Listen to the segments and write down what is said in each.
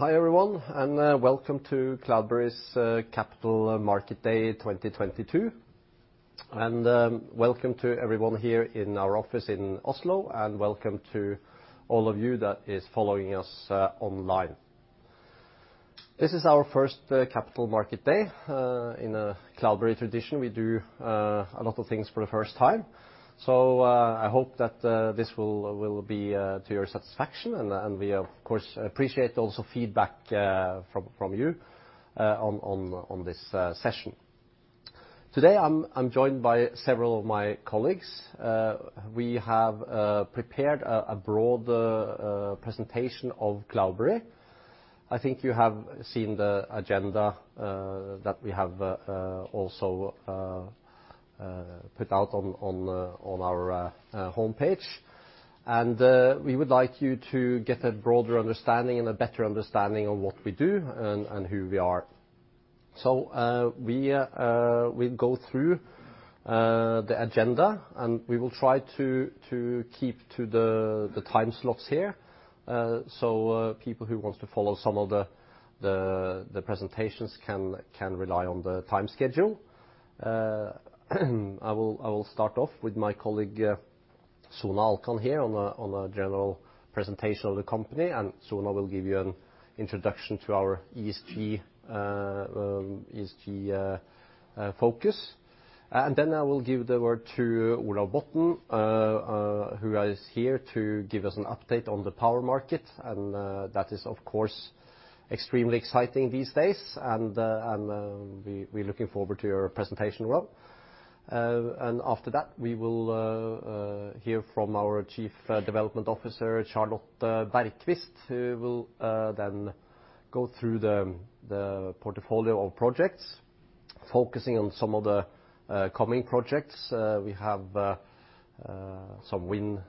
Hi everyone, and welcome to Cloudberry's Capital Market Day 2022. Welcome to everyone here in our office in Oslo, and welcome to all of you that is following us online. This is our first Capital Market Day. In a Cloudberry tradition, we do a lot of things for the first time, so I hope that this will be to your satisfaction. We of course appreciate also feedback from you on this session. Today, I'm joined by several of my colleagues. We have prepared a broad presentation of Cloudberry. I think you have seen the agenda that we have also put out on our homepage. We would like you to get a broader understanding and a better understanding of what we do and who we are. We go through the agenda, and we will try to keep to the time slots here. People who wants to follow some of the presentations can rely on the time schedule. I will start off with my colleague, Suna Alkan here on a general presentation of the company. Suna will give you an introduction to our ESG focus. Then I will give the word to Olav Botnen, who is here to give us an update on the power market. That is, of course, extremely exciting these days. We're looking forward to your presentation as well. After that, we will hear from our Chief Projects Officer, Charlotte Bergqvist, who will then go through the portfolio of projects, focusing on some of the coming projects. We have some wind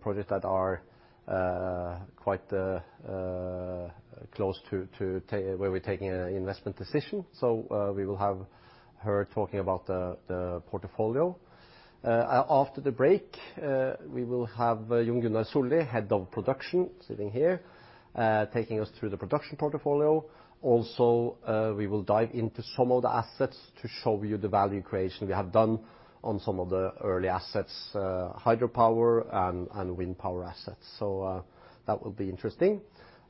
projects that are quite close to where we're taking an investment decision. We will have her talking about the portfolio. After the break, we will have Jon Gunnar Solli, Chief Operating Officer, sitting here, taking us through the production portfolio. Also, we will dive into some of the assets to show you the value creation we have done on some of the early assets, hydropower and wind power assets. That will be interesting.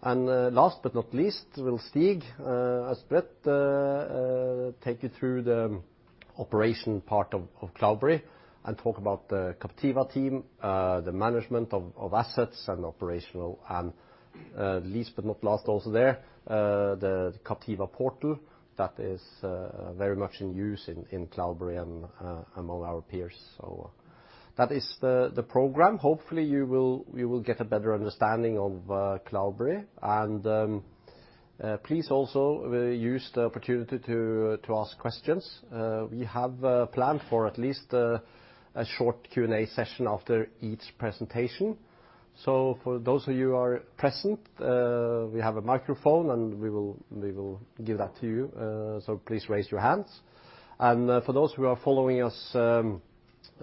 Last but not least, will Stig J. Østebrøt take you through the operation part of Cloudberry and talk about the Captiva team, the management of assets and operational. Last but not least also there, the Captiva Portal that is very much in use in Cloudberry and among our peers. That is the program. Hopefully you will get a better understanding of Cloudberry. Please also use the opportunity to ask questions. We have a plan for at least a short Q&A session after each presentation. For those of you who are present, we have a microphone, and we will give that to you. Please raise your hands. For those who are following us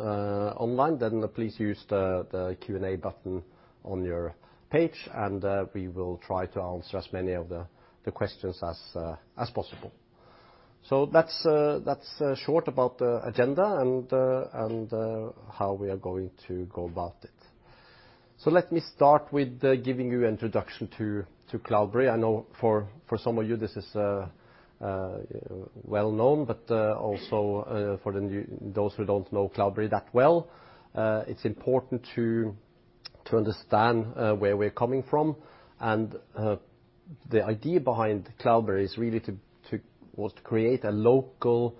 online, then please use the Q&A button on your page, and we will try to answer as many of the questions as possible. That's short about the agenda and how we are going to go about it. Let me start with giving you introduction to Cloudberry. I know for some of you this is well-known but also for the new, those who don't know Cloudberry that well, it's important to understand where we're coming from. The idea behind Cloudberry is really to was to create a local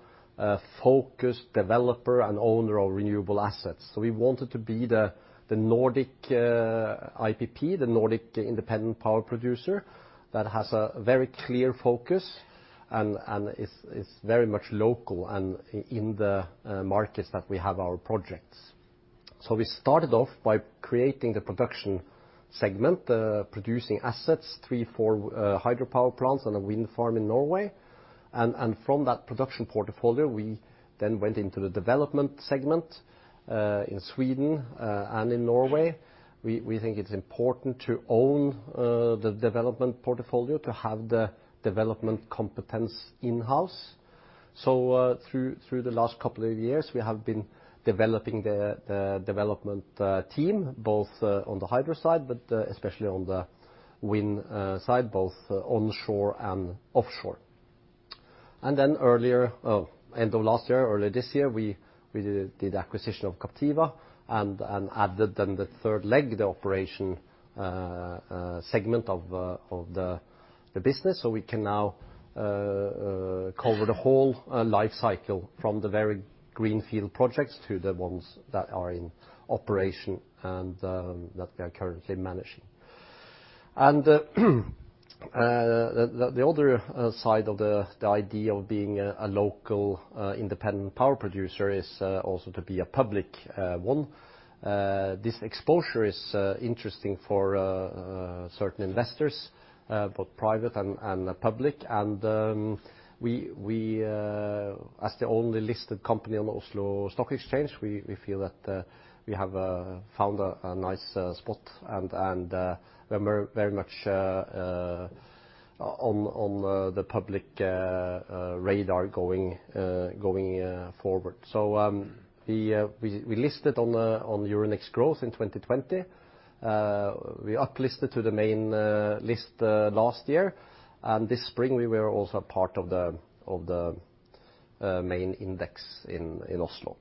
focused developer and owner of renewable assets. We wanted to be the Nordic IPP, the Nordic independent power producer, that has a very clear focus and is very much local and in the markets that we have our projects. We started off by creating the production segment, producing assets, three, four hydropower plants and a wind farm in Norway. From that production portfolio, we then went into the development segment in Sweden and in Norway. We think it's important to own the development portfolio, to have the development competence in-house. Through the last couple of years we have been developing the development team, both on the hydro side but especially on the wind side, both onshore and offshore. Earlier end of last year early this year, we did acquisition of Captiva and added then the third leg, the operation segment of the business. We can now cover the whole life cycle from the very greenfield projects to the ones that are in operation and that we are currently managing. The other side of the idea of being a local independent power producer is also to be a public one. This exposure is interesting for certain investors, both private and public. As the only listed company on Oslo Stock Exchange, we feel that we have found a nice spot and we're very much on the public radar going forward. We listed on Euronext Growth in 2020. We uplisted to the main list last year. This spring we were also part of the main index in Oslo.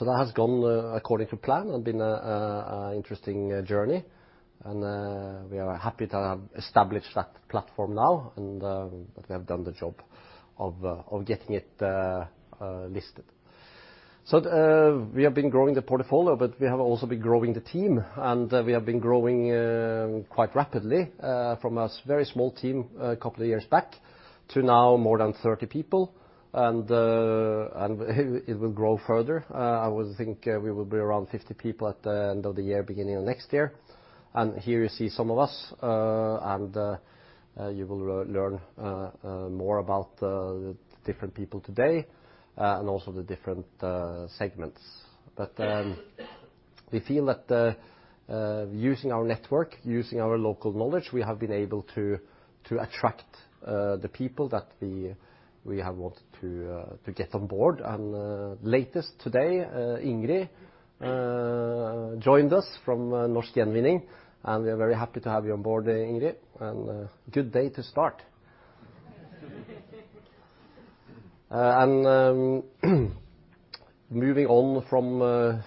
That has gone according to plan and been an interesting journey, and we are happy to have established that platform now, and that we have done the job of getting it listed. We have been growing the portfolio, but we have also been growing the team quite rapidly from a very small team a couple of years back to now more than 30 people. It will grow further. I would think we will be around 50 people at the end of the year, beginning of next year. Here you see some of us. You will learn more about the different people today, and also the different segments. We feel that using our network, using our local knowledge, we have been able to attract the people that we have wanted to get on board. Latest today, Ingrid joined us from Norsk Gjenvinning, and we are very happy to have you on board today, Ingrid, and good day to start. Moving on from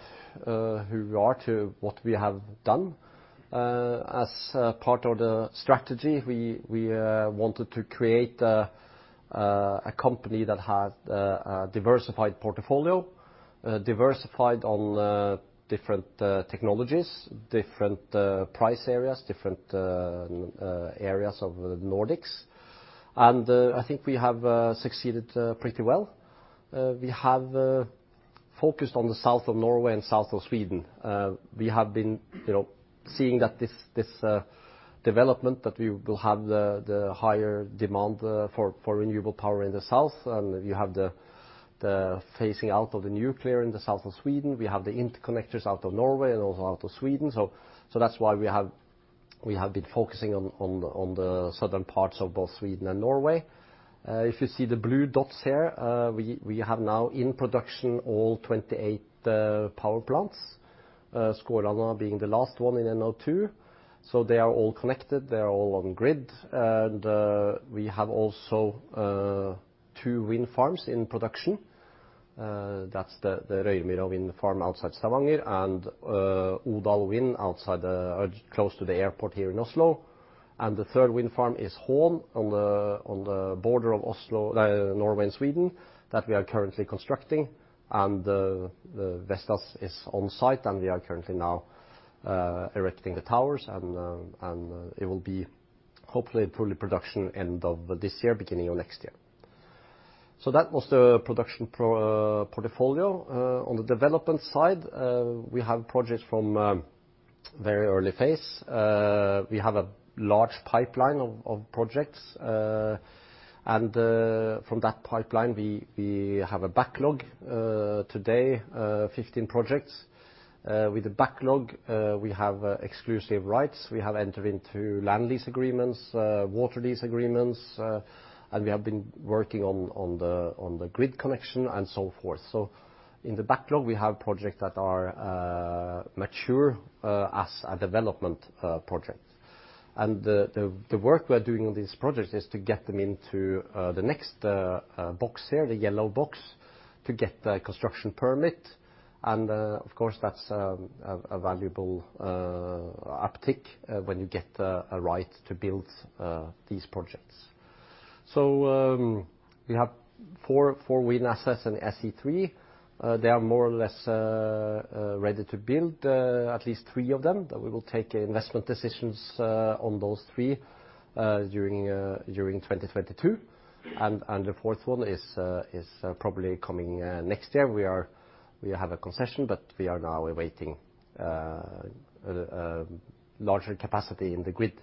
who we are to what we have done. As a part of the strategy, we wanted to create a company that had a diversified portfolio. Diversified on different technologies, different price areas, different areas of the Nordics. I think we have succeeded pretty well. We have focused on the south of Norway and south of Sweden. We have been, you know, seeing that this development, that we will have the higher demand for renewable power in the south. You have the phasing out of the nuclear in the south of Sweden. We have the interconnectors out of Norway and also out of Sweden. That's why we have been focusing on the southern parts of both Sweden and Norway. If you see the blue dots here, we have now in production all 28 power plants, Skåland being the last one in NO2. They are all connected. They are all on grid. We have also two wind farms in production. That's the Røymyra wind farm outside Stavanger, and Odal wind outside or close to the airport here in Oslo. The third wind farm is Holm on the border of Oslo, Norway and Sweden, that we are currently constructing. The Vestas is on site, and we are currently now erecting the towers. It will be hopefully fully production end of this year, beginning of next year. That was the production portfolio. On the development side, we have projects from very early phase. We have a large pipeline of projects. From that pipeline, we have a backlog today, 15 projects. With the backlog, we have exclusive rights. We have entered into land lease agreements, water lease agreements, and we have been working on the grid connection and so forth. In the backlog we have projects that are mature as a development project. The work we are doing on these projects is to get them into the next box here, the yellow box, to get the construction permit. Of course, that's a valuable uptick when you get a right to build these projects. We have four wind assets in SE3. They are more or less ready to build. At least three of them that we will take investment decisions on during 2022. The fourth one is probably coming next year. We have a concession, but we are now awaiting larger capacity in the grid.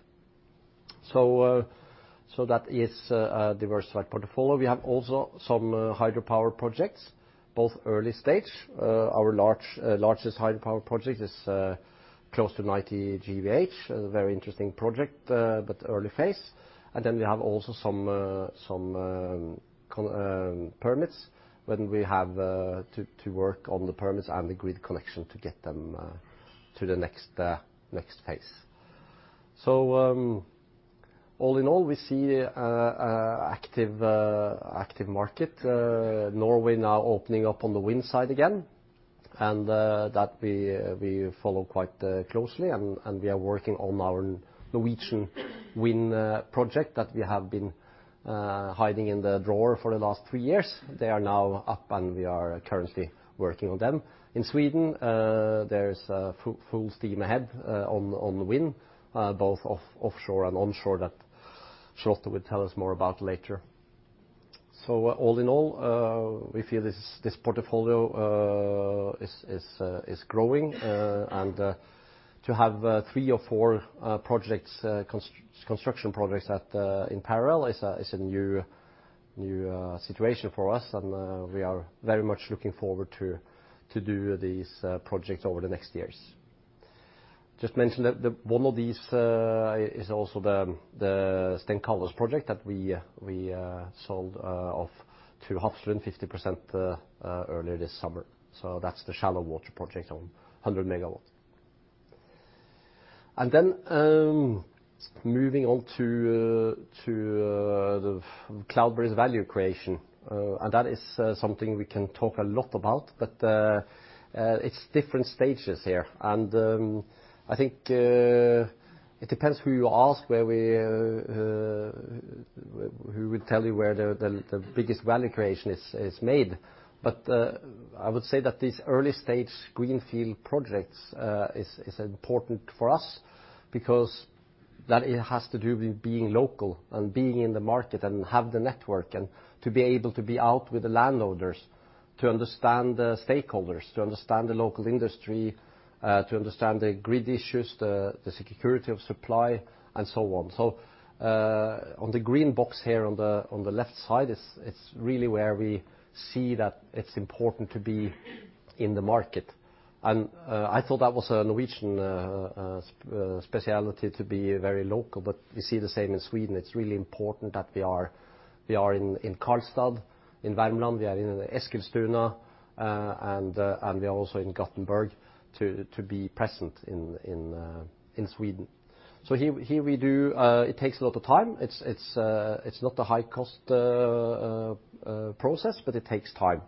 That is a diversified portfolio. We have also some hydropower projects, both early stage. Our largest hydropower project is close to 90 GWh. A very interesting project, but early phase. We have also some ongoing permits when we have to work on the permits and the grid connection to get them to the next phase. All in all, we see active market. Norway now opening up on the wind side again, and that we follow quite closely. We are working on our Norwegian wind project that we have been hiding in the drawer for the last three years. They are now up, and we are currently working on them. In Sweden, there is full steam ahead on the wind, both offshore and onshore that Charlotte will tell us more about later. All in all, we feel this portfolio is growing, and to have three or four projects, construction projects in parallel is a new situation for us and we are very much looking forward to do these projects over the next years. Just mention that one of these is also the Stenkalles project that we sold off to Hafslund 50% earlier this summer. That's the shallow water project. Moving on to Cloudberry's value creation. That is something we can talk a lot about, but it's different stages here. I think it depends who you ask who will tell you where the biggest value creation is made. I would say that these early-stage greenfield projects is important for us because that it has to do with being local and being in the market and have the network, and to be able to be out with the landowners to understand the stakeholders, to understand the local industry, to understand the grid issues, the security of supply, and so on. On the green box here on the left side, it's really where we see that it's important to be in the market. I thought that was a Norwegian specialty to be very local, but we see the same in Sweden. It's really important that we are in Karlstad, in Värmland, we are in Eskilstuna, and we are also in Gothenburg to be present in Sweden. It takes a lot of time. It's not a high-cost process, but it takes time.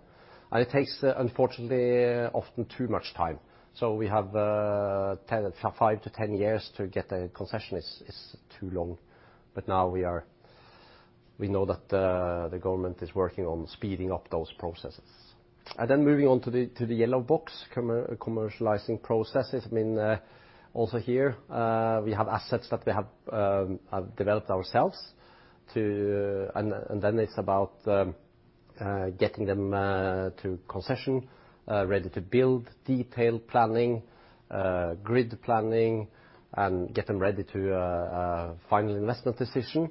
It takes, unfortunately, often too much time. We have five-10 years to get a concession is too long. Now we know that the government is working on speeding up those processes. Then moving on to the yellow box, commercializing processes. I mean also here, we have assets that we have developed ourselves. Then it's about getting them to concession ready to build, detail planning, grid planning and get them ready to final investment decision.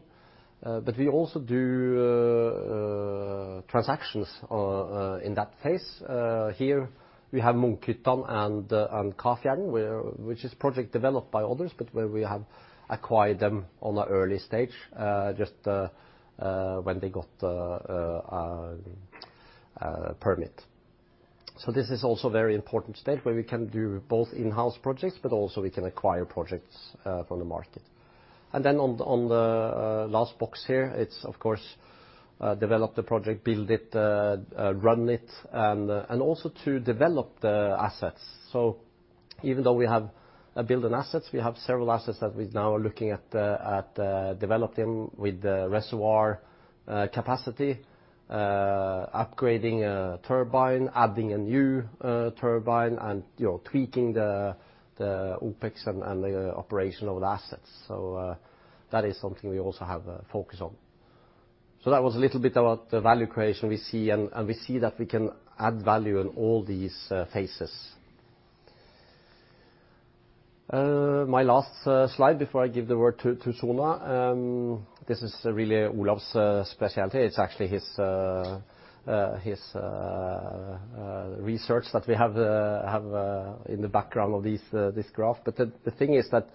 But we also do transactions in that phase. Here we have Munkhyttan and Kafjärden, which is project developed by others, but where we have acquired them on an early stage, just when they got permit. This is also very important stage where we can do both in-house projects, but also we can acquire projects from the market. On the last box here, it's of course develop the project build it run it, and also to develop the assets. Even though we have built-in assets, we have several assets that we now are looking at developing with the reservoir capacity, upgrading a turbine, adding a new turbine and, you know, tweaking the OpEx and the operation of the assets. That is something we also have a focus on. That was a little bit about the value creation we see, and we see that we can add value in all these phases. My last slide before I give the word to Suna, this is really Olav's specialty. It's actually his research that we have in the background of this graph. The thing is that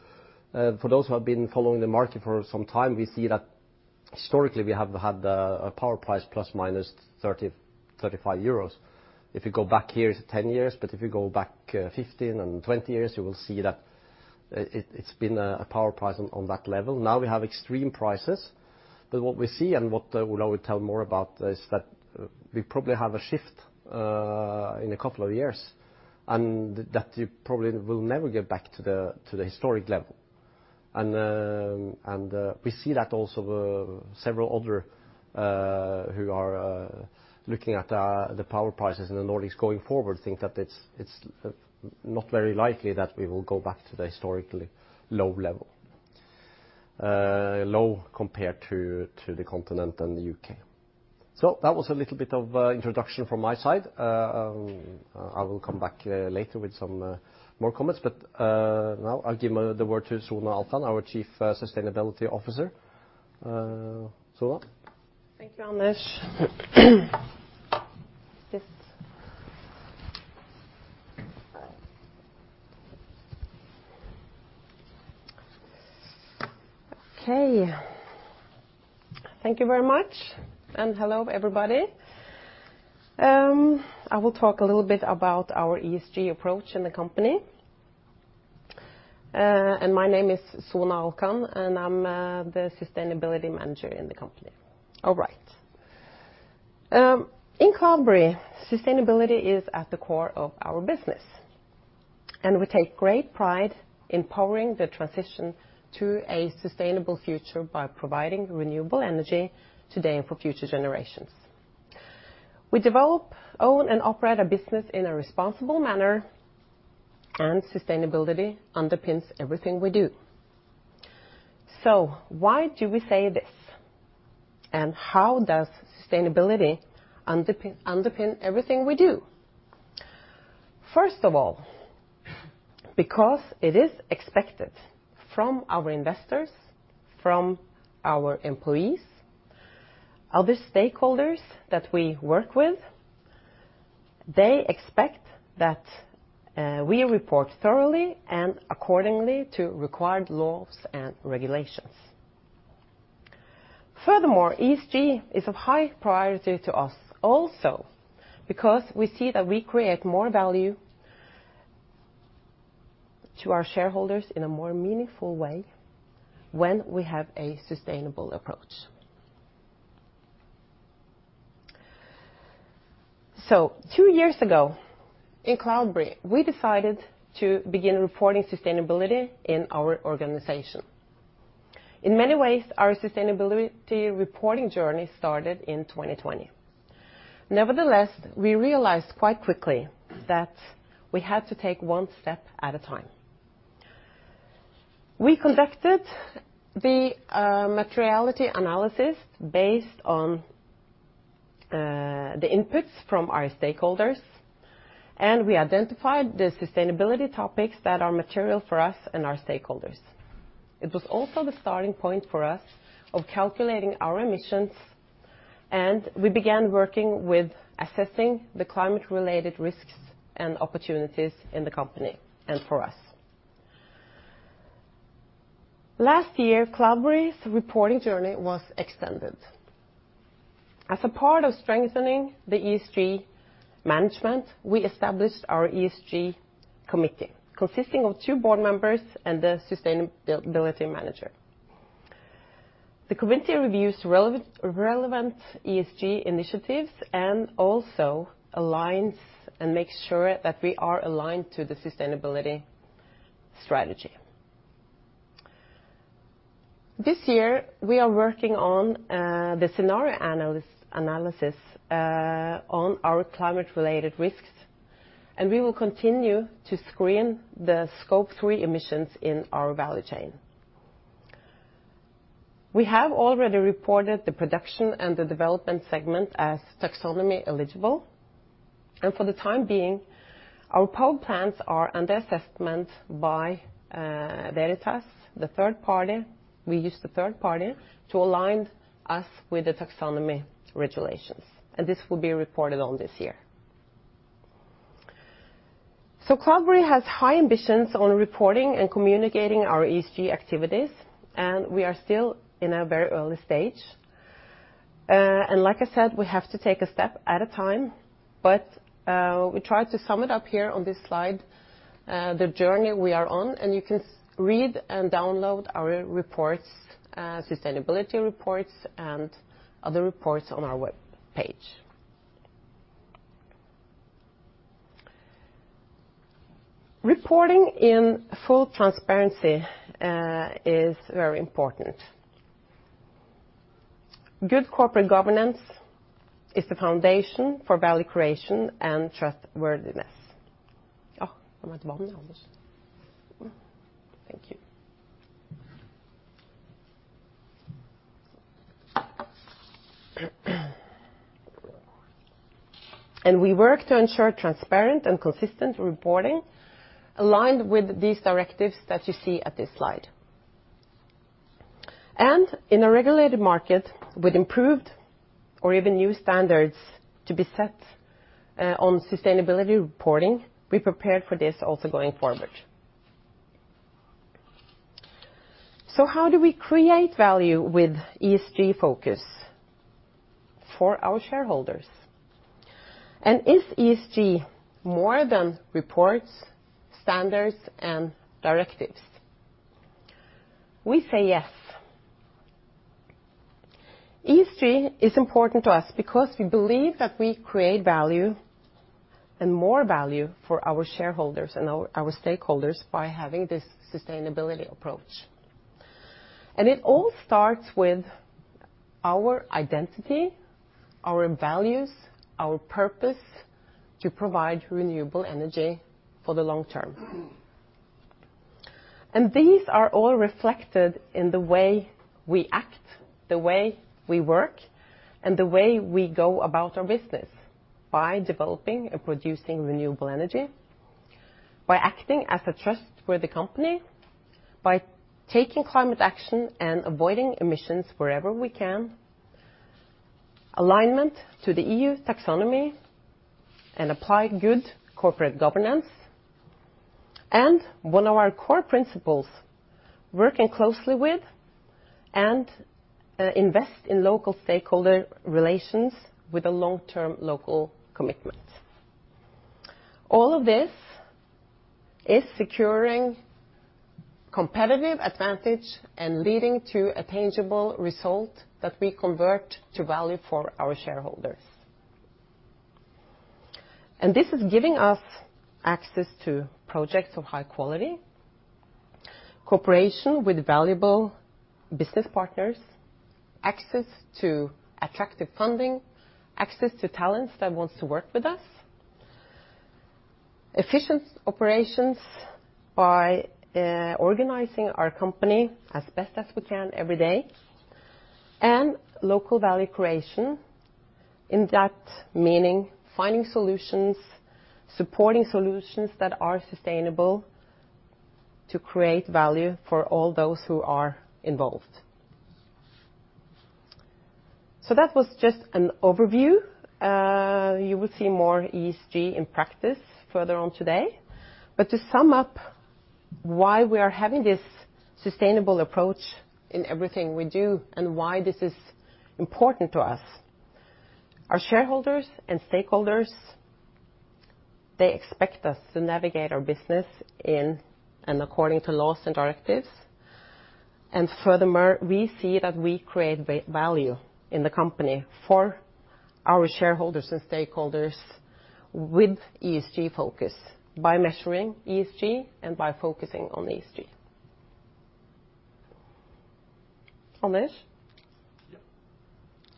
for those who have been following the market for some time, we see that historically, we have had a power price ±30-35 euros. If you go back here 10 years, but if you go back 15 and 20 years, you will see that it's been a power price on that level. Now we have extreme prices. What we see, and what Olav will tell more about, is that we probably have a shift in a couple of years, and that it probably will never get back to the historic level. We see that several others who are looking at the power prices in the Nordics going forward think that it's not very likely that we will go back to the historically low level. Low compared to the continent and the U.K. That was a little bit of introduction from my side. I will come back later with some more comments, but now I'll give the word to Suna Alkan, our Chief Sustainability Officer. Suna? Thank you Anders Yes. Okay. Thank you very much. Hello, everybody. I will talk a little bit about our ESG approach in the company. My name is Suna Alkan, and I'm the Sustainability Manager in the company. All right. In Cloudberry, sustainability is at the core of our business, and we take great pride in powering the transition to a sustainable future by providing renewable energy today and for future generations. We develop, own, and operate our business in a responsible manner, and sustainability underpins everything we do. Why do we say this? How does sustainability underpin everything we do? First of all, because it is expected from our investors, from our employees, other stakeholders that we work with, they expect that we report thoroughly and accordingly to required laws and regulations. Furthermore, ESG is of high priority to us also because we see that we create more value to our shareholders in a more meaningful way when we have a sustainable approach. Two years ago, in Cloudberry, we decided to begin reporting sustainability in our organization. In many ways, our sustainability reporting journey started in 2020. Nevertheless, we realized quite quickly that we had to take one step at a time. We conducted the materiality analysis based on the inputs from our stakeholders, and we identified the sustainability topics that are material for us and our stakeholders. It was also the starting point for us of calculating our emissions, and we began working with assessing the climate-related risks and opportunities in the company and for us. Last year, Cloudberry's reporting journey was extended. As a part of strengthening the ESG management, we established our ESG committee, consisting of two board members and the sustainability manager. The committee reviews relevant ESG initiatives and also aligns and makes sure that we are aligned to the sustainability strategy. This year, we are working on the scenario analysis on our climate-related risks, and we will continue to screen the Scope 3 emissions in our value chain. We have already reported the production and the development segment as taxonomy-eligible, and for the time being, our power plants are under assessment by DNV, the third party. We use the third party to align us with the taxonomy regulations, and this will be reported on this year. Cloudberry has high ambitions on reporting and communicating our ESG activities, and we are still in a very early stage. Like I said, we have to take a step at a time, but we try to sum it up here on this slide, the journey we are on, and you can read and download our reports, sustainability reports and other reports on our web page. Reporting in full transparency is very important. Good corporate governance is the foundation for value creation and trustworthiness. I'm not done with this. Thank you. We work to ensure transparent and consistent reporting aligned with these directives that you see at this slide. In a regulated market with improved or even new standards to be set on sustainability reporting, be prepared for this also going forward. How do we create value with ESG focus for our shareholders? Is ESG more than reports, standards, and directives? We say yes. ESG is important to us because we believe that we create value and more value for our shareholders and our stakeholders by having this sustainability approach. It all starts with our identity, our values, our purpose to provide renewable energy for the long term. These are all reflected in the way we act, the way we work, and the way we go about our business by developing and producing renewable energy, by acting as a trustworthy company, by taking climate action and avoiding emissions wherever we can, alignment to the EU Taxonomy, and apply good corporate governance. One of our core principles, working closely with and invest in local stakeholder relations with a long-term local commitment. All of this is securing competitive advantage and leading to a tangible result that we convert to value for our shareholders. This is giving us access to projects of high quality, cooperation with valuable business partners, access to attractive funding, access to talents that wants to work with us. Efficient operations by organizing our company as best as we can every day, and local value creation, in that meaning finding solutions, supporting solutions that are sustainable to create value for all those who are involved. That was just an overview. You will see more ESG in practice further on today. To sum up why we are having this sustainable approach in everything we do and why this is important to us, our shareholders and stakeholders, they expect us to navigate our business in and according to laws and directives. Furthermore, we see that we create value in the company for our shareholders and stakeholders with ESG focus by measuring ESG and by focusing on ESG. Anders? Yeah.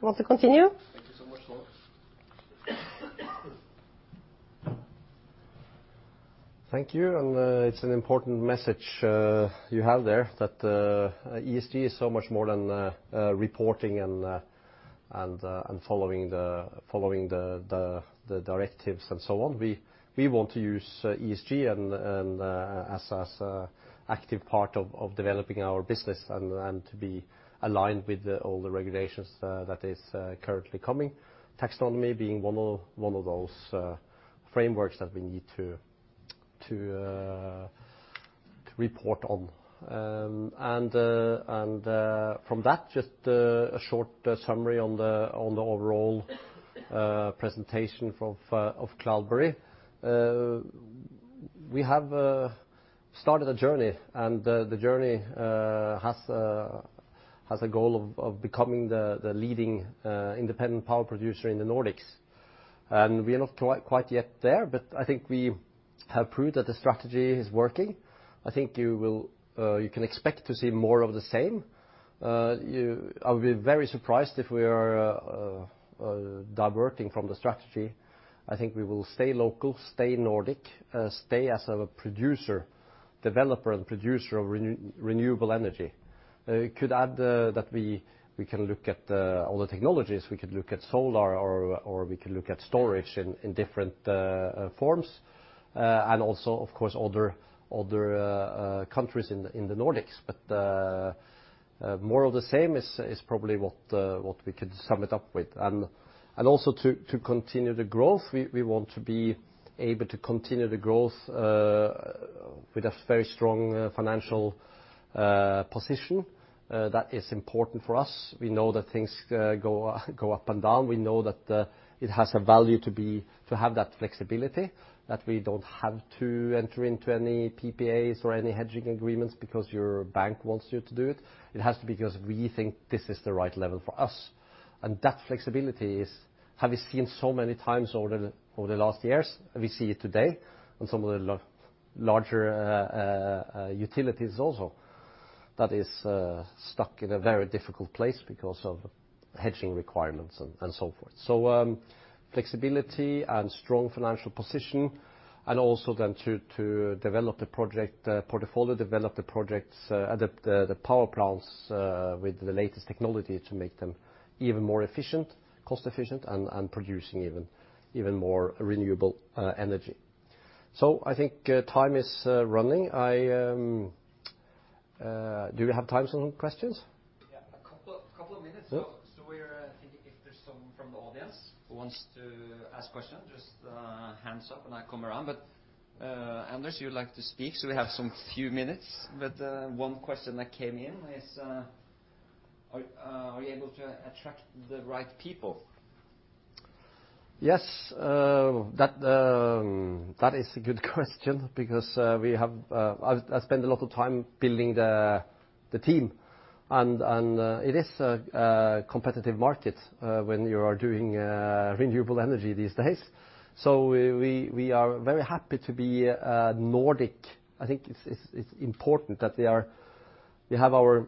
You want to continue? Thank you so much, Suna Alkan. Thank you, and it's an important message you have there that ESG is so much more than reporting and following the directives and so on. We want to use ESG and as an active part of developing our business and to be aligned with all the regulations that is currently coming. Taxonomy being one of those frameworks that we need to report on. From that just a short summary on the overall presentation of Cloudberry. We have started a journey, and the journey has a goal of becoming the leading independent power producer in the Nordics. We are not quite there, but I think we have proved that the strategy is working. I think you will, you can expect to see more of the same. I'll be very surprised if we are diverting from the strategy. I think we will stay local, stay Nordic, stay as a producer, developer and producer of renewable energy. Could add that we can look at other technologies. We could look at solar or we can look at storage in different forms. And also of course other countries in the Nordics. More of the same is probably what we could sum it up with. To continue the growth, we want to be able to continue the growth with a very strong financial position. That is important for us. We know that things go up and down. We know that it has a value to have that flexibility, that we don't have to enter into any PPAs or any hedging agreements because your bank wants you to do it. It has to be because we think this is the right level for us. That flexibility, have you seen so many times over the last years. We see it today on some of the larger utilities also that is stuck in a very difficult place because of hedging requirements and so forth. Flexibility and strong financial position and also then to develop the project portfolio, develop the projects, adapt the power plants with the latest technology to make them even more efficient, cost efficient and producing even more renewable energy. I think time is running. Do we have time for some questions? Yeah, a couple of minutes. Yeah. We're thinking if there's someone from the audience who wants to ask questions, just hands up and I come around. Anders, you would like to speak, so we have some few minutes. One question that came in is, are you able to attract the right people? Yes. That is a good question because we have. I spend a lot of time building the team and it is a competitive market when you are doing renewable energy these days. We are very happy to be Nordic. I think it's important that we are. We have our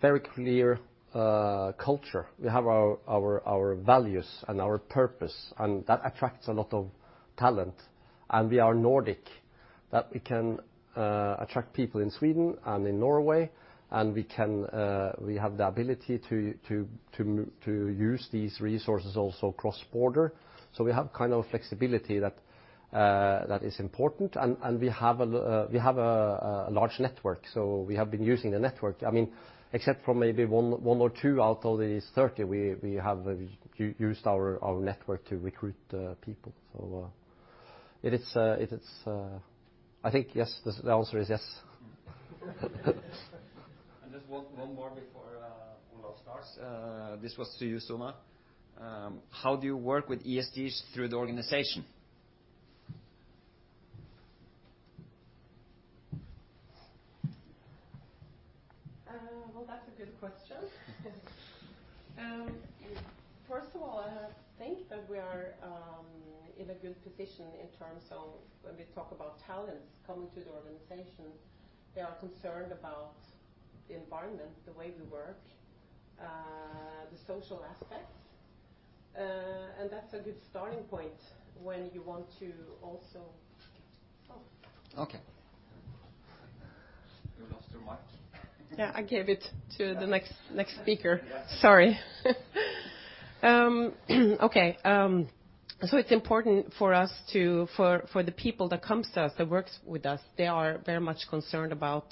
very clear culture. We have our values and our purpose, and that attracts a lot of talent. We are Nordic, that we can attract people in Sweden and in Norway, and we can. We have the ability to use these resources also cross-border. We have kind of flexibility that is important. We have a large network. We have been using the network. I mean except for maybe one or two out of these 30, we have used our network to recruit people. It is. I think yes, the answer is yes. Just one more before Olav starts. This was to you, Suna. How do you work with ESG through the organization? Well that's a good question. First of all, I think that we are in a good position in terms of when we talk about talents coming to the organization, they are concerned about the environment, the way we work. The social aspect. That's a good starting point when you want to also. Okay. You lost your mic. Yeah, I gave it to the next speaker. Yeah. Sorry. Okay. It's important for us to, for the people that come to us, that works with us, they are very much concerned about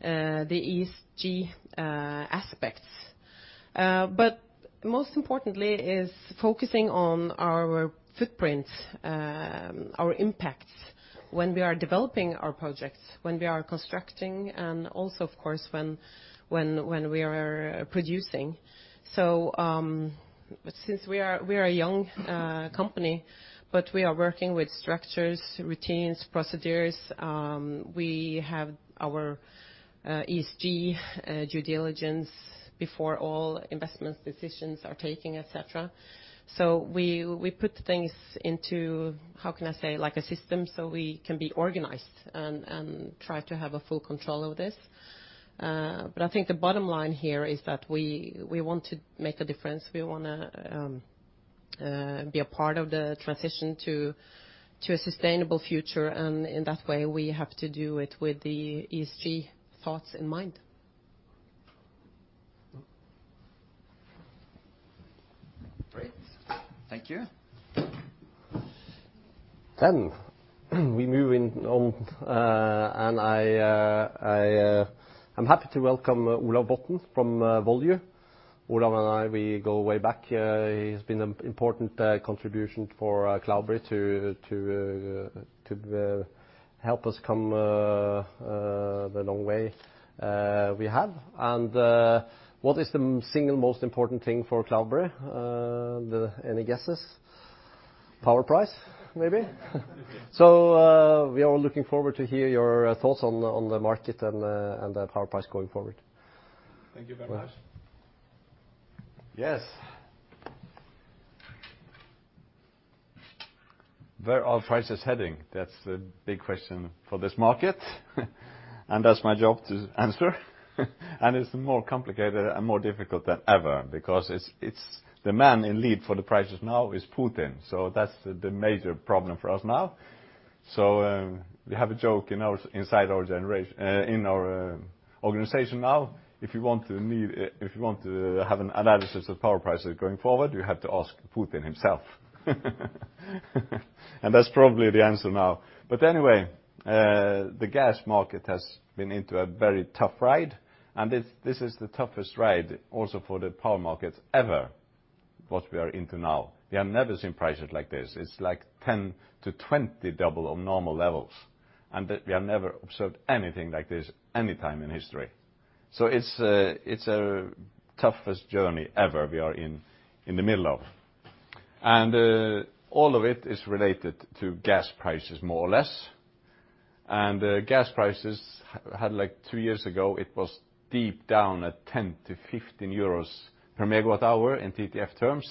the ESG aspects. Most importantly is focusing on our footprint, our impact when we are developing our projects, when we are constructing, and also, of course, when we are producing. But since we are a young company, we are working with structures, routines, procedures. We have our ESG due diligence before all investment decisions are taking, et cetera. We put things into, how can I say? Like a system so we can be organized and try to have a full control of this. I think the bottom line here is that we want to make a difference. We wanna be a part of the transition to a sustainable future, and in that way, we have to do it with the ESG thoughts in mind. Great. Thank you. We move on, and I'm happy to welcome Olav Botnen from Volue. Olav and I, we go way back. He's been an important contributor to Cloudberry to help us come a long way we have. What is the single most important thing for Cloudberry? Any guesses? Power price, maybe? We are looking forward to hear your thoughts on the market and the power price going forward. Thank you very much. Yes. Where are prices heading? That's the big question for this market. That's my job to answer. It's more complicated and more difficult than ever because it's the man leading the prices now is Putin, so that's the major problem for us now. We have a joke in our organization now. If you want to have an analysis of power prices going forward, you have to ask Putin himself. That's probably the answer now. Anyway, the gas market has been on a very tough ride. This is the toughest ride also for the power market ever, what we are into now. We have never seen prices like this. It's like 10-20 double of normal levels. We have never observed anything like this any time in history. It's the toughest journey ever we are in the middle of. All of it is related to gas prices, more or less. Gas prices had, like two years ago, it was deep down at 10-15 euros per MWh in TTF terms.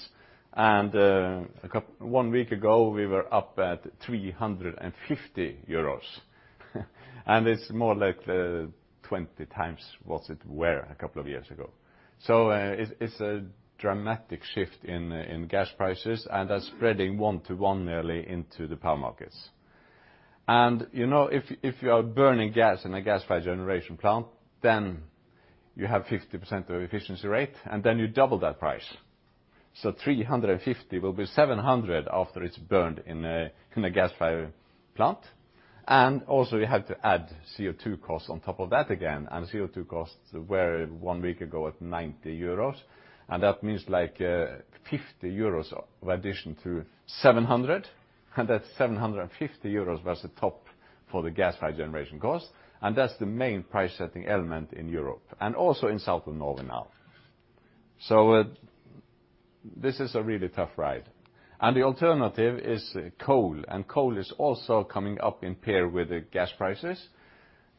One week ago, we were up at 350 euros. It's more like 20 times what it were a couple of years ago. It's a dramatic shift in gas prices, and that's spreading one-to-one nearly into the power markets. You know, if you are burning gas in a gas-fired generation plant, then you have 50% of efficiency rate, and then you double that price. 350 will be 700 after it's burned in a gas-fired plant. You have to add CO2 costs on top of that again, and CO2 costs were one week ago at 90 euros, and that means like 50 euros addition to 700, and that's 750 euros was the top for the gas-fired generation cost. That's the main price-setting element in Europe and also in South and Northern now. This is a really tough ride. The alternative is coal, and coal is also coming up in parallel with the gas prices,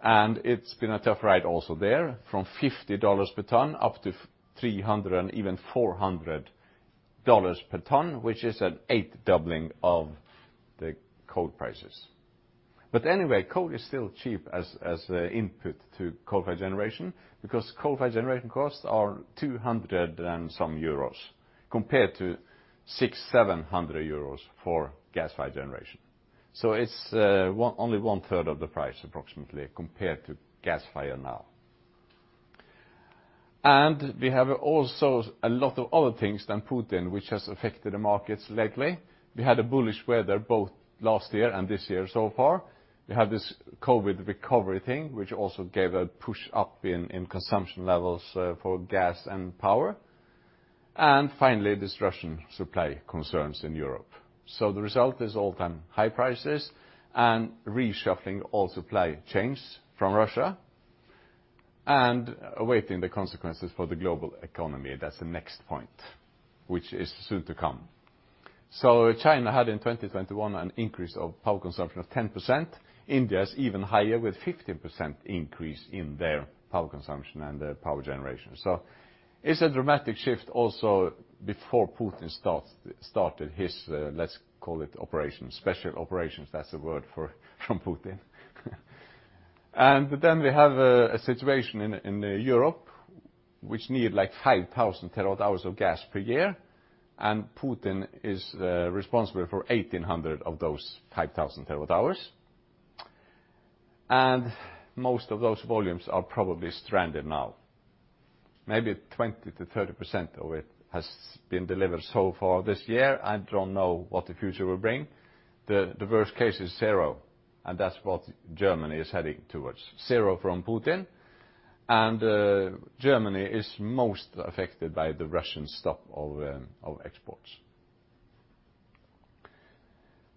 and it's been a tough ride also there from $50 per ton up to $300, even $400 per ton, which is an eight doubling of the coal prices. Anyway, coal is still cheap as an input to coal-fired generation because coal-fired generation costs are 200 and some EUR compared to 600-700 euros for gas-fired generation. It's only one third of the price approximately compared to gas-fired now. We have also a lot of other things than Putin which has affected the markets lately. We had a bullish weather both last year and this year so far. We had this COVID recovery thing, which also gave a push up in consumption levels for gas and power. Finally, this Russian supply concerns in Europe. The result is all-time-high prices and reshuffling all supply chains from Russia, and awaiting the consequences for the global economy. That's the next point, which is soon to come. China had in 2021 an increase of power consumption of 10%. India is even higher with 15% increase in their power consumption and their power generation. It's a dramatic shift also before Putin started his, let's call it operation, special operations. That's the word for, from Putin. Then we have a situation in Europe which need like 5,000 TWh of gas per year, and Putin is responsible for 1,800 of those 5,000 TWh. Most of those volumes are probably stranded now. Maybe 20%-30% of it has been delivered so far this year. I don't know what the future will bring. The worst case is zero, and that's what Germany is heading towards, zero from Putin. Germany is most affected by the Russian stop of exports.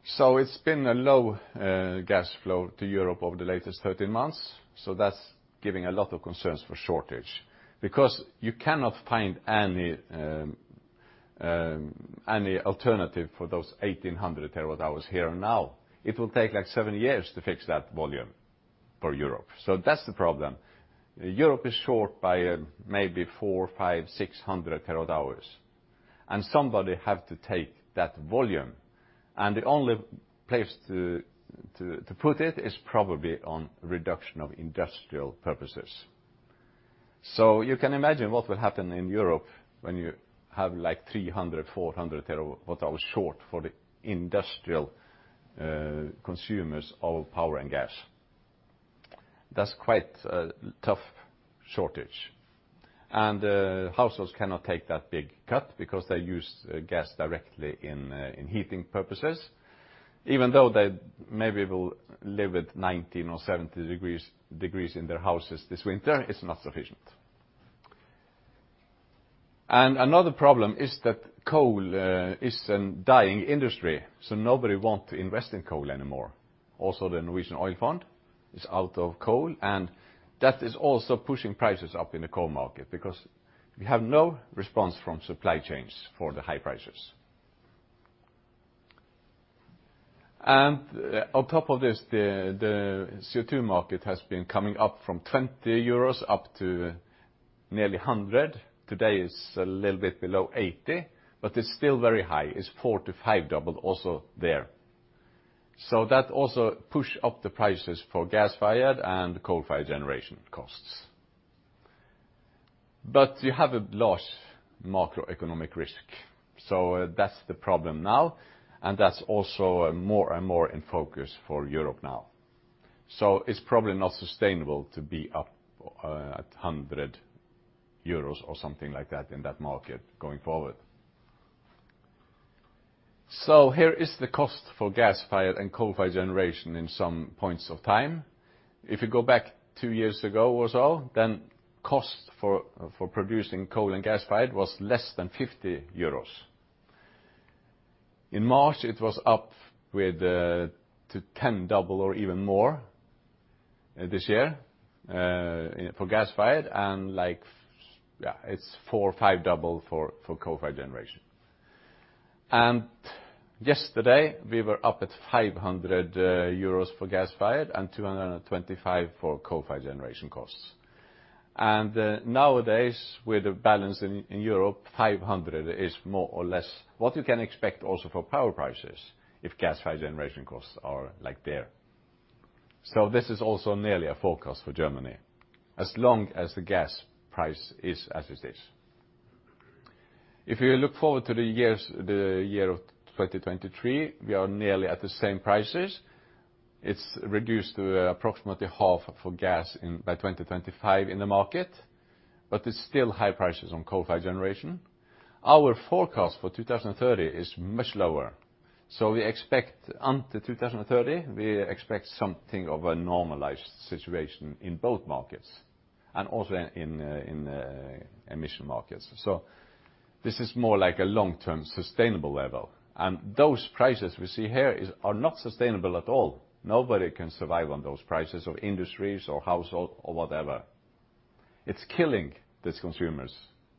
It's been a low gas flow to Europe over the latest 13 months, that's giving a lot of concerns for shortage because you cannot find any alternative for those 1,800 TWh here and now. It will take like seven years to fix that volume for Europe, that's the problem. Europe is short by maybe 400 TWh-600 TWh, and somebody have to take that volume, and the only place to put it is probably on reduction of industrial purposes. You can imagine what will happen in Europe when you have like 300 TWh-400 TWh short for the industrial consumers of power and gas. That's quite a tough shortage. Households cannot take that big cut because they use gas directly in heating purposes, even though they maybe will live with 19 or 17 degrees in their houses this winter, it's not sufficient. Another problem is that coal is a dying industry, so nobody want to invest in coal anymore. Also, the Norwegian Oil Fund is out of coal, and that is also pushing prices up in the coal market because we have no response from supply chains for the high prices. On top of this, the CO2 market has been coming up from 20 euros up to nearly 100. Today it's a little bit below 80, but it's still very high. It's four to five double also there. That also push up the prices for gas-fired and coal-fired generation costs. You have a large macroeconomic risk, so that's the problem now, and that's also more and more in focus for Europe now. It's probably not sustainable to be up at 100 euros or something like that in that market going forward. Here is the cost for gas-fired and coal-fired generation in some points of time. If you go back two years ago or so, then cost for producing coal and gas-fired was less than 50 euros. In March, it was up to tenfold or even more this year for gas-fired and like, it's four or fivefold for coal-fired generation. Yesterday, we were up at 500 euros for gas-fired and 225 for coal-fired generation costs. Nowadays, with the balance in Europe, 500 is more or less what you can expect also for power prices if gas-fired generation costs are like there. This is also nearly a forecast for Germany as long as the gas price is as it is. If you look forward to the years, the year of 2023, we are nearly at the same prices. It's reduced to approximately half for gas, by 2025 in the market, but it's still high prices on coal-fired generation. Our forecast for 2030 is much lower. We expect to 2030, we expect something of a normalized situation in both markets and also in emission markets. This is more like a long-term sustainable level, and those prices we see here are not sustainable at all. Nobody can survive on those prices of industries or household or whatever. It's killing these consumers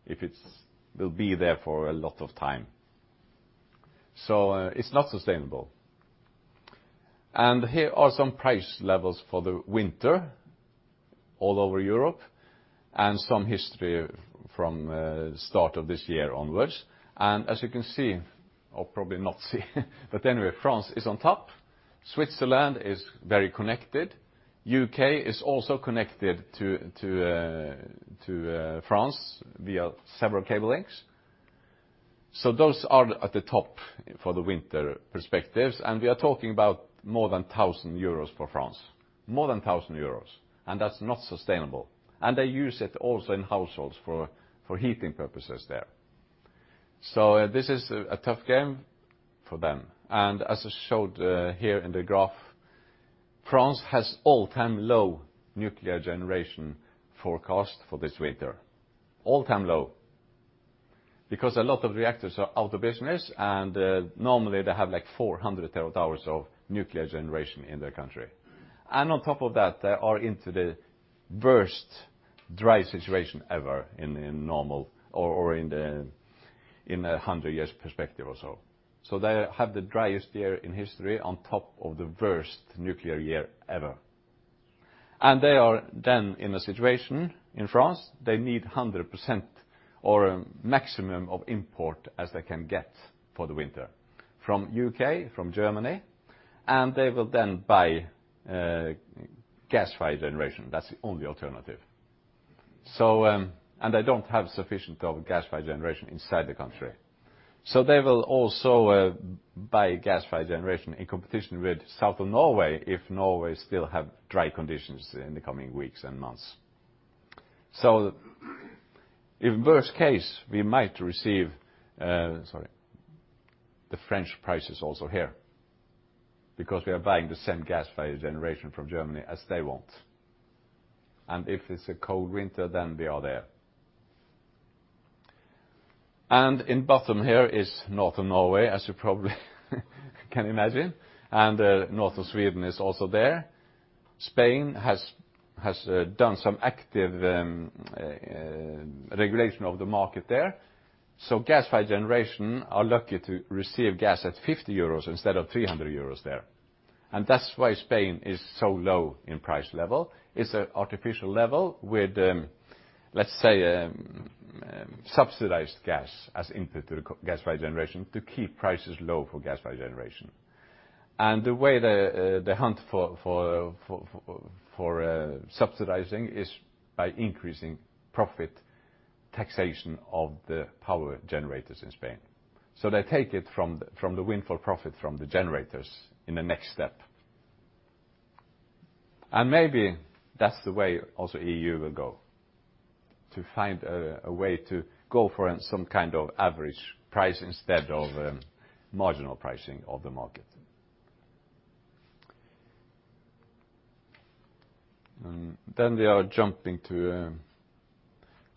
if it will be there for a lot of time. It's not sustainable. Here are some price levels for the winter all over Europe and some history from start of this year onwards. As you can see, or probably not see, but anyway, France is on top. Switzerland is very connected. U.K. is also connected to France via several cable links. Those are at the top for the winter perspectives, and we are talking about more than 1,000 euros for France, more than 1,000 euros, and that's not sustainable. They use it also in households for heating purposes there. This is a tough game for them. As I showed here in the graph, France has all-time low nuclear generation forecast for this winter, because a lot of reactors are out of business and normally they have like 400 TWh of nuclear generation in their country. On top of that, they are in the worst dry situation ever in a 100 Years perspective or so. They have the driest year in history on top of the worst nuclear year ever. They are then in a situation in France, they need 100% or a maximum of import as they can get for the winter from U.K, from Germany, and they will then buy gas-fired generation. That's the only alternative. They don't have sufficient of gas-fired generation inside the country. They will also buy gas-fired generation in competition with south of Norway if Norway still have dry conditions in the coming weeks and months. In worst case, we might receive, sorry, the French prices also here because we are buying the same gas-fired generation from Germany as they want. If it's a cold winter, then we are there. In bottom here is northern Norway, as you probably can imagine, and northern Sweden is also there. Spain has done some active regulation of the market there. Gas-fired generation are lucky to receive gas at 50 euros instead of 300 euros there. That's why Spain is so low in price level. It's an artificial level with, let's say, subsidized gas as input to the gas-fired generation to keep prices low for gas-fired generation. The way the hunt for subsidizing is by increasing profit taxation of the power generators in Spain. They take it from the windfall profit from the generators in the next step. Maybe that's the way also EU will go to find a way to go for some kind of average price instead of marginal pricing of the market. Then we are jumping to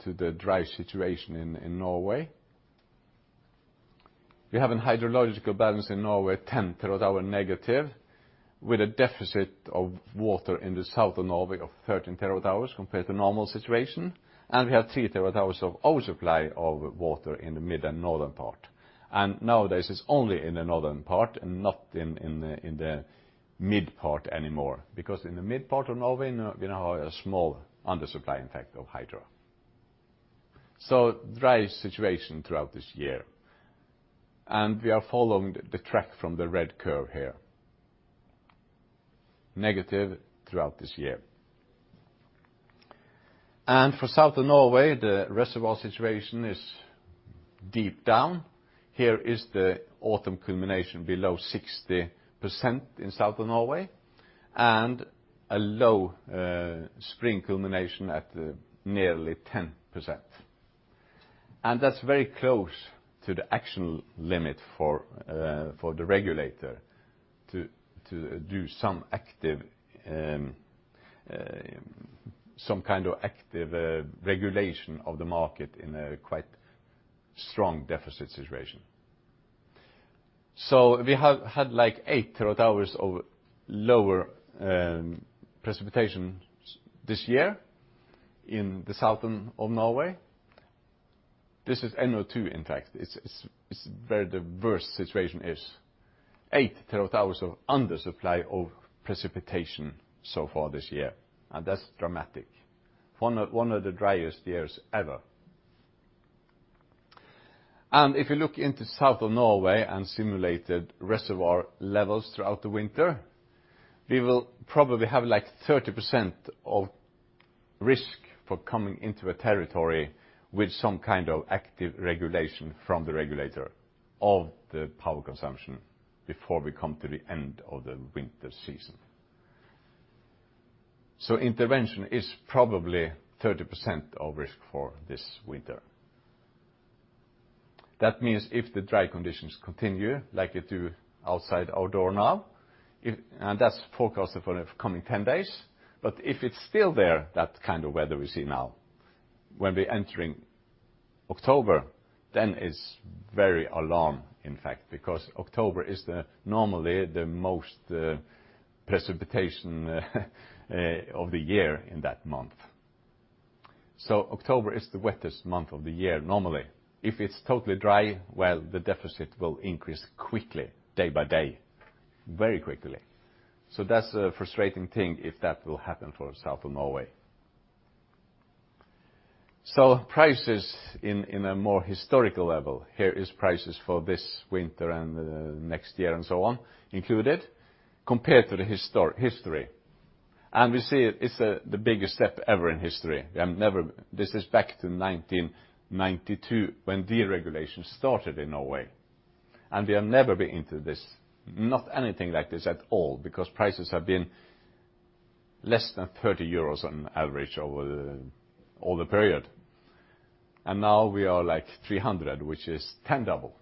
the dry situation in Norway. We have a hydrological balance in Norway 10 TWh negative with a deficit of water in the south of Norway of 13 TWh compared to normal situation. We have 3 TWh of oversupply of water in the mid and northern part. Nowadays, it's only in the northern part and not in the mid part anymore. Because in the mid part of Norway, we now have a small undersupply impact of hydro. Dry situation throughout this year. We are following the track from the red curve here, negative throughout this year. For south of Norway, the reservoir situation is deep down. Here is the autumn culmination below 60% in south of Norway and a low spring culmination at nearly 10%. That's very close to the actual limit for the regulator to do some kind of active regulation of the market in a quite strong deficit situation. We have had like 8 TWh of lower precipitation this year in the southern Norway. This is NO2 in fact. It's where the worst situation is. 8 TWh of undersupply of precipitation so far this year. That's dramatic. One of the driest years ever. If you look into south of Norway and simulated reservoir levels throughout the winter, we will probably have like 30% risk for coming into a territory with some kind of active regulation from the regulator of the power consumption before we come to the end of the winter season. Intervention is probably 30% risk for this winter. That means if the dry conditions continue like they do outdoors now, that's forecasted for the coming 10 days. If it's still there, that kind of weather we see now, when we're entering October, then it's very alarming, in fact, because October is normally the most precipitation of the year in that month. October is the wettest month of the year normally. If it's totally dry, well, the deficit will increase quickly day by day, very quickly. That's a frustrating thing if that will happen for south of Norway. Prices in a more historical level. Here is prices for this winter and the next year and so on included compared to the history. We see it's the biggest step ever in history. We have never. This is back to 1992 when deregulation started in Norway. We have never been into this, not anything like this at all, because prices have been less than 30 euros on average over all the period. Now we are like 300, which is tenfold.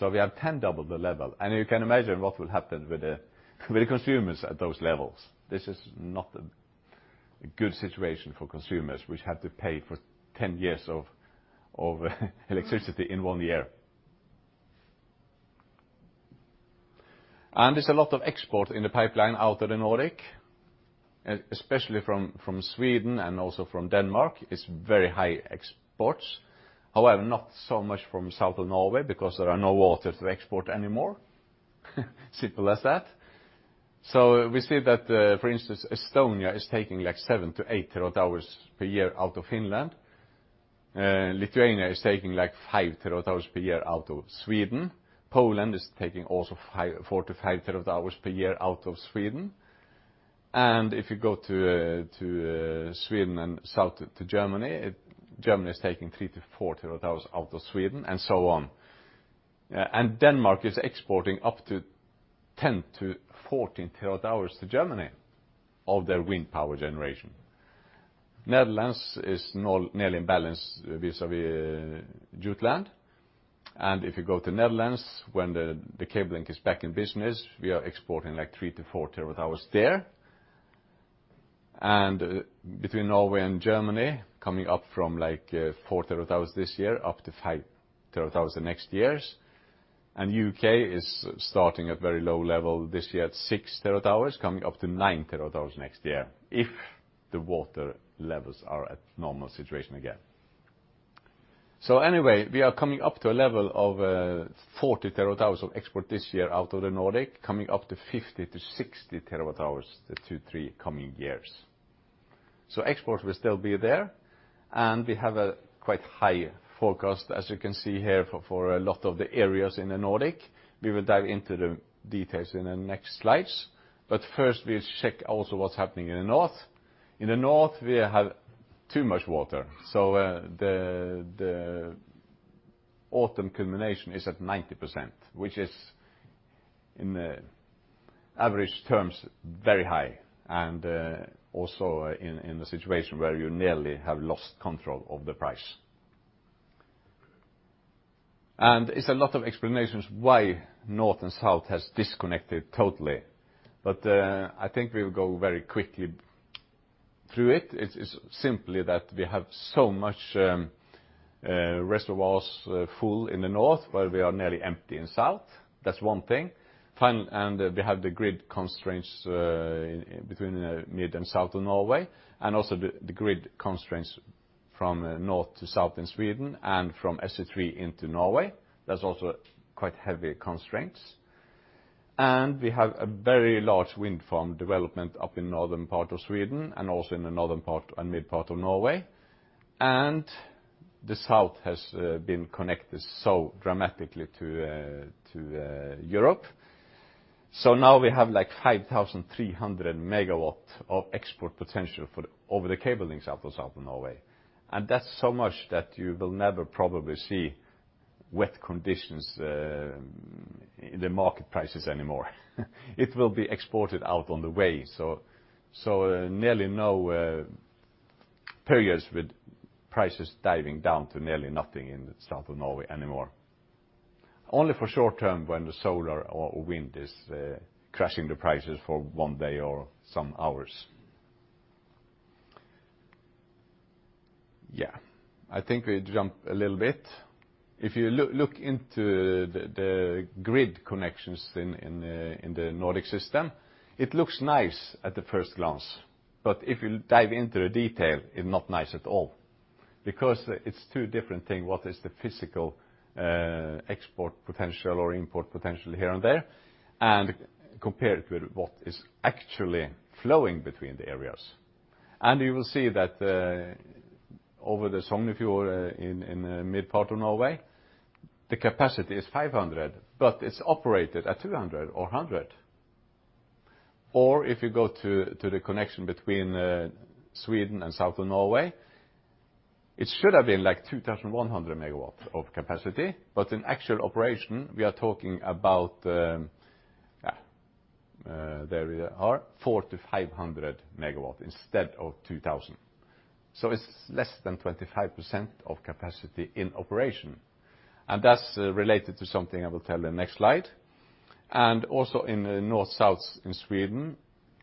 We have tenfold the level. You can imagine what will happen with the consumers at those levels. This is not a good situation for consumers, which had to pay for 10 years of electricity in one year. There's a lot of export in the pipeline out of the Nordic, especially from Sweden and also from Denmark. It's very high exports. However, not so much from south of Norway because there are no water to export anymore. Simple as that. We see that, for instance, Estonia is taking like 7 TWh-8 TWh per year out of Finland. Lithuania is taking like 5 TWh per year out of Sweden. Poland is taking also 4 TWh-5 TWh per year out of Sweden. If you go to Sweden and south to Germany is taking 3 TWh-4 TWh out of Sweden, and so on. Denmark is exporting up to 10 TWh-14 TWh to Germany of their wind power generation. Netherlands is nearly in balance vis-a-vis Jutland. If you go to Netherlands, when the cable link is back in business, we are exporting like 3 TWh-4 TWh there. Between Norway and Germany, coming up from like 4 TWh this year, up to 5 TWh the next years. U.K. is starting at very low level this year at 6 TWh, coming up to 9 TWh next year if the water levels are at normal situation again. Anyway, we are coming up to a level of 40 TWh of export this year out of the Nordic, coming up to 50 TWh-60 TWh the two, three coming years. Exports will still be there, and we have a quite high forecast, as you can see here, for a lot of the areas in the Nordic. We will dive into the details in the next slides. First, we'll check also what's happening in the north. In the north, we have too much water, so the autumn culmination is at 90%, which is in average terms very high, and also in a situation where you nearly have lost control of the price. It's a lot of explanations why north and south has disconnected totally. I think we will go very quickly through it. It's simply that we have so much reservoirs full in the north while we are nearly empty in south. That's one thing. We have the grid constraints between the mid and south of Norway, and also the grid constraints from north to south in Sweden and from SE3 into Norway. There's also quite heavy constraints. We have a very large wind farm development up in northern part of Sweden and also in the northern part and mid part of Norway. The south has been connected so dramatically to Europe. Now we have like 5,300 MW of export potential over the cable links out of southern Norway. That's so much that you will never probably see wet conditions in the market prices anymore. It will be exported out on the way. Nearly no periods with prices diving down to nearly nothing in the south of Norway anymore. Only for short term when the solar or wind is crashing the prices for one day or some hours. Yeah. I think we jump a little bit. If you look into the grid connections in the Nordic system, it looks nice at the first glance. If you dive into the detail, it's not nice at all because it's two different thing, what is the physical export potential or import potential here and there, and compared with what is actually flowing between the areas. You will see that over the Sognefjord in the mid part of Norway, the capacity is 500 MW, but it's operated at 200 MW or 100 MW. If you go to the connection between Sweden and southern Norway, it should have been like 2,100 MW of capacity. In actual operation, we are talking about 400 MW-500 MW instead of 2,000 MW. So it's less than 25% of capacity in operation. That's related to something I will tell the next slide. Also in the north-south in Sweden,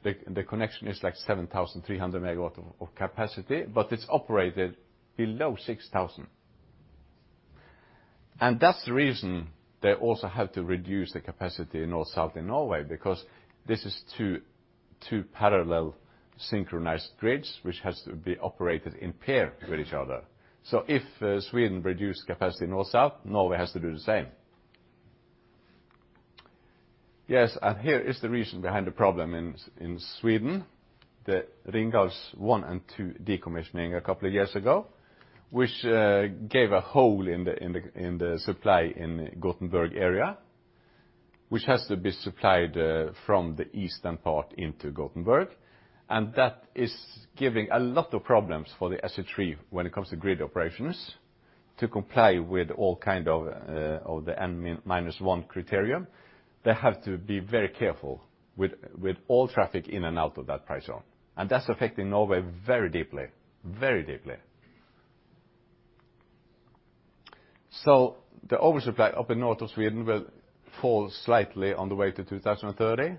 the connection is like 7,300 MW of capacity, but it's operated below 6,000 MW. That's the reason they also have to reduce the capacity in north-south in Norway, because this is two parallel synchronized grids, which has to be operated in pair with each other. If Sweden reduce capacity north-south, Norway has to do the same. Yes, here is the reason behind the problem in Sweden. The Ringhals 1 and 2 decommissioning a couple of years ago, which gave a hole in the supply in Gothenburg area, which has to be supplied from the eastern part into Gothenburg. That is giving a lot of problems for the SE3 when it comes to grid operations. To comply with all kind of the N-1 criterion, they have to be very careful with all traffic in and out of that price zone. That's affecting Norway very deeply. The oversupply up in north of Sweden will fall slightly on the way to 2030.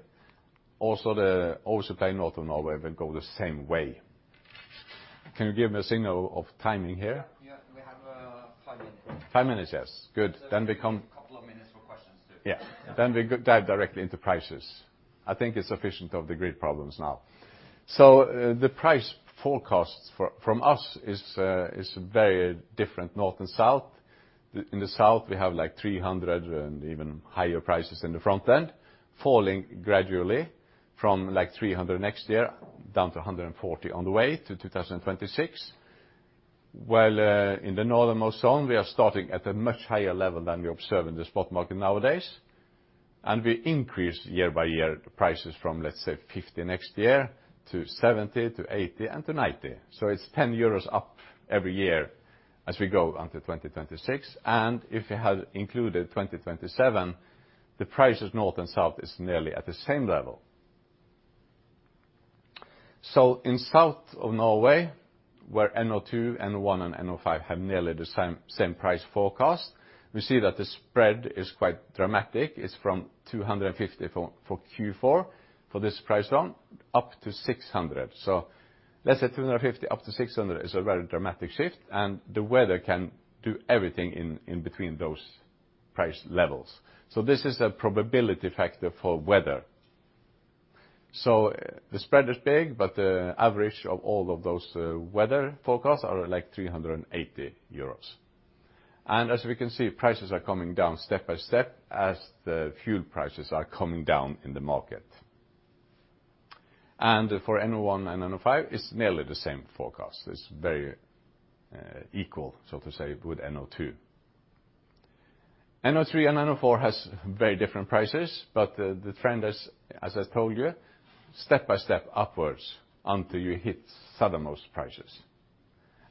Also, the oversupply in north of Norway will go the same way. Can you give me a signal of timing here? Yeah. We have five minutes yes. Good. A couple of minutes for questions, too. Dive directly into prices. I think it's sufficient of the grid problems now. The price forecast for, from us is very different north and south. In the south, we have like 300 and even higher prices in the front end, falling gradually from like 300 next year down to 140 on the way to 2026. In the northernmost zone, we are starting at a much higher level than we observe in the spot market nowadays. We increase year by year the prices from, let's say, 50 next year to 70, to 80 and to 90. It's 10 euros up every year as we go onto 2026. If you had included 2027, the prices north and south are nearly at the same level. In south of Norway, where NO2, NO1 and NO5 have nearly the same price forecast, we see that the spread is quite dramatic. It's from 250 for Q4 for this price zone, up to 600. Let's say 250 up to 600 is a very dramatic shift, and the weather can do everything in between those price levels. This is a probability factor for weather. The spread is big, but the average of all of those weather forecasts are like 380 euros. As we can see, prices are coming down step by step as the fuel prices are coming down in the market. For NO1 and NO5, it's nearly the same forecast. It's very equal, so to say, with NO2. NO3 and NO4 has very different prices, but the trend is, as I told you, step by step upwards until you hit southernmost prices.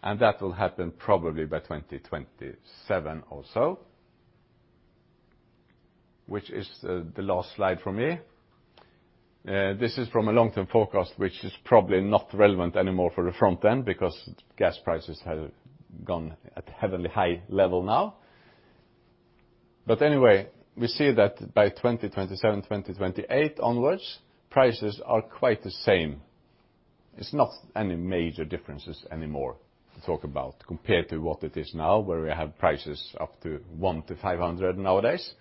That will happen probably by 2027 or so, which is the last slide from me. This is from a long-term forecast which is probably not relevant anymore for the front end because gas prices have gone to a heavily high level now. Anyway, we see that by 2027, 2028 onwards, prices are quite the same. It's not any major differences anymore to talk about compared to what it is now, where we have prices up to 100- 500 nowadays.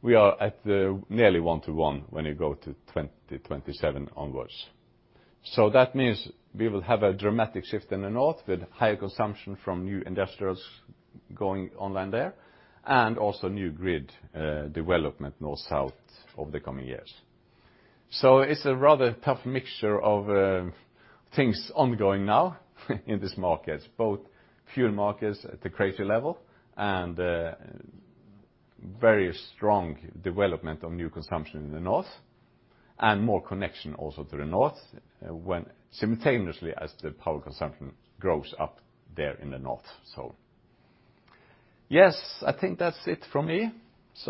We are at nearly 1-100 when you go to 2027 onwards. That means we will have a dramatic shift in the north with higher consumption from new industrials going online there and also new grid development north-south over the coming years. It's a rather tough mixture of things ongoing now in these markets, both fuel markets at the crazy level and very strong development of new consumption in the north and more connection also to the north when simultaneously as the power consumption grows up there in the north. Yes, I think that's it from me.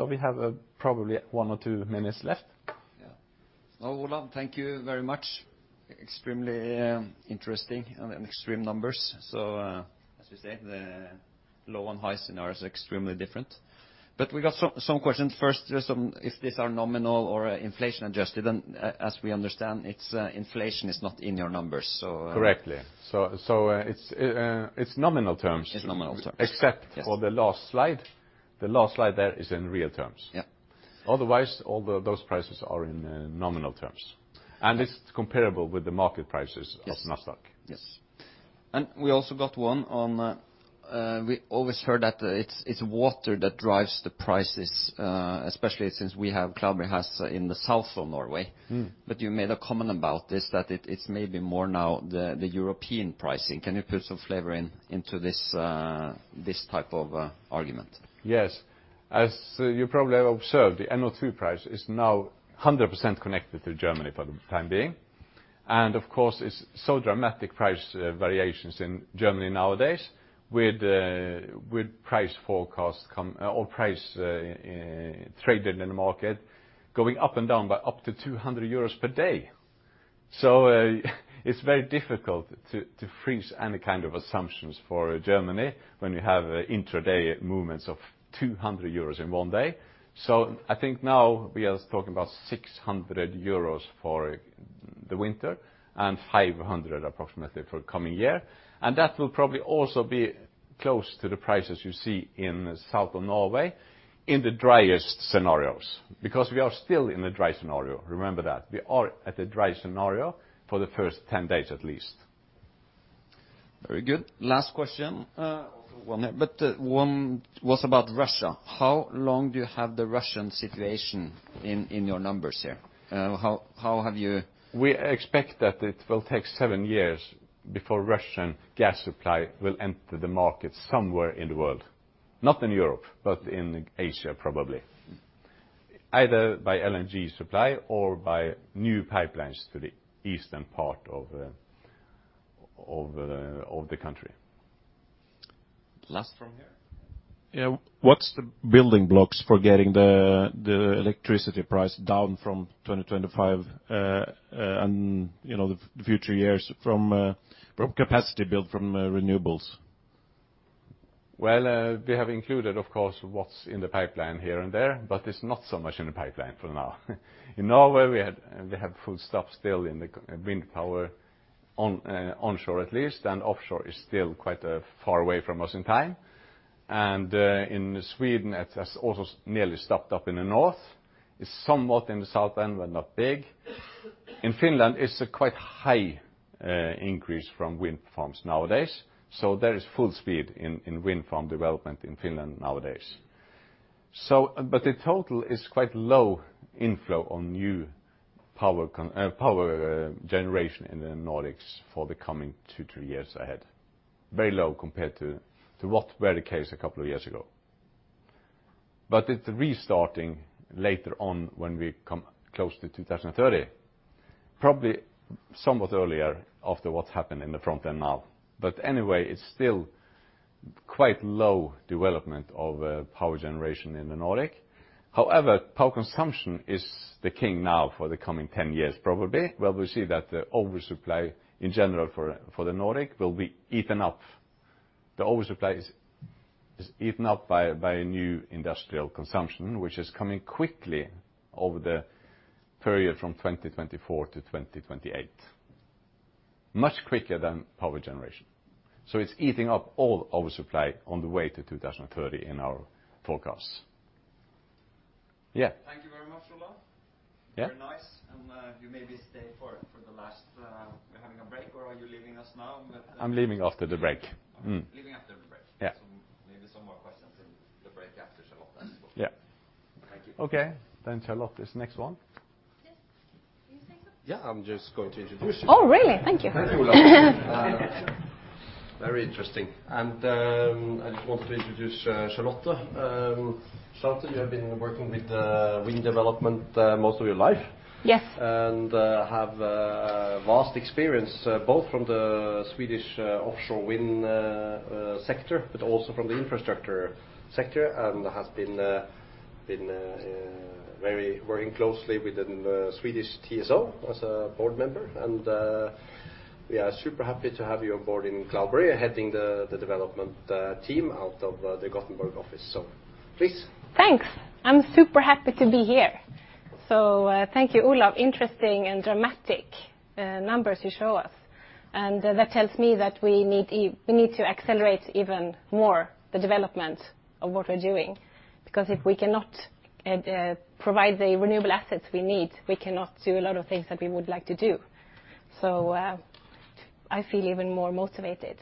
We have probably one or two minutes left. Yeah. Now, Olav, thank you very much. Extremely interesting and extreme numbers. As you say, the low and high scenarios are extremely different. We got some questions first. Just some. If these are nominal or inflation-adjusted, then as we understand, it's inflation is not in your numbers, so Correctly. It's nominal terms. It's nominal terms. Except for the last slide. The last slide there is in real terms. Yeah. Otherwise, all those prices are in nominal terms. And- It's comparable with the market prices. Yes Of Nasdaq. Yes. We also got one on, we always heard that it's water that drives the prices, especially since we have Cloudberry's in the south of Norway. Mm. You made a comment about this, that it's maybe more now the European pricing. Can you put some flavor in, into this type of argument? Yes. As you probably have observed, the NO2 price is now 100% connected to Germany for the time being. Of course, it's so dramatic price variations in Germany nowadays with price forecasts or price traded in the market going up and down by up to 200 euros per day. It's very difficult to freeze any kind of assumptions for Germany when you have intra-day movements of 200 euros in one day. I think now we are talking about 600 euros for the winter and 500 approximately for coming year. That will probably also be close to the prices you see in south of Norway in the driest scenarios. We are still in a dry scenario. Remember that. We are at a dry scenario for the first 10 days at least. Very good. Last question. One here. One was about Russia. How long do you have the Russian situation in your numbers here? How have you. We expect that it will take seven years before Russian gas supply will enter the market somewhere in the world. Not in Europe, but in Asia, probably. Mm. Either by LNG supply or by new pipelines to the eastern part of the country. Last from here. Yeah. What's the building blocks for getting the electricity price down from 2025, and, you know, the future years from capacity build from renewables? Well, we have included, of course, what's in the pipeline here and there, but it's not so much in the pipeline for now. In Norway, we have full stop still in the wind power on, onshore at least, and offshore is still quite far away from us in time. In Sweden it has also nearly stopped up in the north. It's somewhat in the south end, but not big. In Finland, it's a quite high increase from wind farms nowadays. There is full speed in wind farm development in Finland nowadays. But the total is quite low inflow on new power generation in the Nordics for the coming two, three years ahead. Very low compared to what were the case a couple of years ago. It's restarting later on when we come close to 2030. Probably somewhat earlier after what's happened in the front end now. Anyway, it's still quite low development of power generation in the Nordic. However, power consumption is the king now for the coming 10 years probably, where we see that the oversupply in general for the Nordic will be eaten up. The oversupply is eaten up by a new industrial consumption, which is coming quickly over the period from 2024 to 2028. Much quicker than power generation. It's eating up all oversupply on the way to 2030 in our forecasts. Yeah. Thank you very much, Olav. Yeah. Very nice. You maybe stay for the last. You're having a break, or are you leaving us now? I'm leaving after the break. Leaving after the break. Yeah. Maybe some more questions in the break after Charlotte as well. Yeah. Thank you. Okay. Charlotte is next one. Yes. Are you saying that? Yeah, I'm just going to introduce you. Oh, really? Thank you. Thank you, Olav. Very interesting. I just wanted to introduce Charlotte. Charlotte, you have been working with wind development most of your life. Yes. Have vast experience both from the Swedish offshore wind sector, but also from the infrastructure sector, and has been working very closely with the Swedish TSO as a board member. We are super happy to have you on board in Cloudberry, heading the development team out of the Gothenburg office. Please. Thanks. I'm super happy to be here. Thank you, Olav. Interesting and dramatic numbers you show us. That tells me that we need to accelerate even more the development of what we're doing. If we cannot provide the renewable assets we need, we cannot do a lot of things that we would like to do. I feel even more motivated.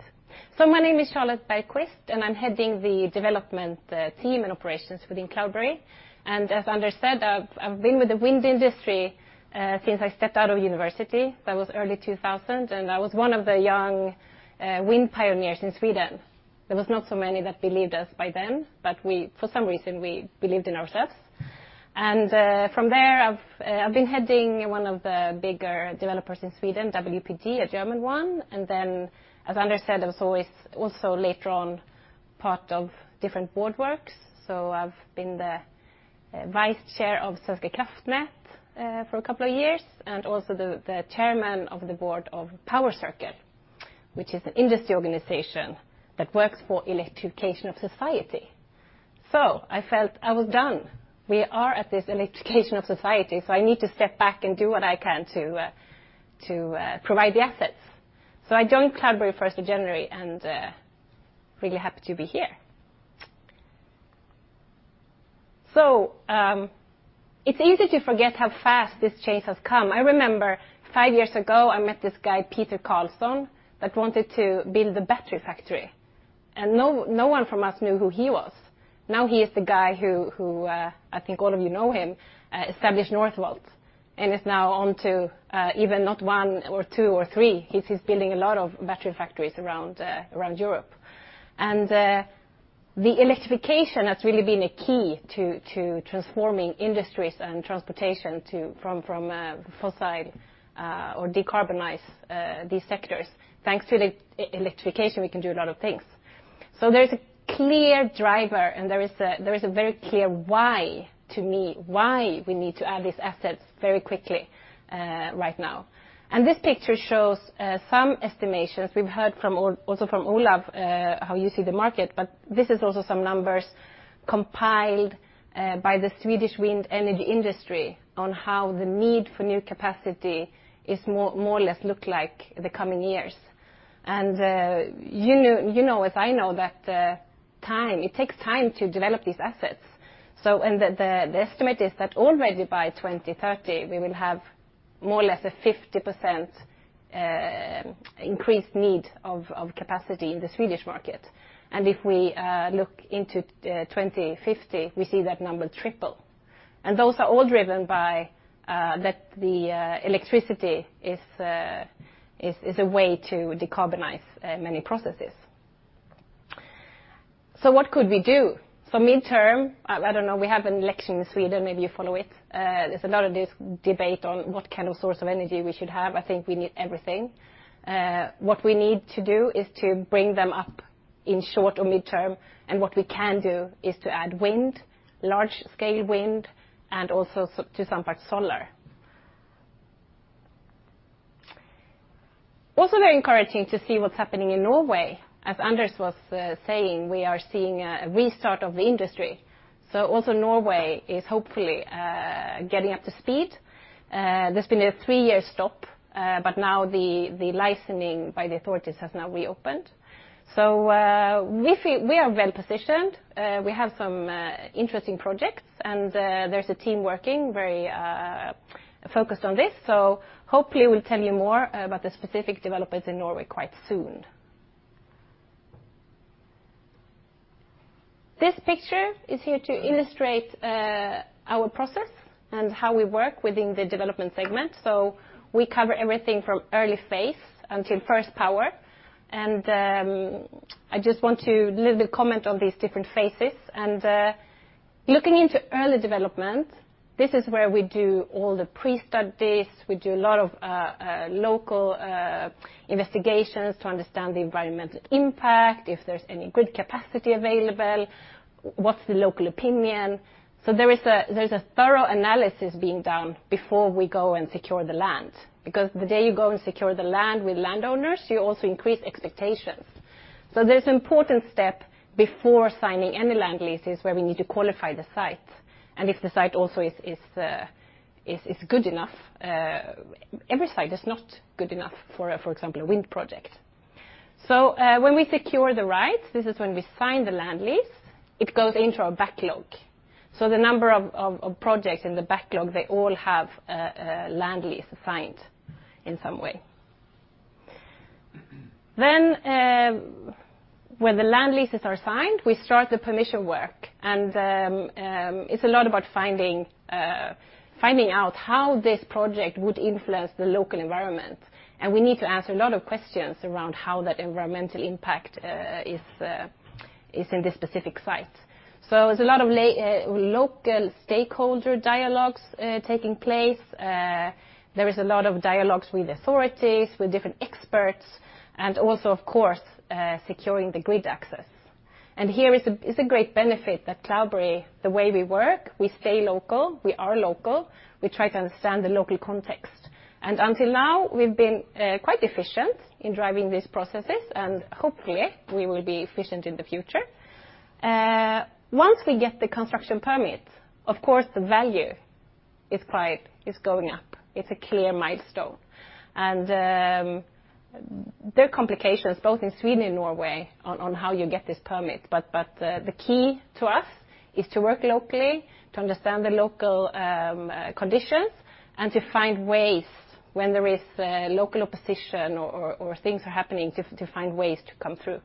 My name is Charlotte Bergqvist, and I'm Heading the Development team and operations within Cloudberry. As Anders said, I've been with the wind industry since I stepped out of university. That was early 2000. I was one of the young wind pioneers in Sweden. There was not so many that believed us by then, but we, for some reason, we believed in ourselves. From there, I've been heading one of the bigger developers in Sweden, wpd, a German one, and then as Anders said, I was always also later on part of different board works. I've been the Vice Chair of Svenska kraftnät for a couple of years, and also the Chairman of the Board of Power Circle, which is an industry organization that works for electrification of society. I felt I was done. We are at this electrification of society, so I need to step back and do what I can to provide the assets. I joined Cloudberry first of January and really happy to be here. It's easy to forget how fast this change has come. I remember five years ago, I met this guy, Peter Carlsson, that wanted to build a battery factory. No one from us knew who he was. Now he is the guy who I think all of you know him established Northvolt and is now on to even not one or two or three. He's building a lot of battery factories around Europe. The electrification has really been a key to transforming industries and transportation to from fossil or decarbonize these sectors. Thanks to the electrification, we can do a lot of things. There's a clear driver and there is a very clear why to me why we need to add these assets very quickly right now. This picture shows some estimations. We've heard from Olav how you see the market, but this is also some numbers compiled by the Swedish wind energy industry on how the need for new capacity is more or less look like the coming years. You know as I know that it takes time to develop these assets. The estimate is that already by 2030, we will have more or less a 50% increased need of capacity in the Swedish market. If we look into 2050, we see that number triple. Those are all driven by that the electricity is a way to decarbonize many processes. What could we do? Midterm, I don't know, we have an election in Sweden, maybe you follow it. There's a lot of this debate on what kind of source of energy we should have. I think we need everything. What we need to do is to bring them up in short or midterm. What we can do is to add wind, large scale wind, and also to some part solar. Also very encouraging to see what's happening in Norway. As Anders was saying, we are seeing a restart of the industry. Also Norway is hopefully getting up to speed. There's been a three-year stop, but now the licensing by the authorities has reopened. We feel we are well positioned. We have some interesting projects, and there's a team working, very focused on this. Hopefully we'll tell you more about the specific developments in Norway quite soon. This picture is here to illustrate our process and how we work within the development segment. We cover everything from early phase until first power. I just want to leave a comment on these different phases. Looking into early development, this is where we do all the pre-studies. We do a lot of local investigations to understand the environmental impact, if there's any grid capacity available, what's the local opinion. There is a thorough analysis being done before we go and secure the land, because the day you go and secure the land with landowners, you also increase expectations. There's important step before signing any land leases where we need to qualify the site. If the site also is good enough. Every site is not good enough for a for example a wind project. When we secure the rights, this is when we sign the land lease, it goes into our backlog. The number of projects in the backlog, they all have a land lease signed in some way. When the land leases are signed, we start the permitting work. It's a lot about finding out how this project would influence the local environment. We need to answer a lot of questions around how that environmental impact is in this specific site. There's a lot of local stakeholder dialogues taking place. There is a lot of dialogues with authorities, with different experts and also, of course, securing the grid access. Here is a great benefit that Cloudberry, the way we work, we stay local, we are local, we try to understand the local context. Until now, we've been quite efficient in driving these processes, and hopefully we will be efficient in the future. Once we get the construction permit, of course the value is going up. It's a clear milestone. There are complications both in Sweden and Norway on how you get this permit, but the key to us is to work locally to understand the local conditions and to find ways when there is local opposition or things are happening to find ways to come through.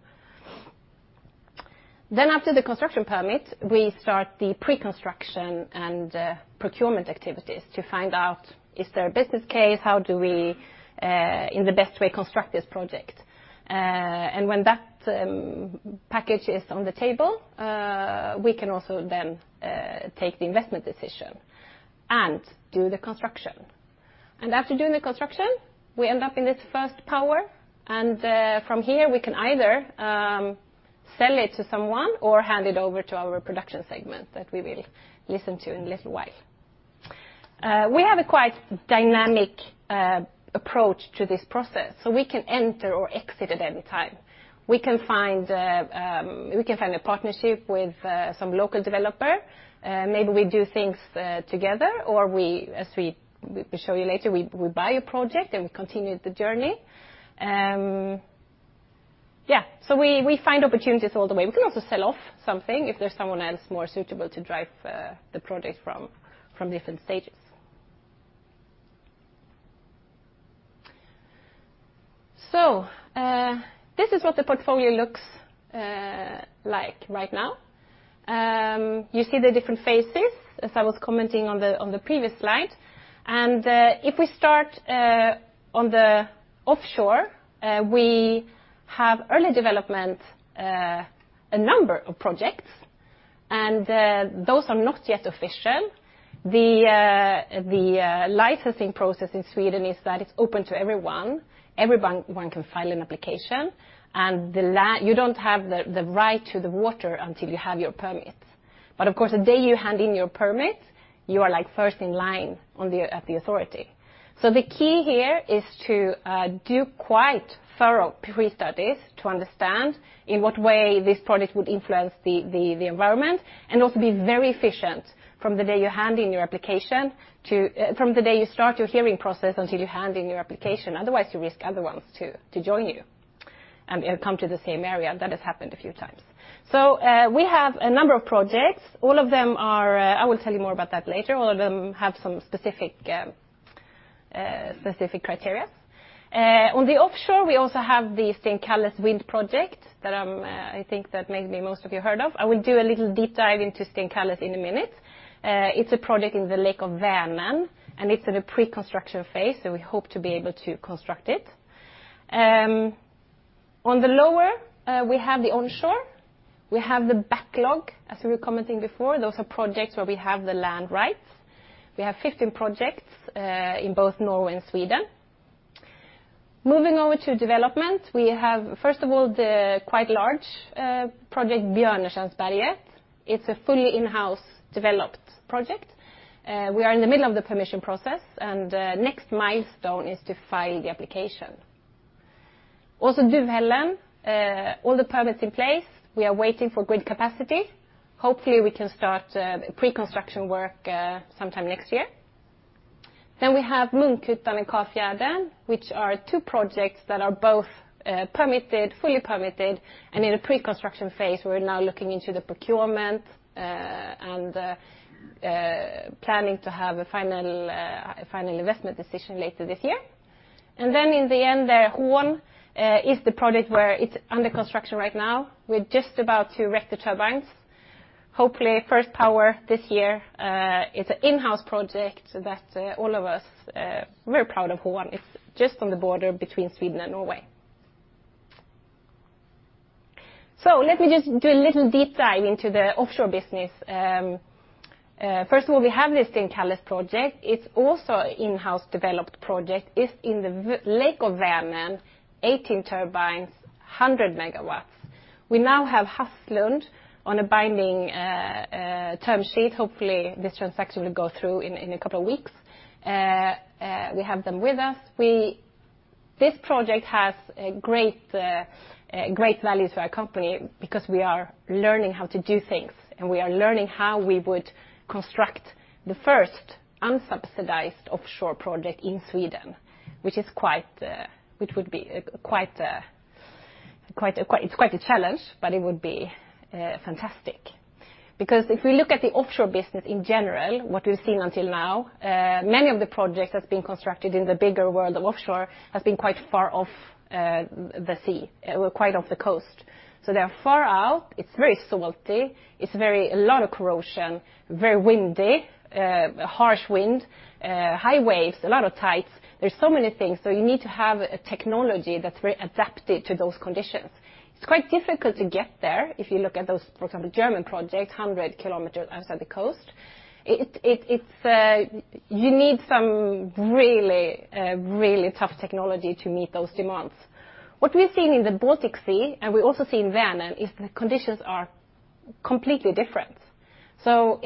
After the construction permit, we start the preconstruction and procurement activities to find out, is there a business case? How do we in the best way construct this project? When that package is on the table, we can also then take the investment decision and do the construction. After doing the construction, we end up in this first power. From here, we can either sell it to someone or hand it over to our production segment that we will listen to in a little while. We have a quite dynamic approach to this process, so we can enter or exit at any time. We can find a partnership with some local developer. Maybe we do things together or as we show you later, we buy a project and we continue the journey. Yeah, we find opportunities all the way. We can also sell off something if there's someone else more suitable to drive the project from different stages. This is what the portfolio looks like right now. You see the different phases as I was commenting on the previous slide. If we start on the offshore, we have early development, a number of projects, and those are not yet official. The licensing process in Sweden is that it's open to everyone. Everyone can file an application, and you don't have the right to the water until you have your permit. Of course, the day you hand in your permit, you are like first in line at the authority. The key here is to do quite thorough pre-studies to understand in what way this project would influence the environment and also be very efficient from the day you start your hearing process until you hand in your application. Otherwise, you risk other ones to join you and come to the same area. That has happened a few times. We have a number of projects. All of them are. I will tell you more about that later. All of them have some specific criteria. On the offshore, we also have the Stenkalles Grund wind project that I think that maybe most of you heard of. I will do a little deep dive into Stenkalles in a minute. It's a project in the Lake Vänern, and it's at a pre-construction phase, so we hope to be able to construct it. On the lower, we have the onshore. We have the backlog, as we were commenting before. Those are projects where we have the land rights. We have 15 projects in both Norway and Sweden. Moving over to development, we have first of all the quite large project, Björneskansberget. It's a fully in-house developed project. We are in the middle of the permission process, and the next milestone is to file the application. Also Duvhällen, all the permits in place. We are waiting for grid capacity. Hopefully, we can start pre-construction work sometime next year. We have Munkhyttan and Kafjärden, which are two projects that are both permitted, fully permitted, and in a pre-construction phase. We're now looking into the procurement and planning to have a final investment decision later this year. In the end there, Hån is the project where it's under construction right now. We're just about to erect the turbines. Hopefully, first power this year. It's an in-house project that all of us very proud of Hån. It's just on the border between Sweden and Norway. Let me just do a little deep dive into the offshore business. First of all, we have the Stenkalles project. It's also in-house developed project. It's in the Lake of Vänern, 18 turbines, 100 MW. We now have Hafslund on a binding term sheet. Hopefully, this transaction will go through in a couple of weeks. We have them with us. This project has a great value to our company because we are learning how to do things, and we are learning how we would construct the first unsubsidized offshore project in Sweden, which would be quite a challenge, but it would be fantastic. Because if we look at the offshore business in general, what we've seen until now, many of the projects that's been constructed in the bigger world of offshore has been quite far off the sea, quite off the coast. They are far out, it's very salty, a lot of corrosion, very windy, harsh wind, high waves, a lot of tides. There's so many things, so you need to have a technology that's very adapted to those conditions. It's quite difficult to get there if you look at those, for example, German project, 100 km outside the coast. It's you need some really tough technology to meet those demands. What we've seen in the Baltic Sea, and we also see in Vänern, is the conditions are completely different. Both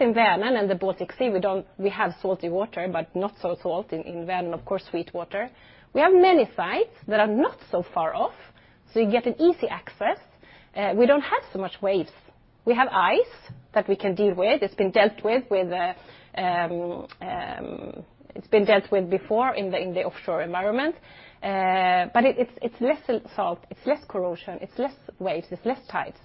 in Vänern and the Baltic Sea, we have salty water, but not so salt. In Vänern, of course, sweet water. We have many sites that are not so far off, so you get an easy access. We don't have so much waves. We have ice that we can deal with. It's been dealt with before in the offshore environment. But it's less salt, it's less corrosion, it's less waves, it's less tides.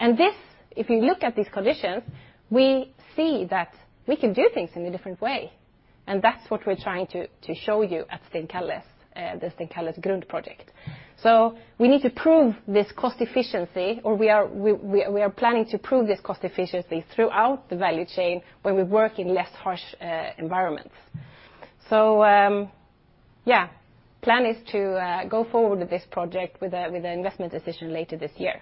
This, if you look at these conditions, we see that we can do things in a different way. That's what we're trying to show you at Stenkalles, the Stenkalles Grund project. We need to prove this cost efficiency, or we are planning to prove this cost efficiency throughout the value chain when we work in less harsh environments. The plan is to go forward with this project with an investment decision later this year.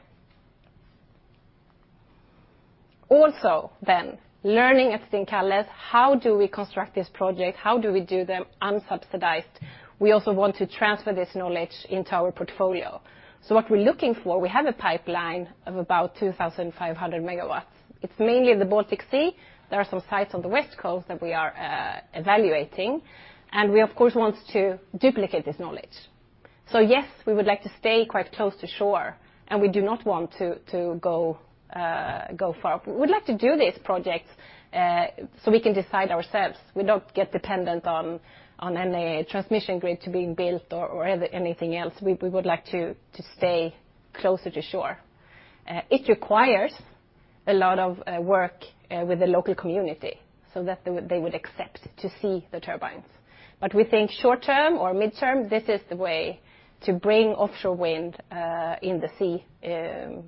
Learning at Stenkalles, how do we construct this project? How do we do them unsubsidized? We also want to transfer this knowledge into our portfolio. What we're looking for, we have a pipeline of about 2,500 MW. It's mainly in the Baltic Sea. There are some sites on the West Coast that we are evaluating. We, of course, want to duplicate this knowledge. Yes, we would like to stay quite close to shore, and we do not want to go far. We'd like to do these projects so we can decide ourselves. We don't get dependent on any transmission grid to being built or anything else. We would like to stay closer to shore. It requires a lot of work with the local community so that they would accept to see the turbines. We think short term or mid-term, this is the way to bring offshore wind in the sea and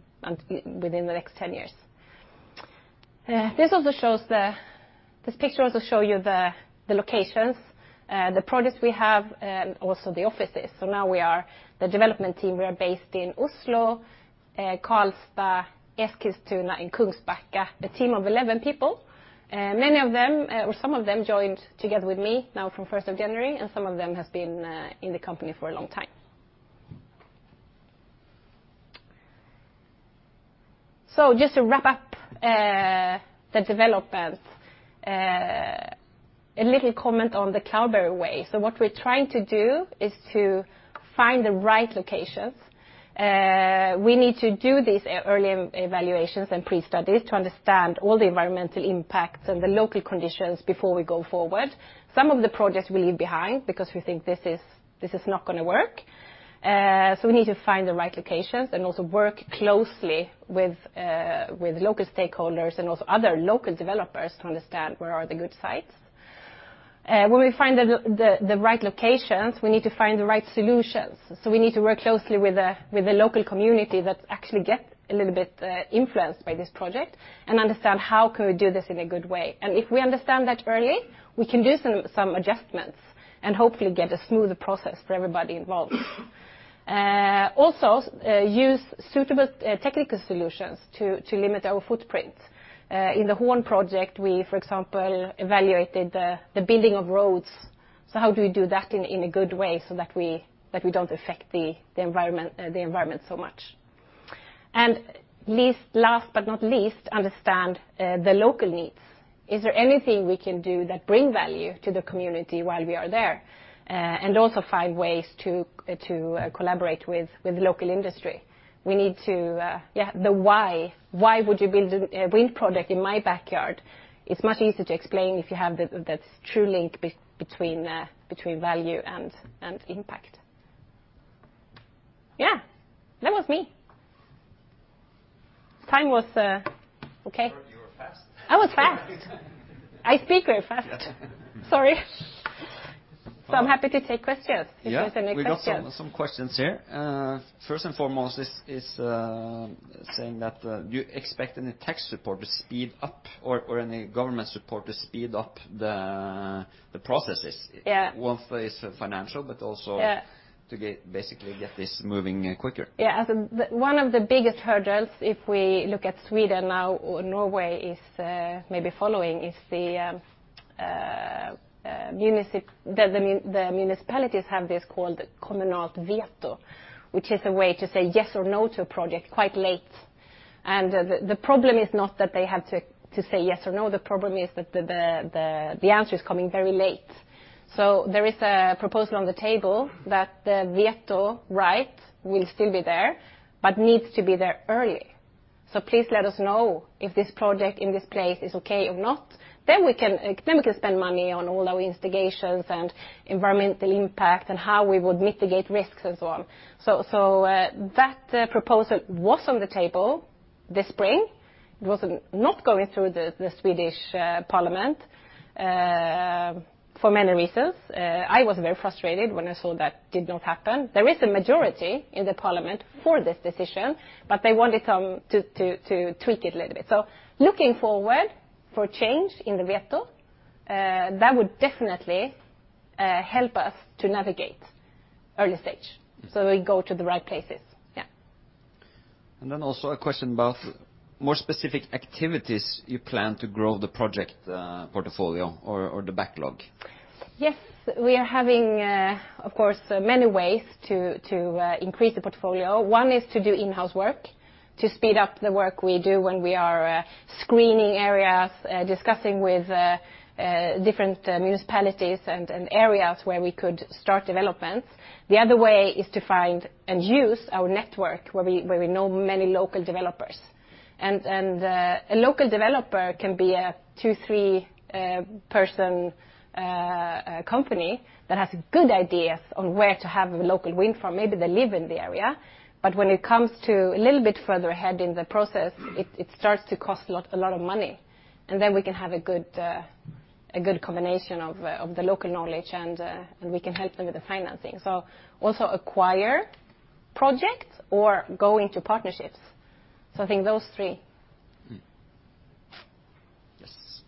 within the next 10 years. This picture also shows you the locations, the projects we have, also the offices. Now we are the development team. We are based in Oslo, Karlstad, Eskilstuna, and Kungsbacka, a team of 11 people. Many of them, or some of them joined together with me now from first of January, and some of them has been in the company for a long time. Just to wrap up the development, a little comment on the Cloudberry way. What we're trying to do is to find the right locations. We need to do these early evaluations and pre-studies to understand all the environmental impacts and the local conditions before we go forward. Some of the projects we leave behind because we think this is not gonna work. We need to find the right locations and also work closely with local stakeholders and also other local developers to understand where are the good sites. When we find the right locations, we need to find the right solutions. We need to work closely with the local community that actually get a little bit influenced by this project and understand how can we do this in a good way. If we understand that early, we can do some adjustments and hopefully get a smoother process for everybody involved. Also, use suitable technical solutions to limit our footprint. In the Hån project, we, for example, evaluated the building of roads. How do we do that in a good way so that we don't affect the environment so much? Last but not least, understand the local needs. Is there anything we can do that bring value to the community while we are there? Also find ways to collaborate with local industry. We need to. Yeah, the why. Why would you build a wind project in my backyard? It's much easier to explain if you have that true link between value and impact. Yeah, that was me. Time was, okay. I heard you were fast. I was fast. I speak very fast. Yeah. Sorry. I'm happy to take questions if there's any questions. Yeah. We got some questions here. First and foremost is saying that do you expect any tax support to speed up or any government support to speed up the processes? Yeah. One phase financial, but also. Yeah To basically get this moving quicker. Yeah. One of the biggest hurdles, if we look at Sweden now or Norway, maybe following, is the municipalities have this called kommunal veto, which is a way to say yes or no to a project quite late. The problem is not that they have to say yes or no, the problem is that the answer is coming very late. There is a proposal on the table that the veto right will still be there, but needs to be there early. Please let us know if this project in this place is okay or not, then we can spend money on all our investigations and environmental impact and how we would mitigate risks and so on. That proposal was on the table this spring. It was not going through the Swedish Parliament for many reasons. I was very frustrated when I saw that did not happen. There is a majority in the Parliament for this decision, but they wanted some to tweak it a little bit. Looking forward for change in the veto, that would definitely help us to navigate early stage, so we go to the right places. Yeah. A question about more specific activities you plan to grow the project portfolio or the backlog. Yes. We are having, of course, many ways to increase the portfolio. One is to do in-house work, to speed up the work we do when we are screening areas, discussing with different municipalities and areas where we could start developments. The other way is to find and use our network where we know many local developers. A local developer can be a two, three person company that has good ideas on where to have a local wind farm. Maybe they live in the area, but when it comes to a little bit further ahead in the process, it starts to cost a lot of money. We can have a good combination of the local knowledge, and we can help them with the financing. Also acquire projects or go into partnerships. I think those three. Yes.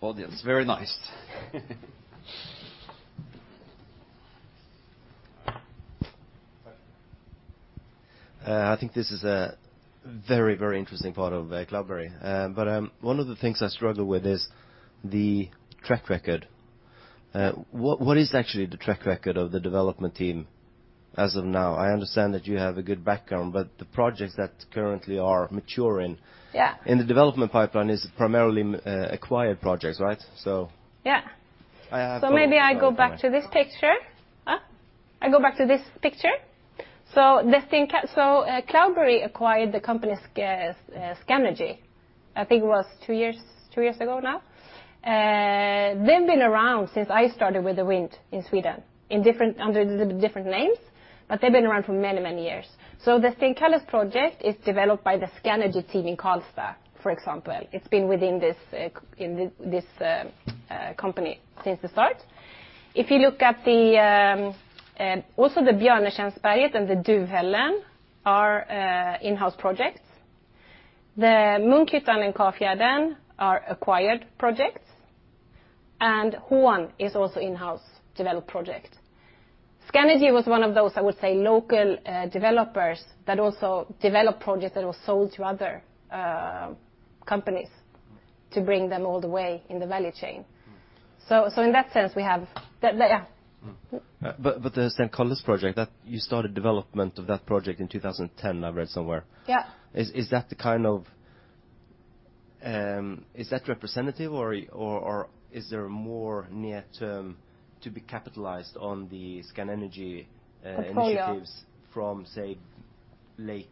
Audience, very nice. I think this is a very, very interesting part of Cloudberry. One of the things I struggle with is the track record. What is actually the track record of the development team as of now? I understand that you have a good background, but the projects that currently are maturing. Yeah In the development pipeline is primarily acquired projects, right? So. Yeah. I have- Maybe I go back to this picture. I go back to this picture. Cloudberry acquired the company Scanergy. I think it was two-years ago now. They've been around since I started with the wind in Sweden, in different under the different names, but they've been around for many years. The Stenkalles project is developed by the Scanergy team in Karlstad, for example. It's been within this company since the start. If you look at also the Björnetjänsberget and the Duvhällen are in-house projects. The Munkhyttan and Kafjärden are acquired projects, and Hån is also in-house developed project. Scanergy was one of those, I would say, local, developers that also developed projects that were sold to other, companies to bring them all the way in the value chain. Mm-hmm. In that sense, we have. Yeah. Mm-hmm. The Stenkalles project, that you started development of that project in 2010, I've read somewhere. Yeah. Is that representative or is there more near term to be capitalized on the Scanergy? Portfolio Initiatives from say late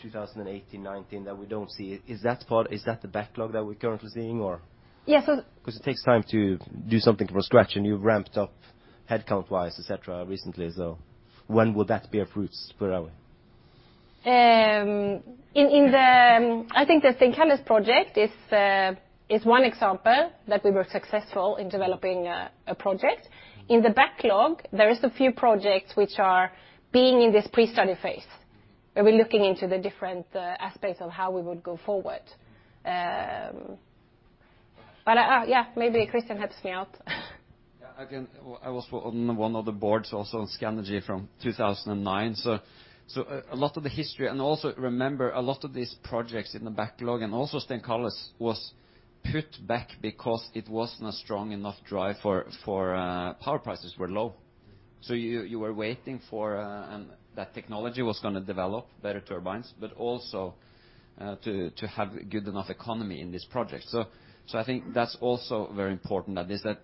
2018, 2019 that we don't see? Is that part, is that the backlog that we're currently seeing or? Yeah. 'Cause it takes time to do something from scratch, and you've ramped up headcount-wise, et cetera, recently. When will that bear fruits, I think the Stenkalles project is one example that we were successful in developing a project. In the backlog, there is a few projects which are being in this pre-study phase, where we're looking into the different aspects of how we would go forward. Yeah, maybe Christian helps me out. Yeah. Again, I was on one of the boards also on Scanergy from 2009. A lot of the history, and also remember a lot of these projects in the backlog, and also Stenkalles was put back because it wasn't a strong enough driver for power prices were low. You were waiting for that technology was gonna develop better turbines, but also to have good enough economy in this project. I think that's also very important that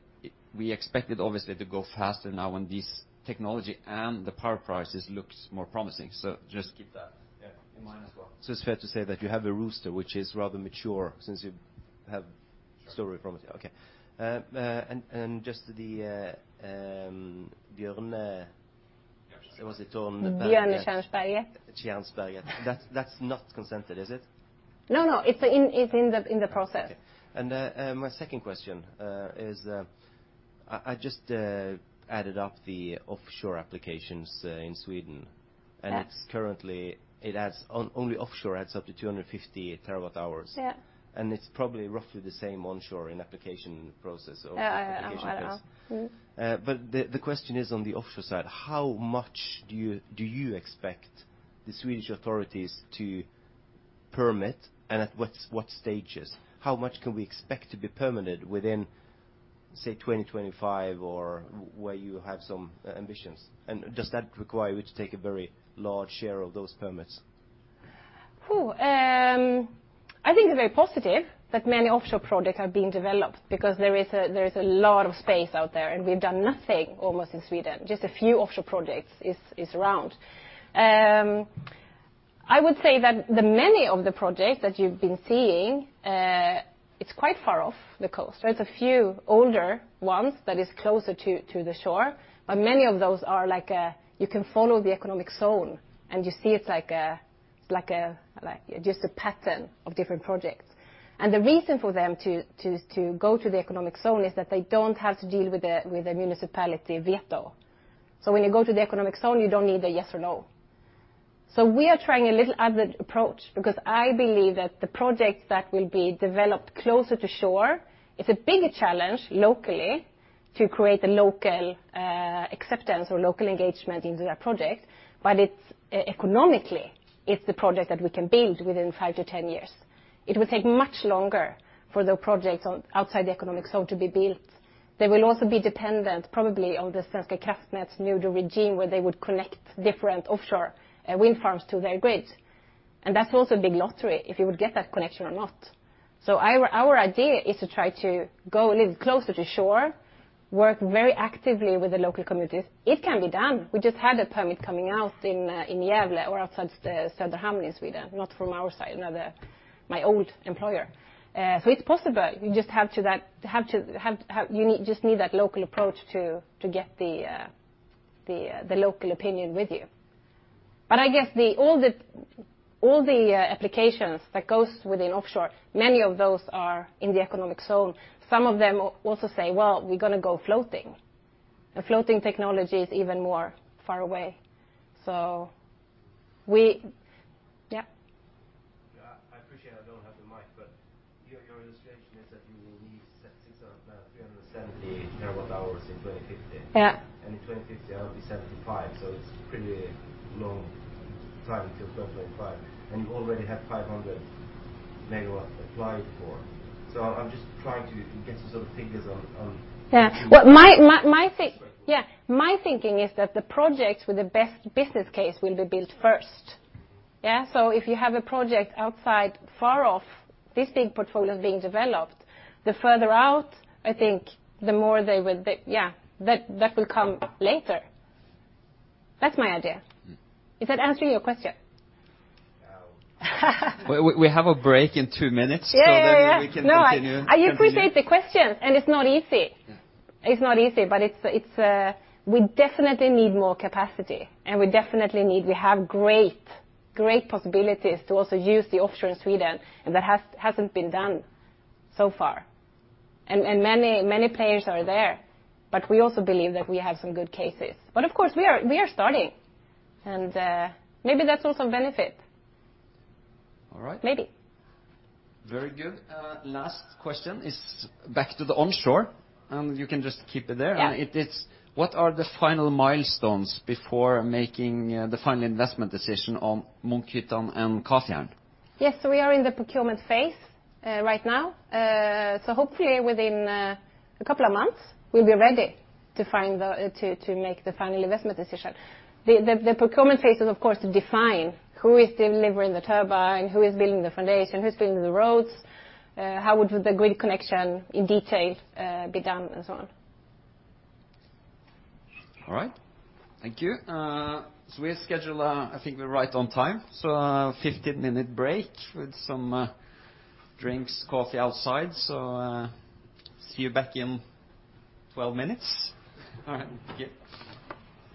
we expect it obviously to go faster now when this technology and the power prices looks more promising. Just keep that in mind as well. Yeah. It's fair to say that you have a roster which is rather mature since you have history from it. Sure. Okay. Just the Björn. Was it on the- Björn Kärnsberget. Kärnsberget. That's not consented, is it? No, it's in the process. Okay. My second question is I just added up the offshore applications in Sweden. Yes. Only offshore adds up to 250 TWh. Yeah. It's probably roughly the same onshore in application process or application place. Yeah, yeah. The question is on the offshore side, how much do you expect the Swedish authorities to permit and at what stages? How much can we expect to be permitted within say 2025 or where you have some ambitions? And does that require you to take a very large share of those permits? I think it's very positive that many offshore projects are being developed because there is a lot of space out there, and we've done nothing almost in Sweden. Just a few offshore projects are around. I would say that many of the projects that you've been seeing, it's quite far off the coast. There's a few older ones that are closer to the shore, but many of those are like, you can follow the economic zone, and you see it's like a pattern of different projects. The reason for them to go to the economic zone is that they don't have to deal with the municipality veto. When you go to the economic zone, you don't need a yes or no. We are trying a little other approach because I believe that the projects that will be developed closer to shore. It's a big challenge locally to create a local acceptance or local engagement into that project. It's economically the project that we can build within five-10 years. It will take much longer for the projects outside the economic zone to be built. They will also be dependent probably on the Svenska Kraftnät new regime where they would connect different offshore wind farms to their grids. That's also a big lottery if you would get that connection or not. Our idea is to try to go a little closer to shore, work very actively with the local communities. It can be done. We just had a permit coming out in Gävle or outside Söderhamn in Sweden, not from our side, another, my old employer. It's possible. You just have to have that local approach to get the local opinion with you. I guess all the applications that goes within offshore, many of those are in the economic zone. Some of them also say, "Well, we're gonna go floating." A floating technology is even more far away. I appreciate I don't have the mic, but your illustration is that you will need 370 TWh in 2050. Yeah. In 2050, that'll be 75, so it's pretty long time till 2025. You already have 500 MW applied for. I'm just trying to get some sort of figures on. Yeah. Well, my Sorry. Yeah. My thinking is that the projects with the best business case will be built first. Yeah? If you have a project outside far off, this big portfolio is being developed, the further out, I think the more they will Yeah, that will come later. That's my idea. Mm. Is that answering your question? No. We have a break in 2 minutes. Yeah, yeah. We can continue. No, I appreciate the question, and it's not easy. Yeah. It's not easy, but it's. We definitely need more capacity. We have great possibilities to also use the offshore in Sweden, and that hasn't been done so far. Many players are there, but we also believe that we have some good cases. Of course, we are starting, and maybe that's also a benefit. All right. Maybe. Very good. Last question is back to the onshore, and you can just keep it there. Yeah. What are the final milestones before making the final investment decision on Munkhyttan and Kafjärden? Yes. We are in the procurement phase right now. Hopefully within a couple of months, we'll be ready to make the final investment decision. The procurement phase is, of course, to define who is delivering the turbine, who is building the foundation, who's building the roads, how would the grid connection in detail be done, and so on. All right. Thank you. As scheduled, I think we're right on time. A 15-minute break with some drinks, coffee outside. See you back in 12 minutes. All right, thank you.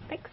Thanks.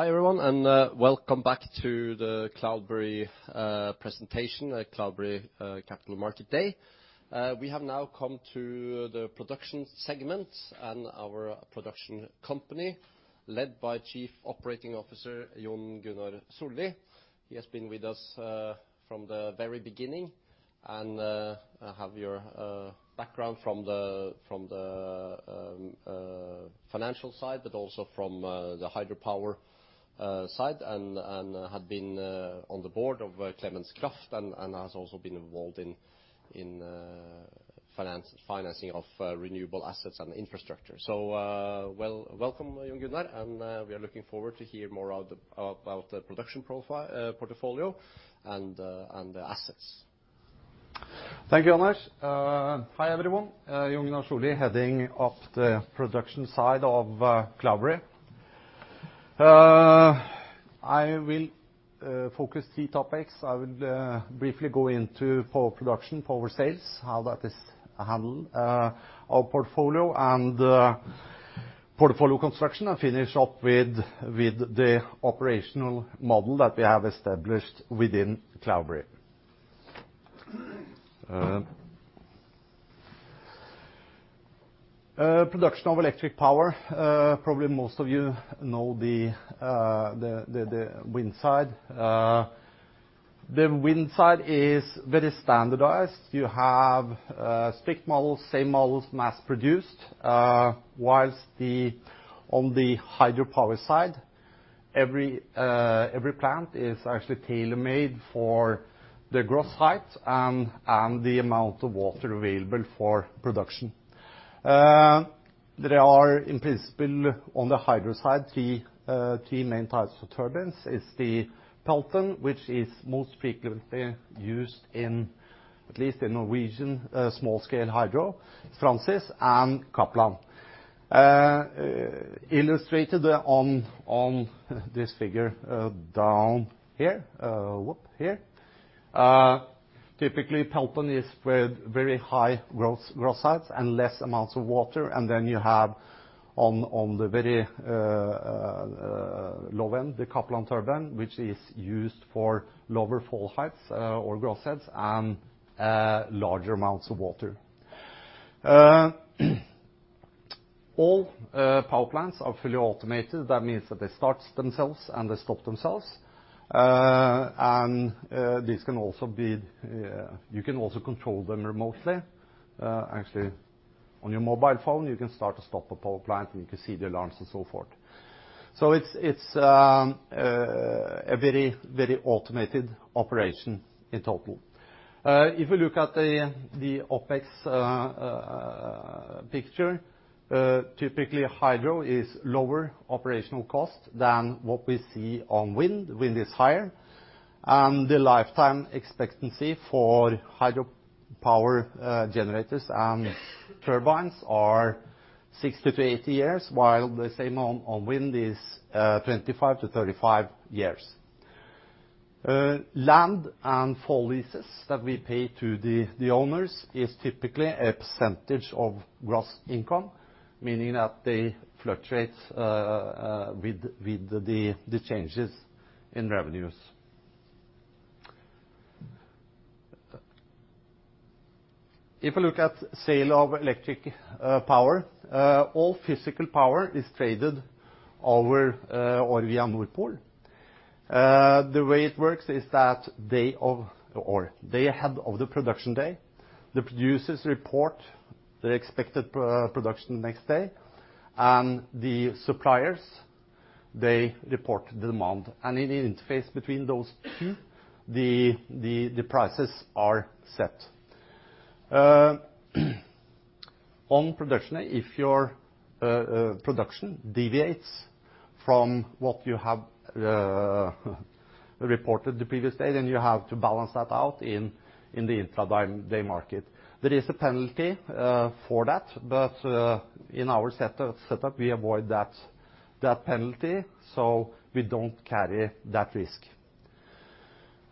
Hi, everyone, and welcome back to the Cloudberry presentation at Cloudberry Capital Market Day. We have now come to the production segment and our production company led by Chief Operating Officer Jon Gunnar Solli. He has been with us from the very beginning and have your background from the financial side, but also from the hydropower side and had been on the board of Clemens Kraft and has also been involved in financing of renewable assets and infrastructure. Well, welcome, Jon Gunnar, and we are looking forward to hear more of the about the production portfolio and the assets. Thank you, Anders. Hi, everyone. Jon Gunnar Solli, heading up the production side of Cloudberry. I will focus on three topics. I will briefly go into power production, power sales, how that is handled, our portfolio and portfolio construction, and finish up with the operational model that we have established within Cloudberry. Production of electric power. Probably most of you know the wind side. The wind side is very standardized. You have strict models, same models, mass produced, whilst on the hydropower side, every plant is actually tailor-made for the gross head and the amount of water available for production. There are, in principle, on the hydro side, three main types of turbines. It's the Pelton, which is most frequently used in, at least in Norwegian small-scale hydro, Francis and Kaplan. Illustrated on this figure down here. Typically Pelton is with very high gross heights and less amounts of water. Then you have on the very low end, the Kaplan turbine, which is used for lower fall heights or gross heights and larger amounts of water. All power plants are fully automated. That means that they start themselves and they stop themselves. This can also be, you can also control them remotely. Actually on your mobile phone, you can start to stop a power plant, and you can see the alarms and so forth. It's a very automated operation in total. If you look at the OpEx picture, typically hydro is lower operational cost than what we see on wind. Wind is higher. The lifetime expectancy for hydropower generators and turbines are 60-80 years, while the same on wind is 25-35 years. Land leases that we pay to the owners is typically a percentage of gross income, meaning that they fluctuate with the changes in revenues. If you look at sale of electric power, all physical power is traded over or via Nord Pool. The way it works is that day of or day ahead of the production day, the producers report the expected production the next day, and the suppliers, they report the demand. In the interface between those two, the prices are set. On production, if your production deviates from what you have reported the previous day, then you have to balance that out in the intraday market. There is a penalty for that, but in our setup, we avoid that penalty, so we don't carry that risk.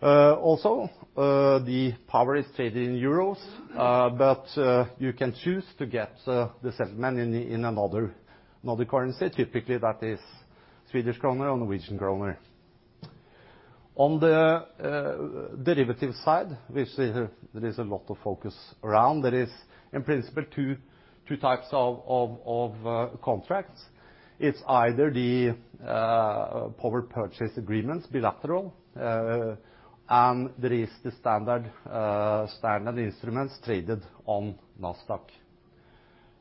Also, the power is traded in euros, but you can choose to get the settlement in another currency. Typically, that is Swedish krona or Norwegian krona. On the derivative side, which there is a lot of focus around there is in principle two types of contracts. It's either the power purchase agreements bilateral, and there is the standard instruments traded on Nasdaq.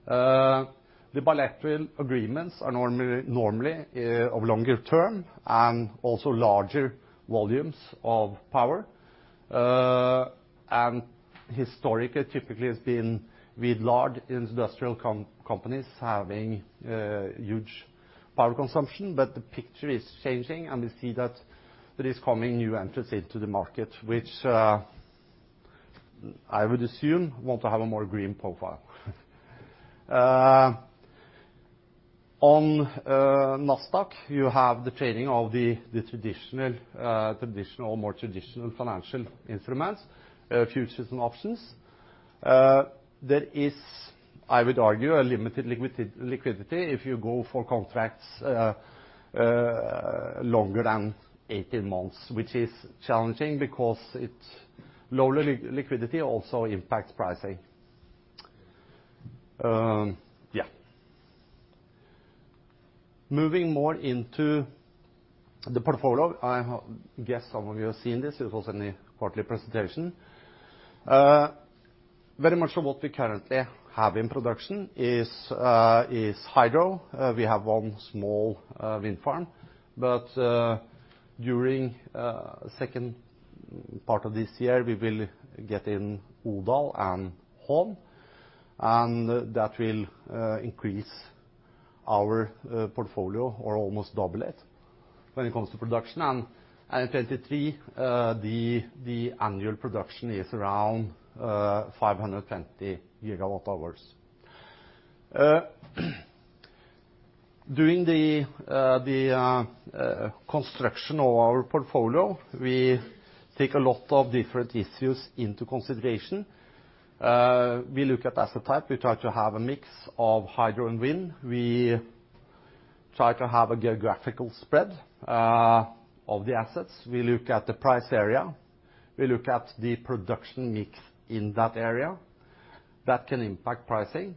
The bilateral agreements are normally of longer term and also larger volumes of power. Historically, typically it's been with large industrial companies having huge power consumption. The picture is changing, and we see that there is coming new entrants into the market, which I would assume want to have a more green profile. On Nasdaq, you have the trading of the traditional, more traditional financial instruments, futures and options. There is, I would argue, a limited liquidity if you go for contracts longer than 18 months, which is challenging because it's lower liquidity also impacts pricing. Yeah. Moving more into the portfolio, I guess some of you have seen this. It was in the quarterly presentation. Very much of what we currently have in production is hydro. We have one small wind farm. During second part of this year, we will get in Odal and Hån, and that will increase our portfolio or almost double it when it comes to production. In 2023, the annual production is around 520 GWh. During the construction of our portfolio, we take a lot of different issues into consideration. We look at asset type. We try to have a mix of hydro and wind. We try to have a geographical spread of the assets. We look at the price area. We look at the production mix in that area. That can impact pricing.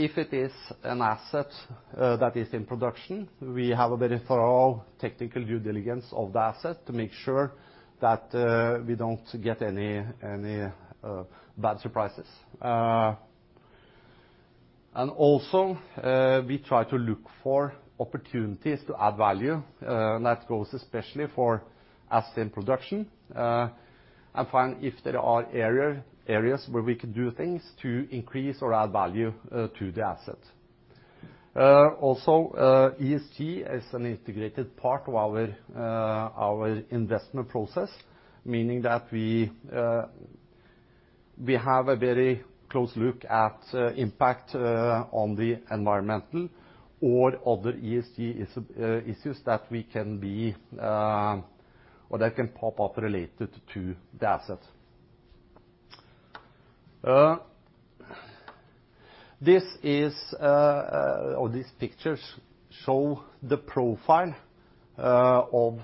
If it is an asset that is in production, we have a very thorough technical due diligence of the asset to make sure that we don't get any bad surprises. We try to look for opportunities to add value, and that goes especially for asset in production, and find if there are areas where we can do things to increase or add value to the asset. Also, ESG is an integrated part of our investment process, meaning that we have a very close look at impact on the environmental or other ESG issues, or that can pop up related to the assets. These pictures show the profile of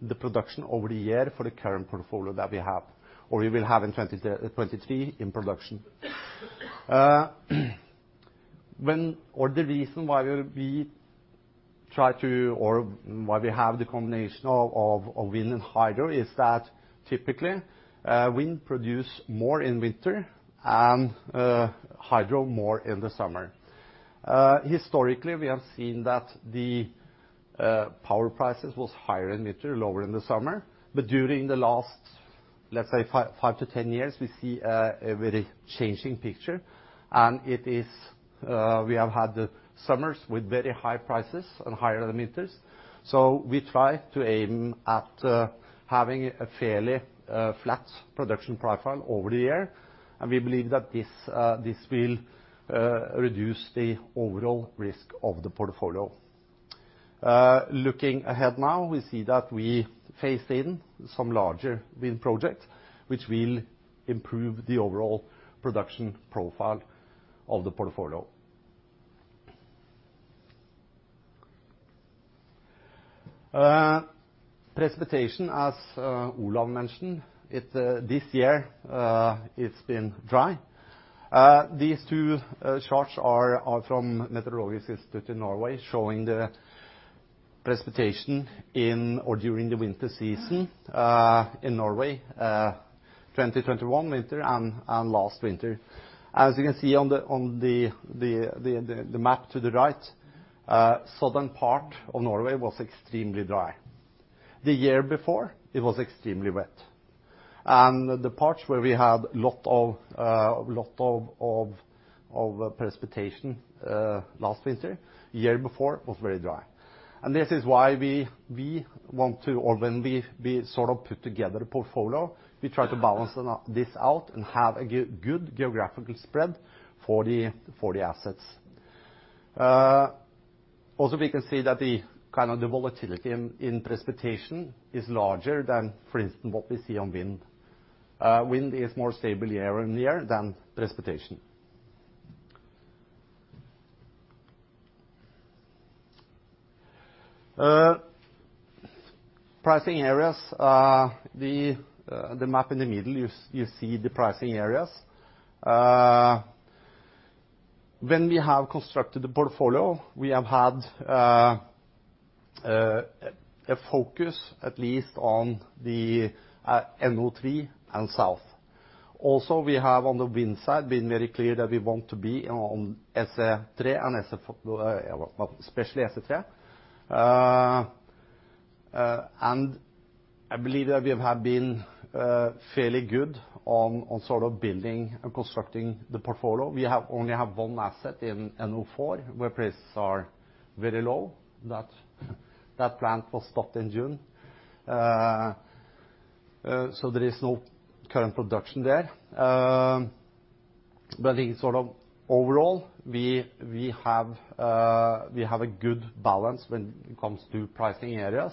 the production over the year for the current portfolio that we have, or we will have in 2023 in production. The reason why we have the combination of wind and hydro is that typically wind produce more in winter and hydro more in the summer. Historically, we have seen that power prices was higher in winter, lower in the summer. During the last, let's say five to 10 years, we see a very changing picture. We have had the summers with very high prices and higher than winters. We try to aim at having a fairly flat production profile over the year. We believe that this will reduce the overall risk of the portfolio. Looking ahead now, we see that we phase in some larger wind projects which will improve the overall production profile of the portfolio. Precipitation, as Olav mentioned, this year it's been dry. These two charts are from Norwegian Meteorological Institute showing the precipitation in or during the winter season in Norway, 2021 winter and last winter. As you can see on the map to the right, southern part of Norway was extremely dry. The year before, it was extremely wet. The parts where we had lot of precipitation last winter, year before was very dry. This is why we want to or when we sort of put together a portfolio, we try to balance this out and have a good geographical spread for the assets. Also we can see that the kind of volatility in precipitation is larger than for instance what we see on wind. Wind is more stable year on year than precipitation. Pricing areas. The map in the middle, you see the pricing areas. When we have constructed the portfolio, we have had a focus at least on the NO3 and south. Also, we have on the wind side been very clear that we want to be on SE3 and SE4, well especially SE3. I believe that we have been fairly good on sort of building and constructing the portfolio. We have only one asset in NO4 where prices are very low. That plant was stopped in June. So there is no current production there. But I think sort of overall we have a good balance when it comes to pricing areas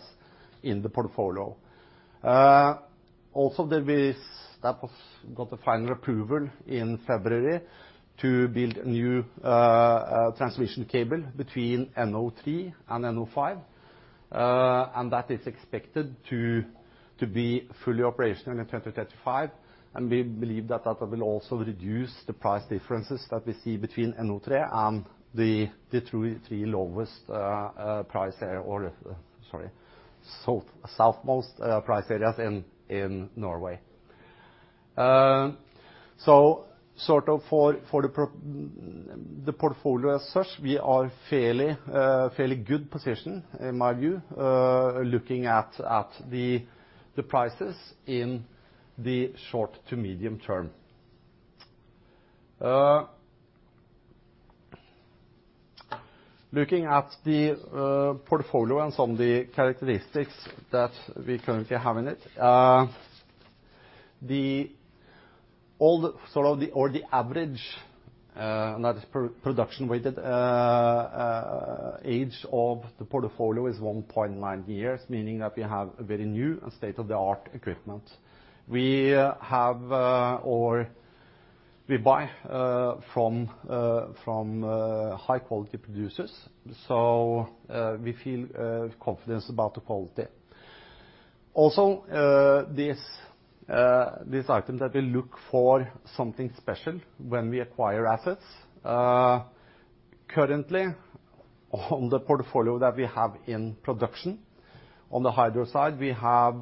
in the portfolio. That got a final approval in February to build new transmission cable between NO3 and NO5. And that is expected to be fully operational in 2035, and we believe that that will also reduce the price differences that we see between NO3 and the three lowest price areas, or, sorry, southernmost price areas in Norway. Sort of for the portfolio as such, we are fairly good position in my view, looking at the prices in the short to medium term. Looking at the portfolio and some of the characteristics that we currently have in it. The average, and that is production weighted, age of the portfolio is one point nine years, meaning that we have a very new and state-of-the-art equipment. We buy from high quality producers. We feel confidence about the quality. Also, this item that we look for something special when we acquire assets. Currently on the portfolio that we have in production on the hydro side, we have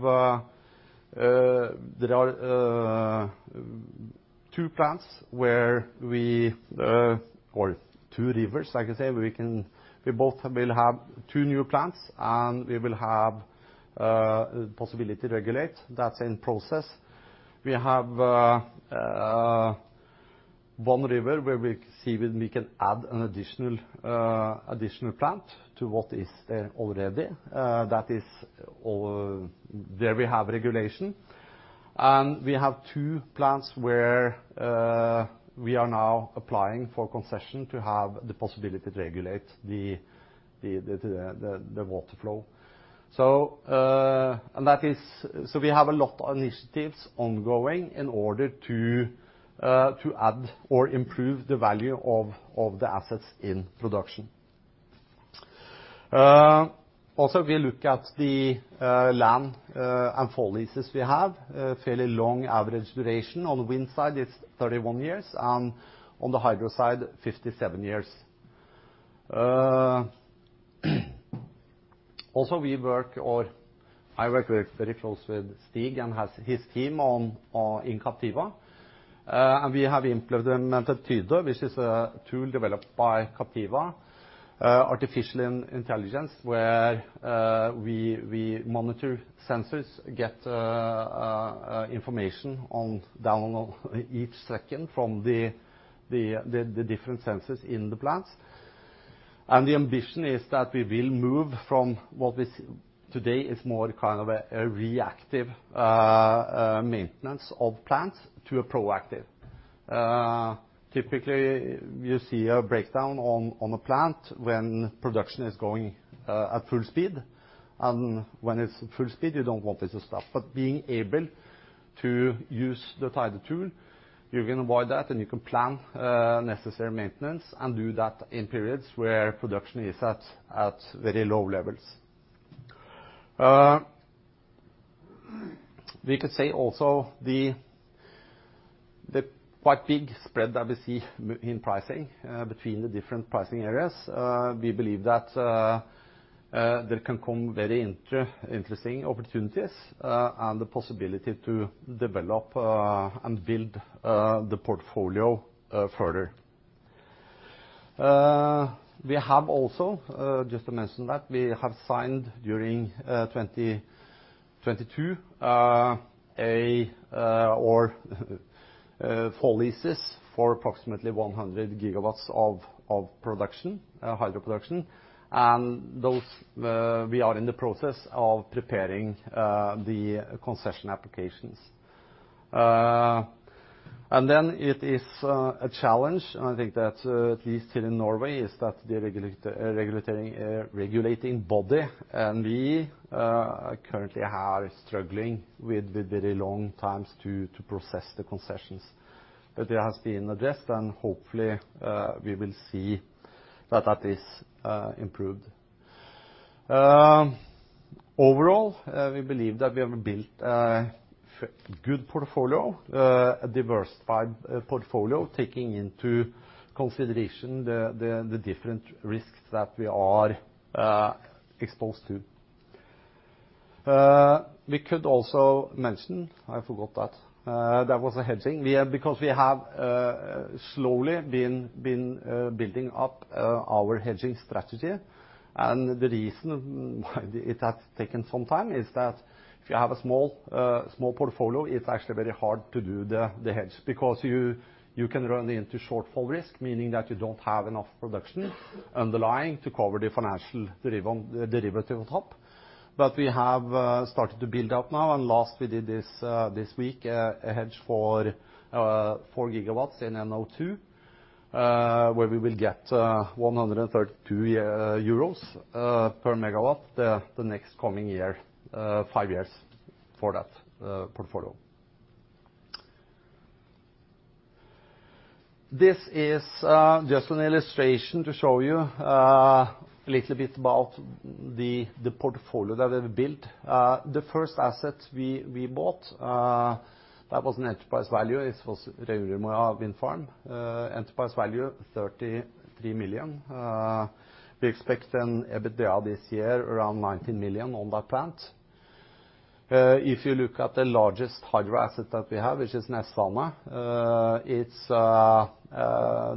two plants or two rivers. We both will have two new plants, and we will have possibility to regulate. That's in process. We have one river where we see whether we can add an additional plant to what is there already. That is all. There we have regulation. We have two plants where we are now applying for concession to have the possibility to regulate the water flow. We have a lot of initiatives ongoing in order to add or improve the value of the assets in production. Also, we look at the land and fall leases we have. Fairly long average duration. On the wind side, it's 31 years, and on the hydro side, 57 years. I work very closely with Stig and his team in Captiva. We have implemented Tyde, which is a tool developed by Captiva. Artificial intelligence where we monitor sensors, get information downloaded each second from the different sensors in the plants. The ambition is that we will move from what today is more kind of a reactive maintenance of plants to a proactive. Typically, you see a breakdown on a plant when production is going at full speed. When it's full speed, you don't want it to stop. Being able to use the Tyde tool, you can avoid that, and you can plan necessary maintenance and do that in periods where production is at very low levels. We could say also the quite big spread that we see in pricing between the different pricing areas. We believe that there can come very interesting opportunities, and the possibility to develop and build the portfolio further. We have also just to mention that, we have signed during 2022 four leases for approximately 100 GW of production, hydro production. Those we are in the process of preparing the concession applications. It is a challenge, and I think that at least here in Norway is that the regulating body and we currently are struggling with the very long times to process the concessions. It has been addressed, and hopefully we will see that is improved. Overall, we believe that we have built a good portfolio, a diversified portfolio, taking into consideration the different risks that we are exposed to. We could also mention, I forgot that, there was a hedging. Because we have slowly been building up our hedging strategy. The reason why it has taken some time is that if you have a small portfolio, it's actually very hard to do the hedge, because you can run into shortfall risk, meaning that you don't have enough production underlying to cover the financial derivative on top. But we have started to build up now. Last we did this week, a hedge for 4 GW in NO2, where we will get 132 euros MW for the next five years for that portfolio. This is just an illustration to show you a little bit about the portfolio that we've built. The first asset we bought, that was an enterprise value. It was Røymyra wind farm. Enterprise value, 33 million. We expect an EBITDA this year around 19 million on that plant. If you look at the largest hydro asset that we have, which is Nestane,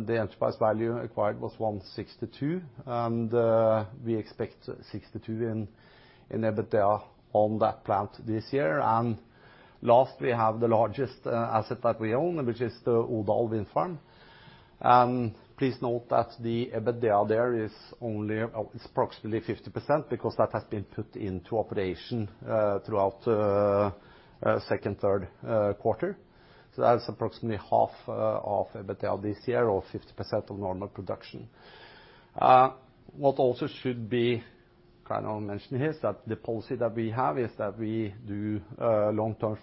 the enterprise value acquired was 162 million, and we expect 62 million in EBITDA on that plant this year. Last, we have the largest asset that we own, which is the Odal wind farm. Please note that the EBITDA there is only approximately 50% because that has been put into operation throughout second, third quarter. That's approximately half of EBITDA this year or 50% of normal production. What also should be kind of mentioned here is that the policy that we have is that we do long-term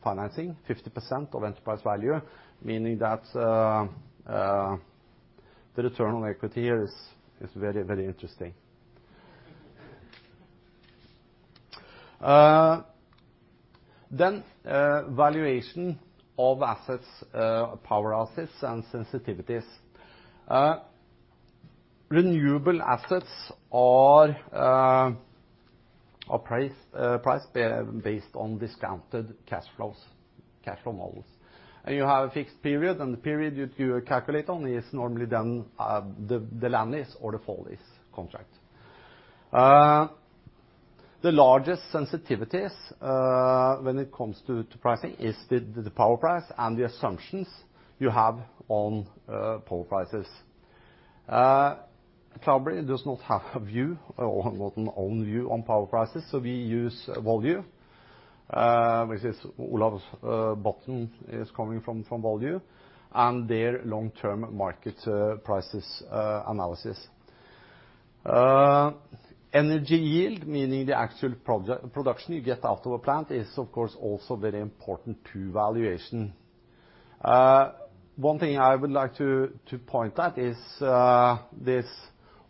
financing, 50% of enterprise value, meaning that the return on equity here is very, very interesting. Valuation of assets, power assets and sensitivities. Renewable assets are priced based on discounted cash flows, cash flow models. You have a fixed period, and the period you calculate on is normally the PPA or the forward contract. The largest sensitivities when it comes to pricing is the power price and the assumptions you have on power prices. Cloudberry does not have a view or an own view on power prices, so we use Volue. Which is Olav Botnen's from Volue and their long-term market prices analysis. Energy yield, meaning the actual production you get out of a plant is of course also very important to valuation. One thing I would like to point at is this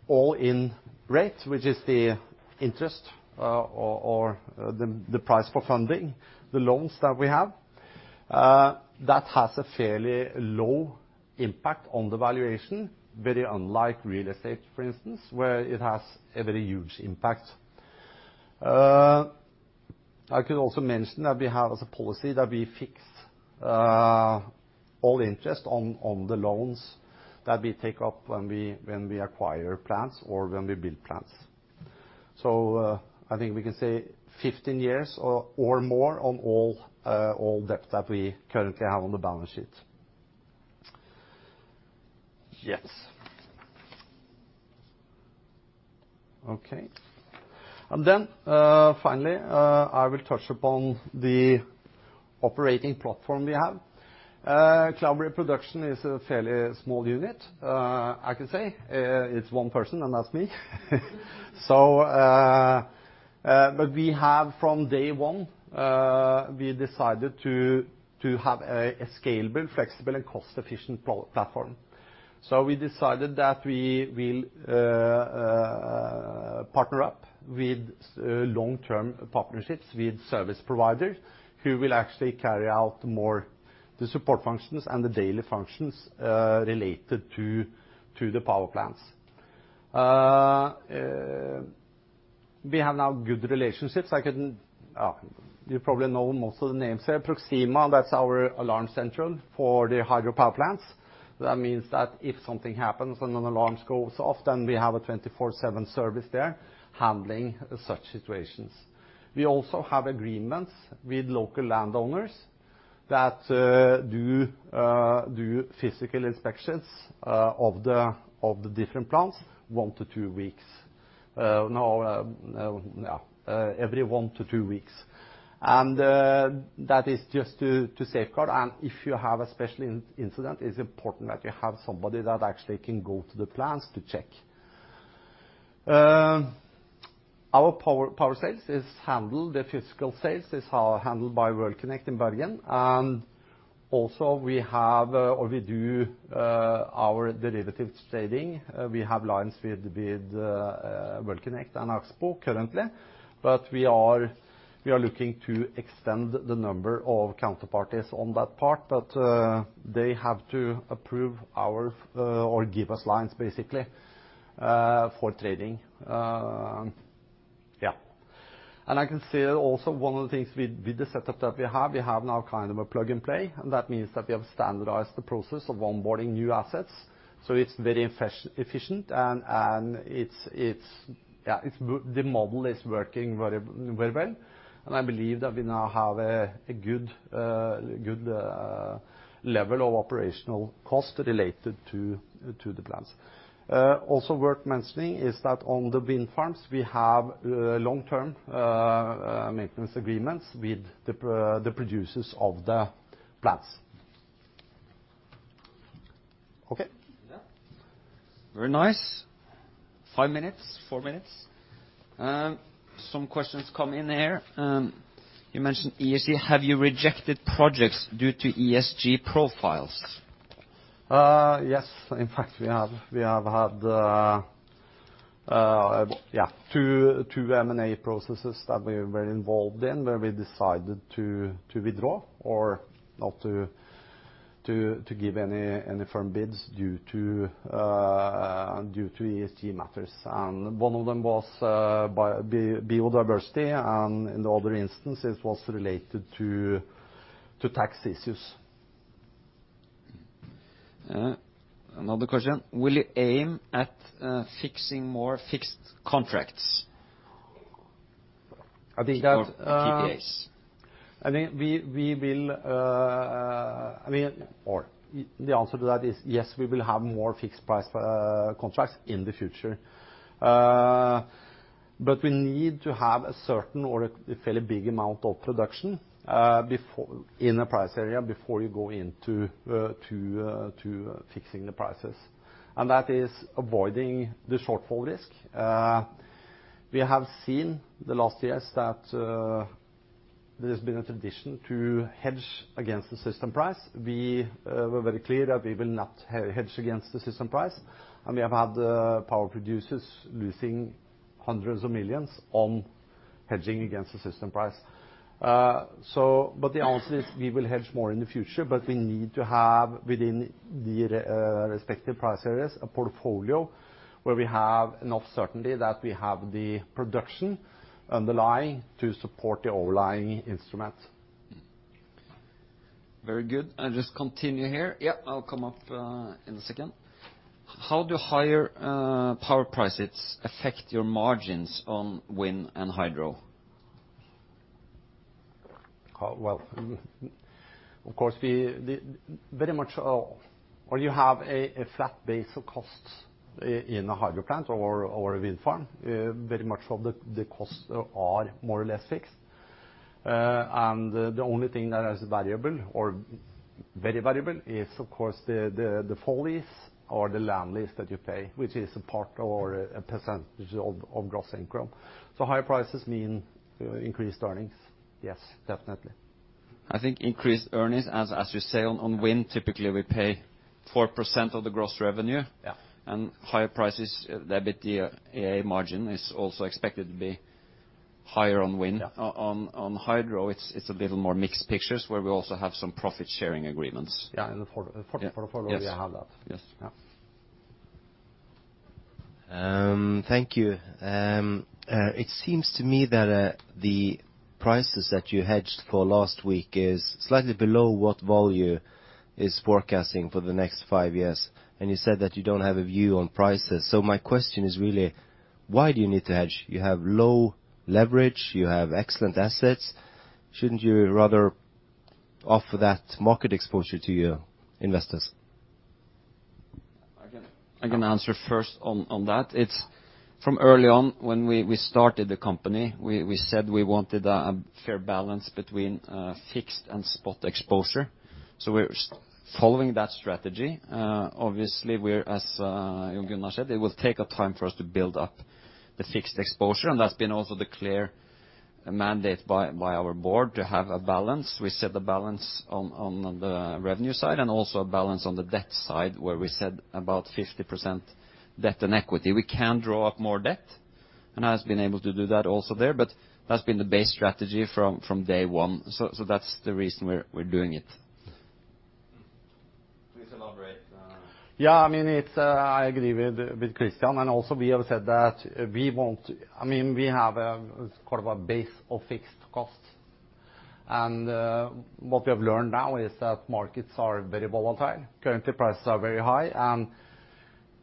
all-in rate, which is the interest or the price for funding the loans that we have. That has a fairly low impact on the valuation, very unlike real estate, for instance, where it has a very huge impact. I could also mention that we have as a policy that we fix all interest on the loans that we take up when we acquire plants or when we build plants. I think we can say 15 years or more on all debt that we currently have on the balance sheet. Yes. Okay. Finally, I will touch upon the operating platform we have. Cloudberry production is a fairly small unit. I can say it's one person, and that's me. But we have from day one we decided to have a scalable, flexible, and cost-efficient platform. We decided that we will partner up with long-term partnerships with service providers who will actually carry out more the support functions and the daily functions related to the power plants. We have now good relationships. I can, you probably know most of the names there. Proxima, that's our alarm central for the hydropower plants. That means that if something happens and an alarm goes off, then we have a 24/7 service there handling such situations. We also have agreements with local landowners that do physical inspections of the different plants every one to two weeks. No, every one to two weeks. That is just to safeguard. If you have a special incident, it's important that you have somebody that actually can go to the plants to check. Our power sales is handled, the physical sales is handled by World Connect in Bergen. Also, we have, or we do, our derivative trading. We have lines with World Connect and Axpo currently. We are looking to extend the number of counterparties on that part, but they have to approve us or give us lines basically for trading. Yeah. I can say that also one of the things with the setup that we have, we have now kind of a plug and play, and that means that we have standardized the process of onboarding new assets, so it's very efficient, and the model is working very, very well. I believe that we now have a good level of operational costs related to the plants. Also worth mentioning is that on the wind farms, we have long-term maintenance agreements with the producers of the plants. Okay. Yeah. Very nice. 5 minutes, 4 minutes. Some questions come in here. You mentioned ESG. Have you rejected projects due to ESG profiles? Yes. In fact, we have. We have had two M&A processes that we were involved in where we decided to withdraw or not to give any firm bids due to ESG matters. One of them was biodiversity, and in the other instance, it was related to tax issues. Another question: Will you aim at fixing more fixed contracts? I think that. PPAs? I think the answer to that is yes, we will have more fixed price contracts in the future. We need to have a certain or a fairly big amount of production before, in a price area, before you go into fixing the prices. That is avoiding the shortfall risk. We have seen the last years that there's been a tradition to hedge against the system price. We were very clear that we will not hedge against the system price, and we have had the power producers losing hundreds of millions NOK on hedging against the system price. The answer is we will hedge more in the future, but we need to have within the respective price areas a portfolio where we have enough certainty that we have the production underlying to support the overlying instruments. Very good. I'll just continue here. Yeah, I'll come up in a second. How do higher power prices affect your margins on wind and hydro? Well, of course, we very much have a flat base of costs in a hydro plant or a wind farm. Very much of the costs are more or less fixed. The only thing that is variable or very variable is of course the land lease that you pay, which is a part or a percentage of gross income. Higher prices mean increased earnings. Yes, definitely. I think increased earnings, as you say, on wind, typically we pay 4% of the gross revenue. Yeah. Higher prices, the EBITDA margin is also expected to be higher on wind. Yeah. On hydro, it's a little more mixed pictures where we also have some profit-sharing agreements. Yeah, in the portfolio. Yes. We have that. Yes. Yeah. Thank you. It seems to me that the prices that you hedged for last week is slightly below what Volue is forecasting for the next five years, and you said that you don't have a view on prices. My question is really why do you need to hedge? You have low leverage. You have excellent assets. Shouldn't you rather offer that market exposure to your investors? I can answer first on that. It's from early on when we started the company, we said we wanted a fair balance between fixed and spot exposure. We're following that strategy. Obviously, we're, as Gunnar said, it will take a time for us to build up the fixed exposure, and that's also been the clear mandate by our board to have a balance. We set a balance on the revenue side and also a balance on the debt side, where we said about 50% debt and equity. We can draw up more debt, and has been able to do that also there, but that's been the base strategy from day one. That's the reason we're doing it. Please elaborate. Yeah, I mean, it's I agree with Christian. Also we have said that I mean, we have a sort of a base of fixed costs. What we have learned now is that markets are very volatile. Currently, prices are very high, and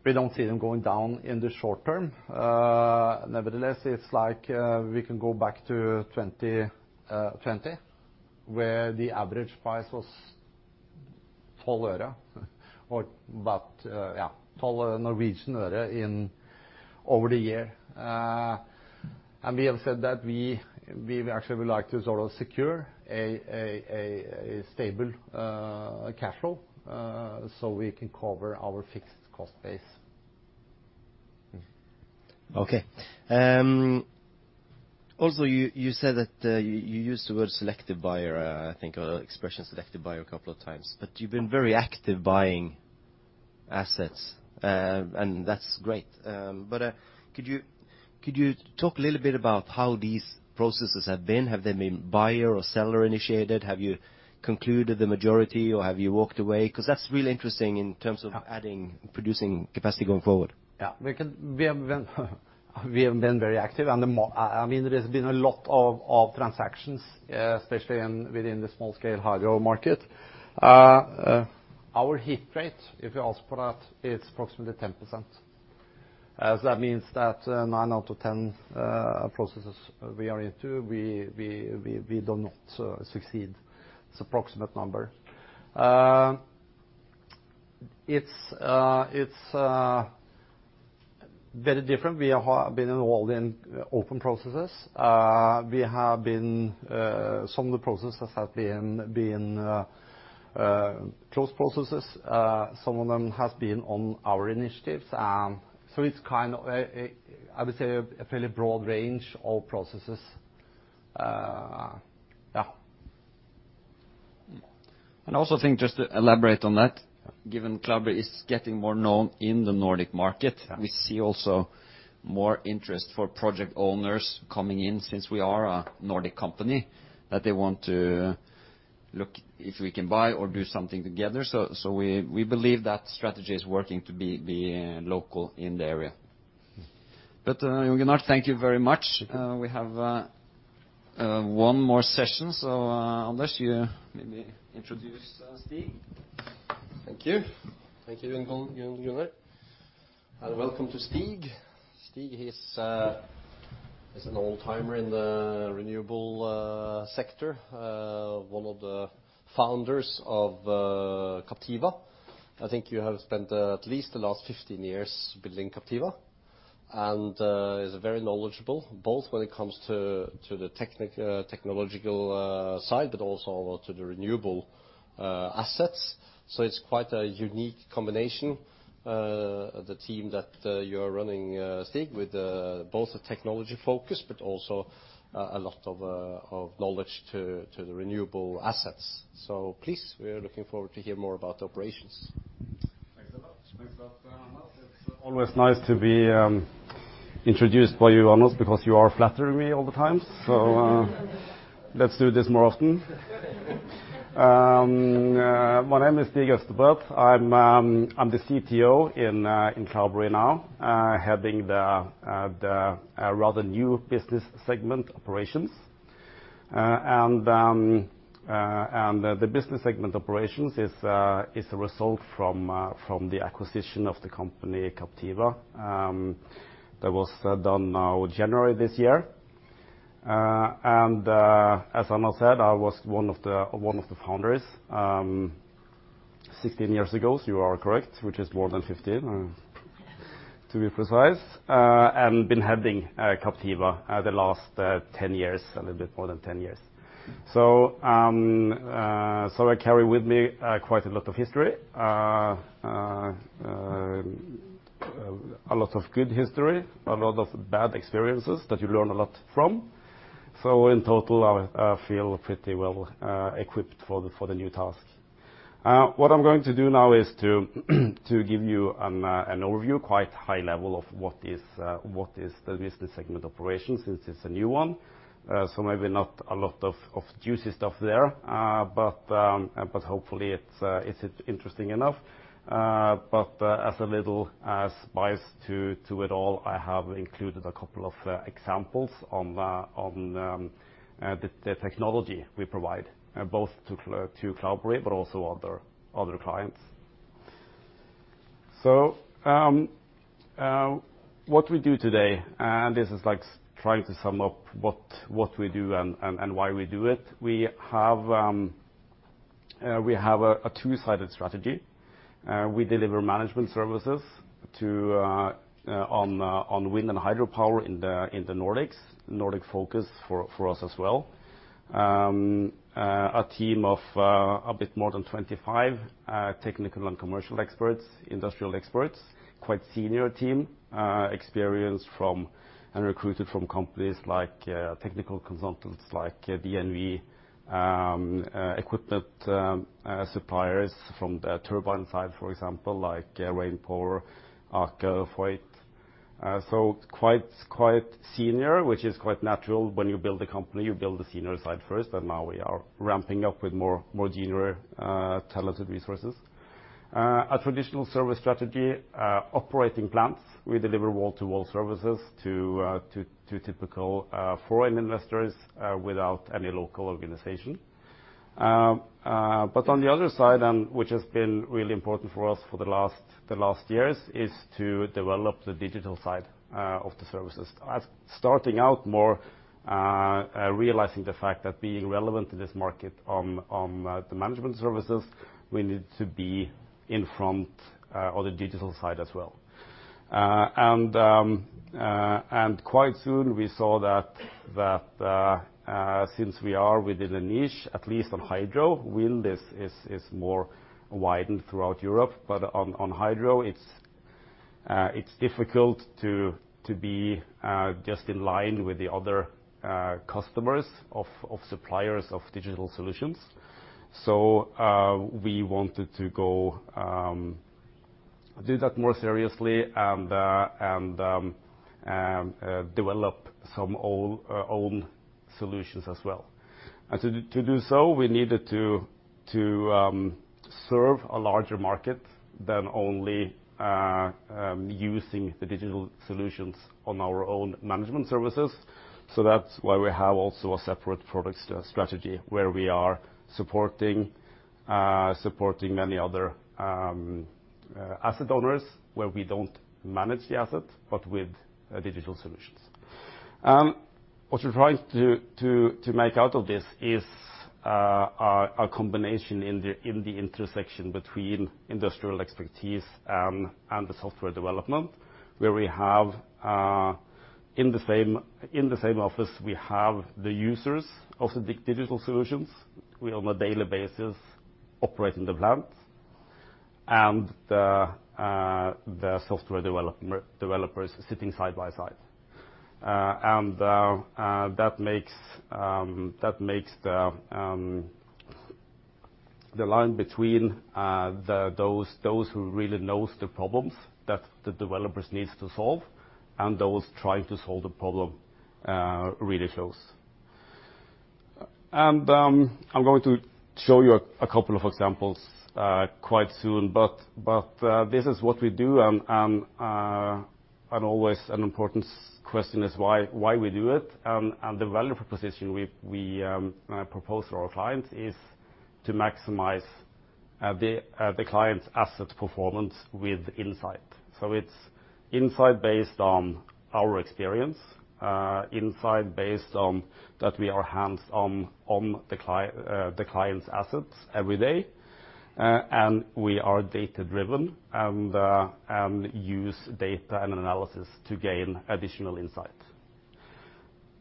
we don't see them going down in the short term. Nevertheless, it's like we can go back to 2020, where the average price was NOK 0.12 or about 12 Norwegian öre over the year. We have said that we actually would like to sort of secure a stable cash flow so we can cover our fixed cost base. Okay. Also you said that you used the word selective buyer, I think, or the expression selective buyer a couple of times. But you've been very active buying assets, and that's great. Could you talk a little bit about how these processes have been? Have they been buyer or seller initiated? Have you concluded the majority or have you walked away? 'Cause that's real interesting in terms of adding producing capacity going forward. We have been very active on the market. I mean, there's been a lot of transactions, especially within the small-scale hydro market. Our hit rate, if you ask for that, is approximately 10%. So that means that, nine out of 10 processes we are into, we do not succeed. It's approximate number. It's very different. We have been involved in open processes. Some of the processes have been close processes. Some of them have been on our initiatives. So it's kind of a I would say a fairly broad range of processes. Yeah. I also think just to elaborate on that, given Cloudberry is getting more known in the Nordic market. Yeah. We see also more interest for project owners coming in since we are a Nordic company, that they want to look if we can buy or do something together. We believe that strategy is working to be local in the area. Gunnar, thank you very much. Thank you. We have one more session, so unless you maybe introduce Stig. Thank you. Thank you, Jon-Gunnar. Welcome to Stig. Stig is an old-timer in the renewable sector. One of the founders of Captiva. I think you have spent at least the last 15 years building Captiva, and is very knowledgeable both when it comes to the technological side, but also to the renewable assets. It's quite a unique combination, the team that you're running, Stig, with both the technology focus but also a lot of knowledge to the renewable assets. Please, we're looking forward to hear more about the operations. Thanks a lot. Thanks a lot, Anders. It's always nice to be introduced by you, Anders, because you are flattering me all the time. Let's do this more often. My name is Stig J. Østebrøt. I'm the Chief Technology Officer in Cloudberry now, heading the rather new business segment operations. The business segment operations is a result from the acquisition of the company Captiva that was done now January this year. As Anders said, I was one of the founders 16 years ago. You are correct, which is more than 15, to be precise. Been heading Captiva the last 10 years, a little bit more than 10 years. I carry with me quite a lot of history. A lot of good history, a lot of bad experiences that you learn a lot from. In total, I feel pretty well equipped for the new task. What I'm going to do now is to give you an overview, quite high level of what is the business segment operations, since it's a new one. Maybe not a lot of juicy stuff there, but hopefully it's interesting enough. As a little spice to it all, I have included a couple of examples on the technology we provide both to Cloudberry but also other clients. What we do today, and this is like trying to sum up what we do and why we do it. We have a two-sided strategy. We deliver management services to owners of wind and hydropower in the Nordics. Nordic focus for us as well. A team of a bit more than 25 technical and commercial experts, industrial experts. Quite senior team, experienced from and recruited from companies like technical consultants like DNV, equipment suppliers from the turbine side, for example, like Rainpower, Aker, Voith. Quite senior, which is quite natural when you build a company. You build the senior side first, and now we are ramping up with more junior talented resources. A traditional service strategy, operating plants. We deliver wall-to-wall services to typical foreign investors without any local organization. On the other side, which has been really important for us for the last years, is to develop the digital side of the services. Realizing the fact that being relevant in this market on the management services, we need to be in front on the digital side as well. Quite soon we saw that since we are within a niche, at least on hydro, wind is more widespread throughout Europe, but on hydro, it's difficult to be just in line with the other customers of suppliers of digital solutions. We wanted to go do that more seriously and develop some own solutions as well. To do so, we needed to serve a larger market than only using the digital solutions on our own management services. That's why we have also a separate product strategy where we are supporting many other asset owners where we don't manage the asset but with digital solutions. What we're trying to make out of this is a combination in the intersection between industrial expertise and the software development, where we have in the same office we have the users of the digital solutions. We on a daily basis operating the plant. The software developers sitting side by side. That makes the line between those who really knows the problems that the developers needs to solve and those trying to solve the problem really close. I'm going to show you a couple of examples quite soon. This is what we do, and always an important question is why we do it. The value proposition we propose to our clients is to maximize the client's asset performance with insight. It's insight based on our experience, insight based on that we are hands-on on the client's assets every day. We are data-driven and use data and analysis to gain additional insight.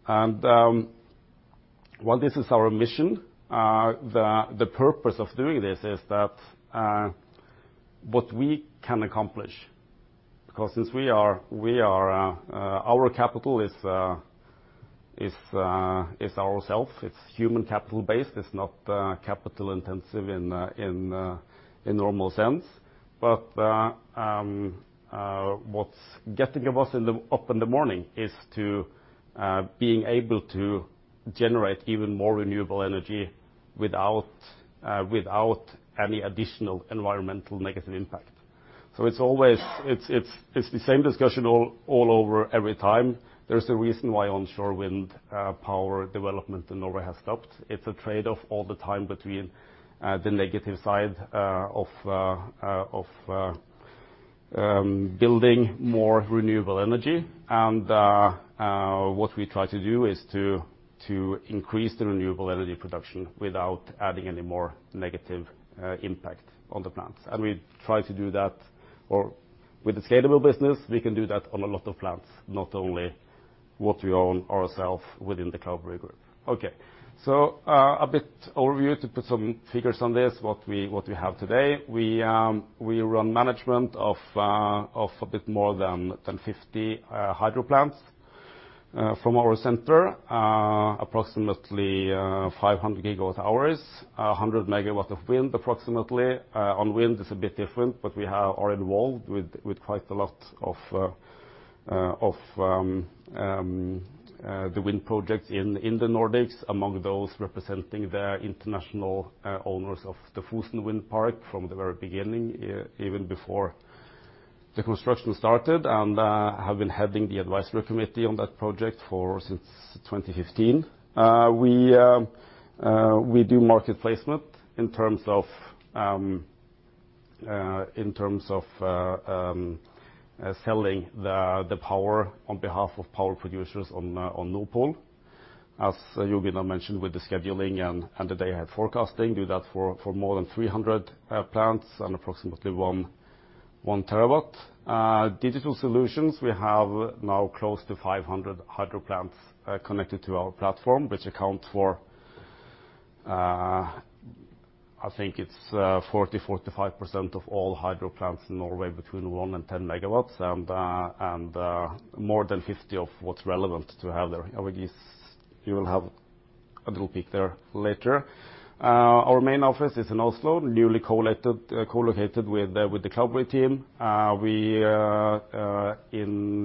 While this is our mission, the purpose of doing this is that what we can accomplish, because since we are our capital is ourselves, it's human capital-based. It's not capital-intensive in normal sense. What's getting us up in the morning is being able to generate even more renewable energy without any additional environmental negative impact. It's always the same discussion all over every time. There's a reason why onshore wind power development in Norway has stopped. It's a trade-off all the time between the negative side of the wind project in the Nordics, among those representing the international owners of the Fosen Vind from the very beginning, even before the construction started, and have been heading the advisory committee on that project since 2015. We do market placement in terms of selling the power on behalf of power producers on Nord Pool. As Jon Gunnar mentioned with the scheduling and the day-ahead forecasting, do that for more than 300 plants and approximately one terawatt. Digital solutions, we have now close to 500 hydro plants connected to our platform, which account for, I think it's, 40%-45% of all hydro plants in Norway between one and 10 MW, and more than 50 of what's relevant to have there. I would guess you will have a little peek there later. Our main office is in Oslo, newly co-located with the Cloudberry team.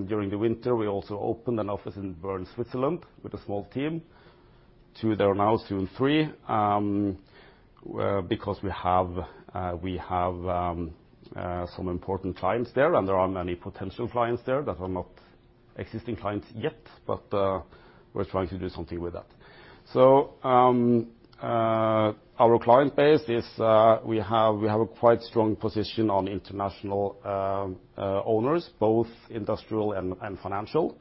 During the winter, we also opened an office in Bern, Switzerland with a small team. two there now, soon three, because we have some important clients there and there are many potential clients there that are not existing clients yet, but we're trying to do something with that. Our client base is, we have a quite strong position on international owners, both industrial and financial,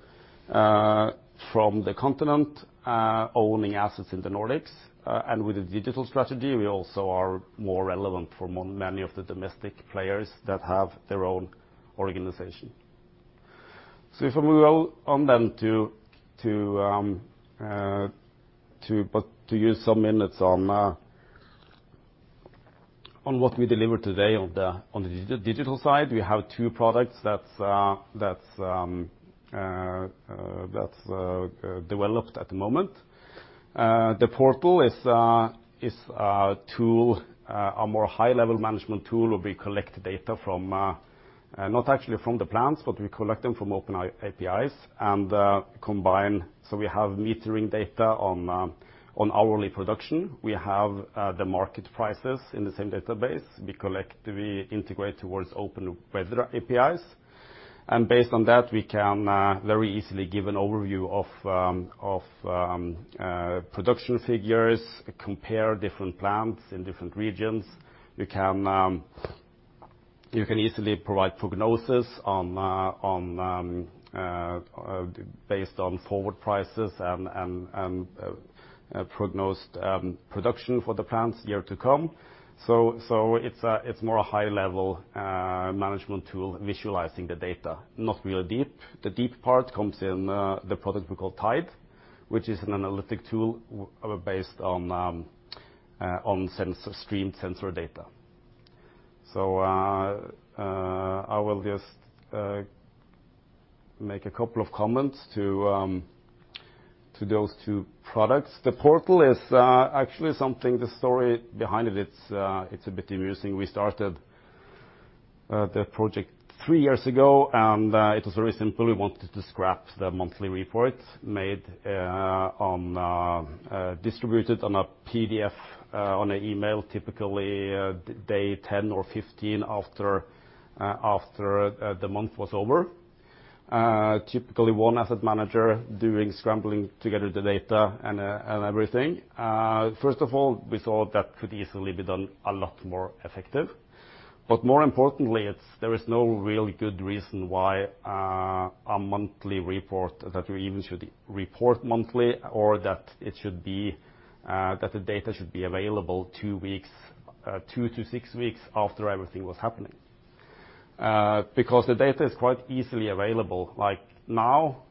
from the continent, owning assets in the Nordics. With the digital strategy, we also are more relevant for many of the domestic players that have their own organization. If I move on to use some minutes on what we delivered today on the digital side, we have two products that's developed at the moment. The portal is a tool, a more high-level management tool where we collect data from, not actually from the plants, but we collect them from open APIs and combine. We have metering data on hourly production. We have the market prices in the same database. We integrate towards open weather APIs. Based on that, we can very easily give an overview of production figures, compare different plants in different regions. You can easily provide prognosis based on forward prices and prognosed production for the plants year to come. It's more a high-level management tool, visualizing the data, not real deep. The deep part comes in the product we call Tyde, which is an analytic tool based on sensor stream sensor data. I will just make a couple of comments to those two products. The portal is actually something, the story behind it's a bit amusing. We started the project three years ago, and it was very simple. We wanted to scrap the monthly report distributed on a PDF on an email, typically day 10 or 15 after the month was over. Typically one asset manager doing scrambling to gather the data and everything. First of all, we thought that could easily be done a lot more effective. More importantly, it is. There is no really good reason why a monthly report, that we even should report monthly or that it should be that the data should be available two to six weeks after everything was happening. Because the data is quite easily available. Like now,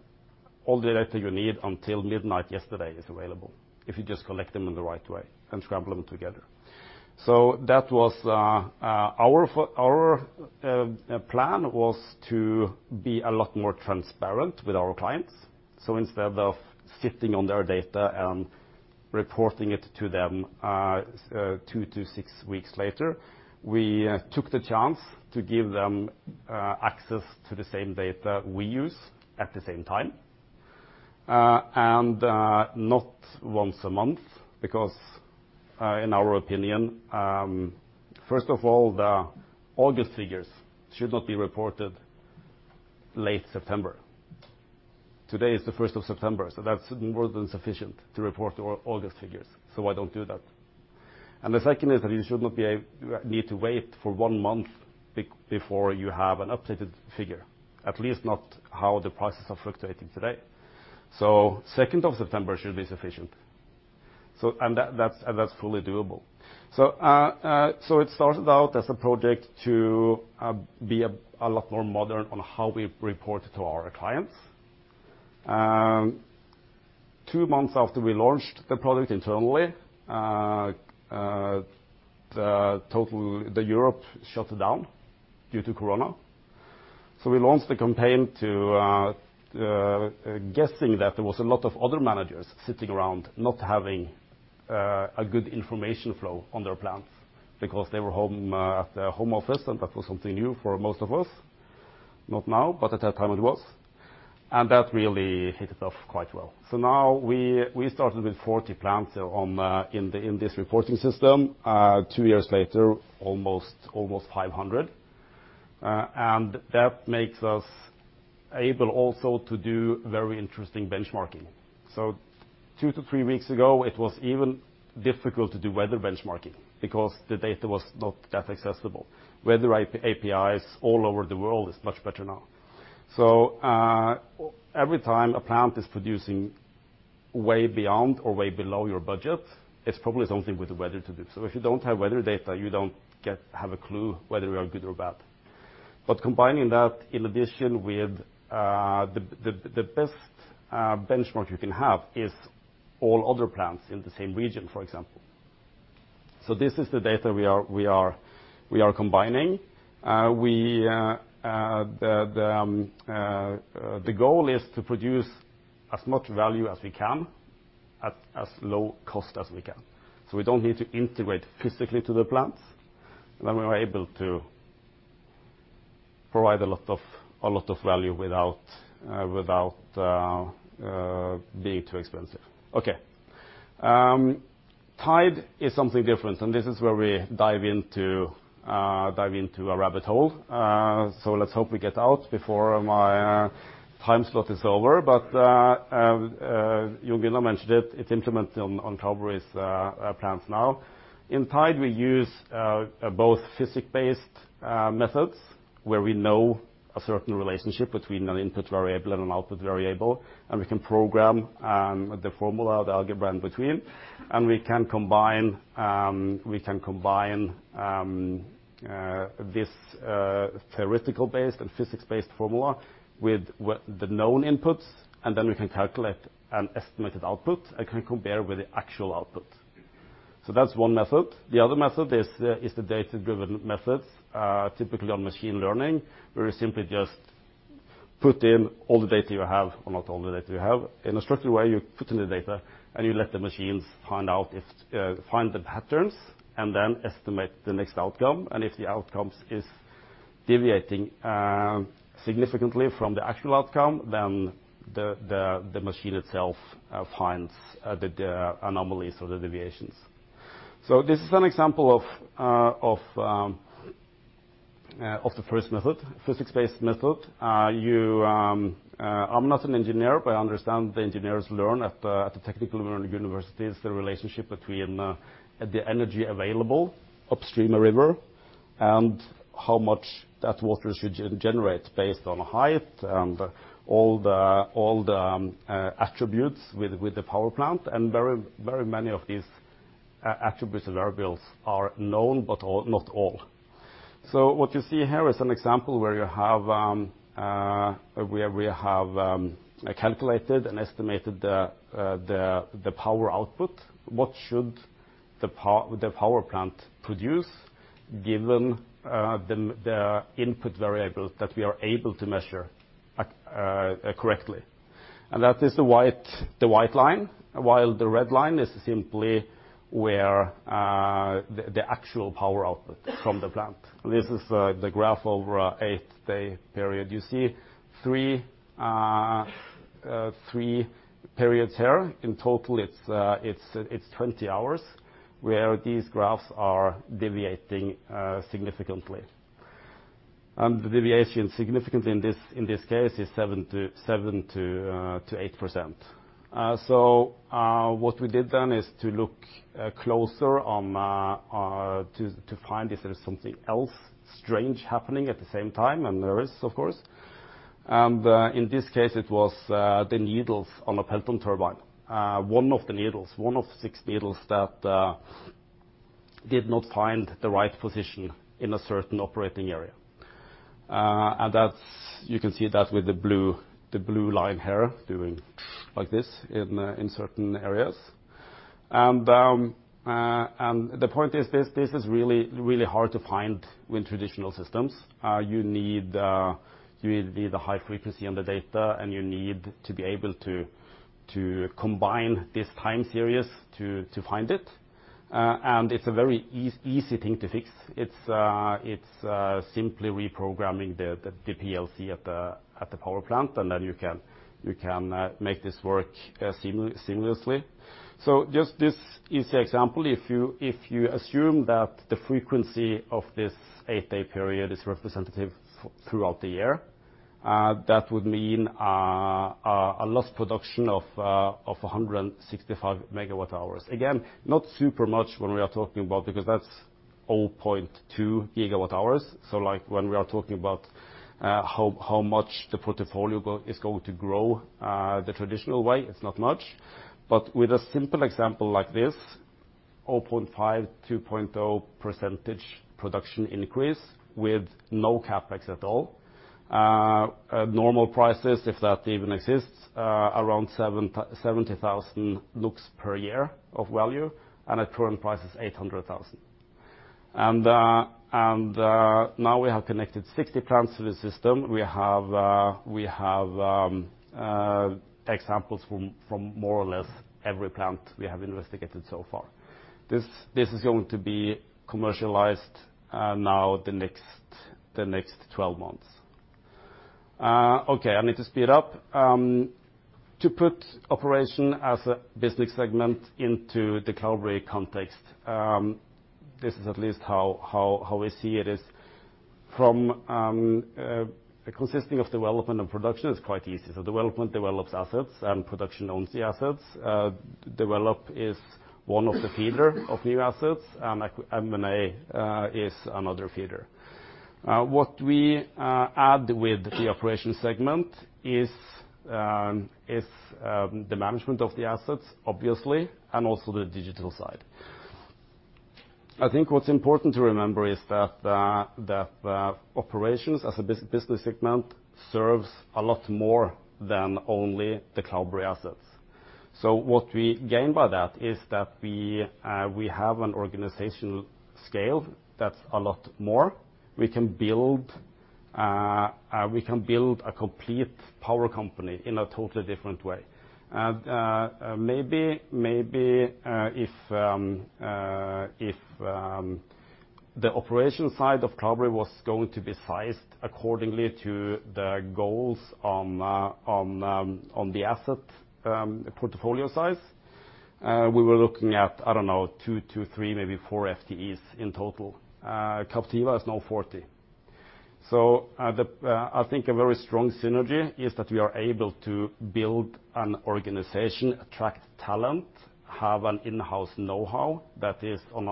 all the data you need until midnight yesterday is available if you just collect them in the right way and scramble them together. That was our plan to be a lot more transparent with our clients. Instead of sitting on their data and reporting it to them two to six weeks later, we took the chance to give them access to the same data we use at the same time. Not once a month, because in our opinion, first of all, the August figures should not be reported late September. Today is the first of September, so that's more than sufficient to report our August figures. Why don't do that. The second is that you should not need to wait for one month before you have an updated figure, at least not how the prices are fluctuating today. Second of September should be sufficient. That's fully doable. It started out as a project to be a lot more modern on how we report to our clients. Two months after we launched the product internally, the whole Europe shut down due to Corona. We launched a campaign guessing that there was a lot of other managers sitting around not having a good information flow on their plants because they were home at their home office, and that was something new for most of us. Not now, but at that time it was. That really hit it off quite well. Now we started with 40 plants in this reporting system. Two years later, almost 500. That makes us able also to do very interesting benchmarking. Two to three weeks ago, it was even difficult to do weather benchmarking because the data was not that accessible. Weather APIs all over the world is much better now. Every time a plant is producing way beyond or way below your budget, it's probably something with the weather to do. If you don't have weather data, you don't have a clue whether you are good or bad. Combining that in addition with the best benchmark you can have is all other plants in the same region, for example. This is the data we are combining. The goal is to produce as much value as we can at as low cost as we can. We don't need to integrate physically to the plants, and then we are able to provide a lot of value without being too expensive. Okay. Tyde is something different, and this is where we dive into a rabbit hole. Let's hope we get out before my time slot is over. Jon Gunnar mentioned it. It's implemented on Talvori's plants now. In Tyde, we use both physics-based methods, where we know a certain relationship between an input variable and an output variable, and we can program the formula, the algebra in between. We can combine this theoretical-based and physics-based formula with the known inputs, and then we can calculate an estimated output and can compare with the actual output. That's one method. The other method is the data-driven methods, typically on machine learning, where you simply just put in all the data you have or not all the data you have. In a structured way, you put in the data, and you let the machines find the patterns and then estimate the next outcome. If the outcomes is deviating significantly from the actual outcome, then the machine itself finds the anomalies or the deviations. This is an example of the first method, physics-based method. I'm not an engineer, but I understand the engineers learn at the technical learning universities the relationship between the energy available upstream a river and how much that water should generate based on height and all the attributes with the power plant. Very, very many of these attributes and variables are known, but not all. What you see here is an example where we have calculated and estimated the power output. What should the power plant produce given the input variables that we are able to measure accurately? That is the white line, while the red line is simply the actual power output from the plant. This is the graph over an eight-day period. You see three periods here. In total, it's 20 hours where these graphs are deviating significantly. The deviation, significantly in this case, is 7%-8%. What we did then is to look closer into to find if there's something else strange happening at the same time, and there is, of course. In this case, it was the needles on a Pelton turbine. One of the needles, one of six needles that did not find the right position in a certain operating area. That's. You can see that with the blue line here doing like this in certain areas. The point is this is really hard to find with traditional systems. You need the high frequency on the data, and you need to be able to combine this time series to find it. It's a very easy thing to fix. It's simply reprogramming the PLC at the power plant, and then you can make this work seamlessly. Just this easy example, if you assume that the frequency of this eight-day period is representative throughout the year, that would mean a lost production of 165 MWh. Again, not super much when we are talking about because that's 0.2 GWh. Like, when we are talking about how much the portfolio is going to grow the traditional way, it's not much. With a simple example like this, 0.5-2.0% production increase with no CapEx at all. At normal prices, if that even exists, around 70,000 per year of value. At current prices, 800,000. Now we have connected 60 plants to the system. We have examples from more or less every plant we have investigated so far. This is going to be commercialized now the next 12 months. Okay, I need to speed up. To put operation as a business segment into the Cloudberry context, this is at least how we see it is from consisting of development and production is quite easy. Development develops assets, and production owns the assets. Development is one of the feeder of new assets, and M&A is another feeder. What we add with the operation segment is the management of the assets, obviously, and also the digital side. I think what's important to remember is that the operations as a business segment serves a lot more than only the Cloudberry assets. What we gain by that is that we have an organizational scale that's a lot more. We can build a complete power company in a totally different way. Maybe if the operation side of Cloudberry was going to be sized accordingly to the goals on the asset portfolio size, we were looking at, I don't know, two to three, maybe 4 FTEs in total. Captiva has now 40. I think a very strong synergy is that we are able to build an organization, attract talent, have an in-house know-how that is on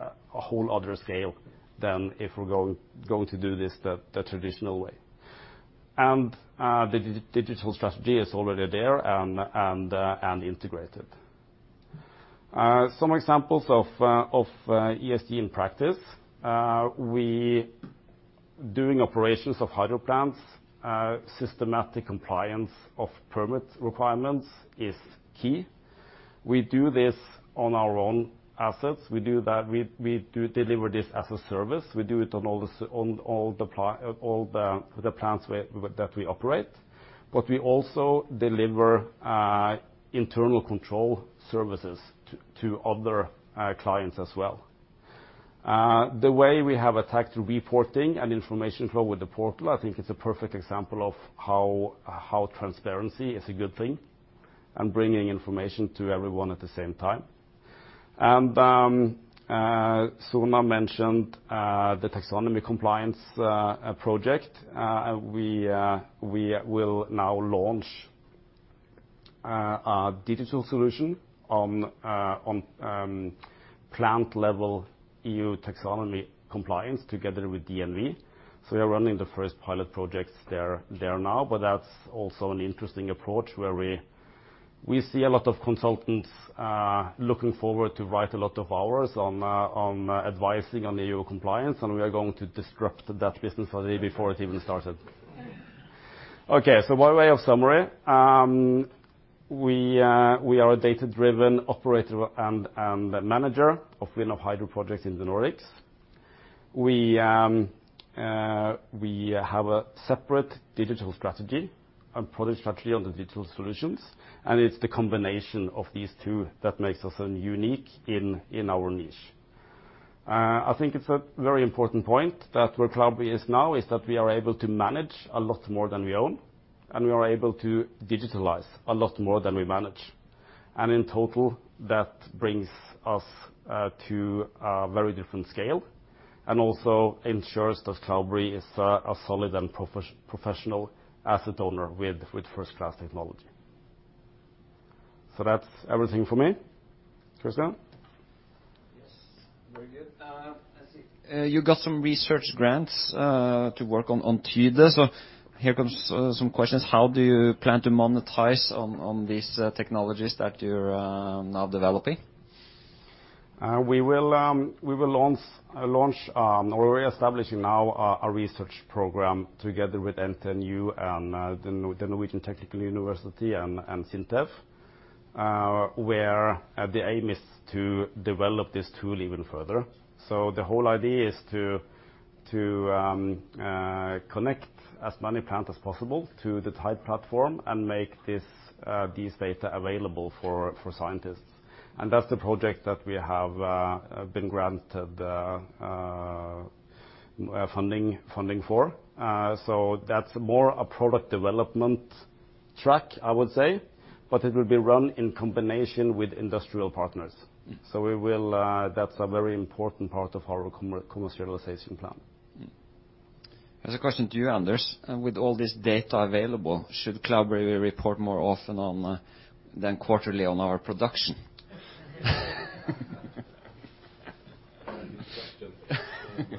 a whole other scale than if we're going to do this the traditional way. The digital strategy is already there and integrated. Some examples of ESG in practice. We're doing operations of hydro plants, systematic compliance of permit requirements is key. We do this on our own assets. We do that. We do deliver this as a service. We do it on all the plants with that we operate. We also deliver internal control services to other clients as well. The way we have attacked reporting and information flow with the portal, I think it's a perfect example of how transparency is a good thing, and bringing information to everyone at the same time. Suna mentioned the taxonomy compliance project. We will now launch a digital solution on plant level EU Taxonomy compliance together with DNV. We are running the first pilot projects there now, but that's also an interesting approach where we see a lot of consultants looking forward to write a lot of hours on advising on the EU compliance, and we are going to disrupt that business really before it even started. Okay. By way of summary, we are a data-driven operator and manager of wind and hydro projects in the Nordics. We have a separate digital strategy and product strategy on the digital solutions, and it's the combination of these two that makes us unique in our niche. I think it's a very important point that where Cloudberry is now is that we are able to manage a lot more than we own, and we are able to digitalize a lot more than we manage. In total, that brings us to a very different scale, and also ensures that Cloudberry is a solid and professional asset owner with first-class technology. That's everything for me. Christian? Yes. Very good. I see you got some research grants to work on Tyde. Here comes some questions. How do you plan to monetize on these technologies that you're now developing? We will launch or we're establishing now a research program together with NTNU and the Norwegian University of Science and Technology and SINTEF. Where the aim is to develop this tool even further. The whole idea is to connect as many plants as possible to the Tyde platform and make these data available for scientists. That's the project that we have been granted funding for. That's more a product development track, I would say, but it will be run in combination with industrial partners. Mm. That's a very important part of our commercialization plan. As a question to you, Anders, with all this data available, should Cloudberry report more often than quarterly on our production? Good question. It's a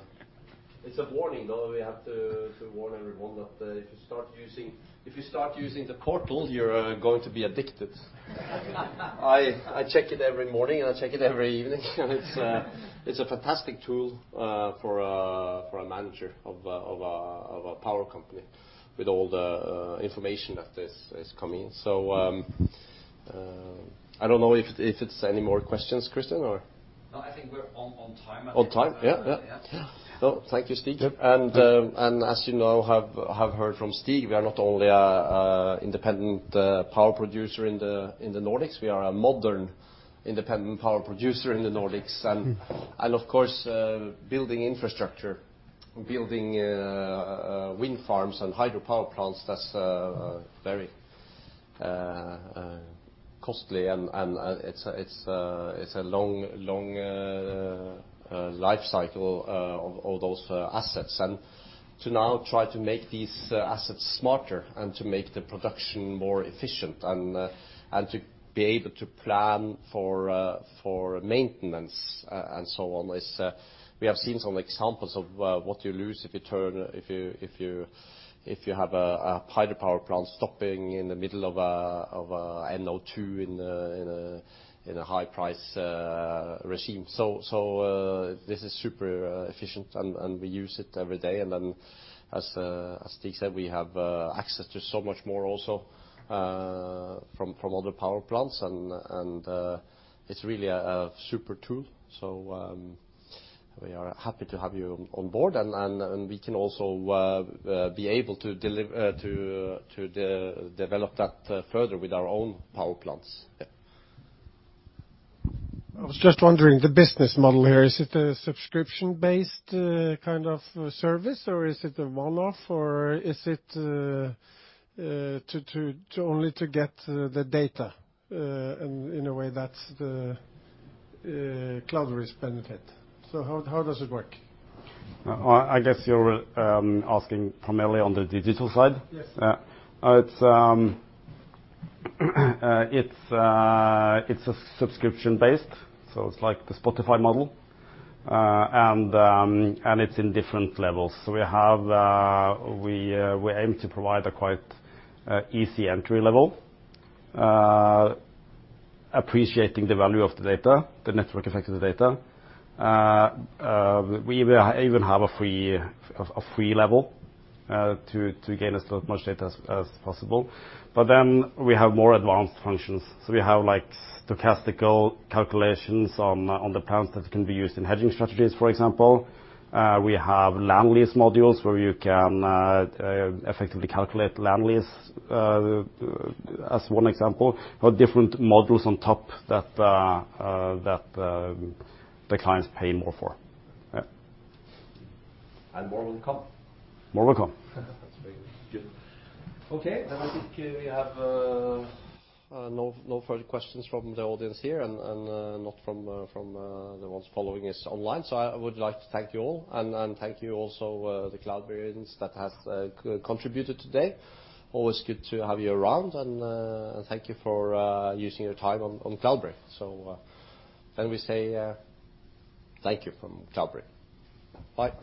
warning, though. We have to warn everyone that if you start using the portal, you're going to be addicted. I check it every morning, and I check it every evening. It's a fantastic tool for a manager of a power company with all the information that is coming. I don't know if it's any more questions, Christian, or? No, I think we're on time, I think. On time? Yeah. Yeah. Yeah. Well, thank you, Stig. Yep. As you now have heard from Stig, we are not only a independent power producer in the Nordics, we are a modern independent power producer in the Nordics. Mm. Of course, building infrastructure, wind farms and hydropower plants, that's very costly and it's a long life cycle of all those assets. To now try to make these assets smarter and to make the production more efficient and to be able to plan for maintenance and so on is. We have seen some examples of what you lose if you have a hydropower plant stopping in the middle of a now in a high-price regime. This is super efficient, and we use it every day. As Stig said, we have access to so much more also from other power plants. It's really a super tool. We are happy to have you on board. We can also be able to develop that further with our own power plants. Yeah. I was just wondering, the business model here, is it a subscription-based kind of service, or is it a one-off, or is it to only get the data in a way that's to Cloudberry's benefit? How does it work? I guess you're asking primarily on the digital side. Yes. It's a subscription-based, so it's like the Spotify model. It's in different levels. We aim to provide a quite easy entry level, appreciating the value of the data, the network effect of the data. We even have a free level to gain as much data as possible. We have more advanced functions. We have like statistical calculations on the plants that can be used in hedging strategies, for example. We have land lease modules where you can effectively calculate land lease, as one example. Different modules on top that the clients pay more for. Yeah. More will come. More will come. That's very good. Okay. I think we have no further questions from the audience here and not from the ones following us online. I would like to thank you all. Thank you also the Cloudberrians that has contributed today. Always good to have you around. Thank you for using your time on Cloudberry. We say thank you from Cloudberry. Bye.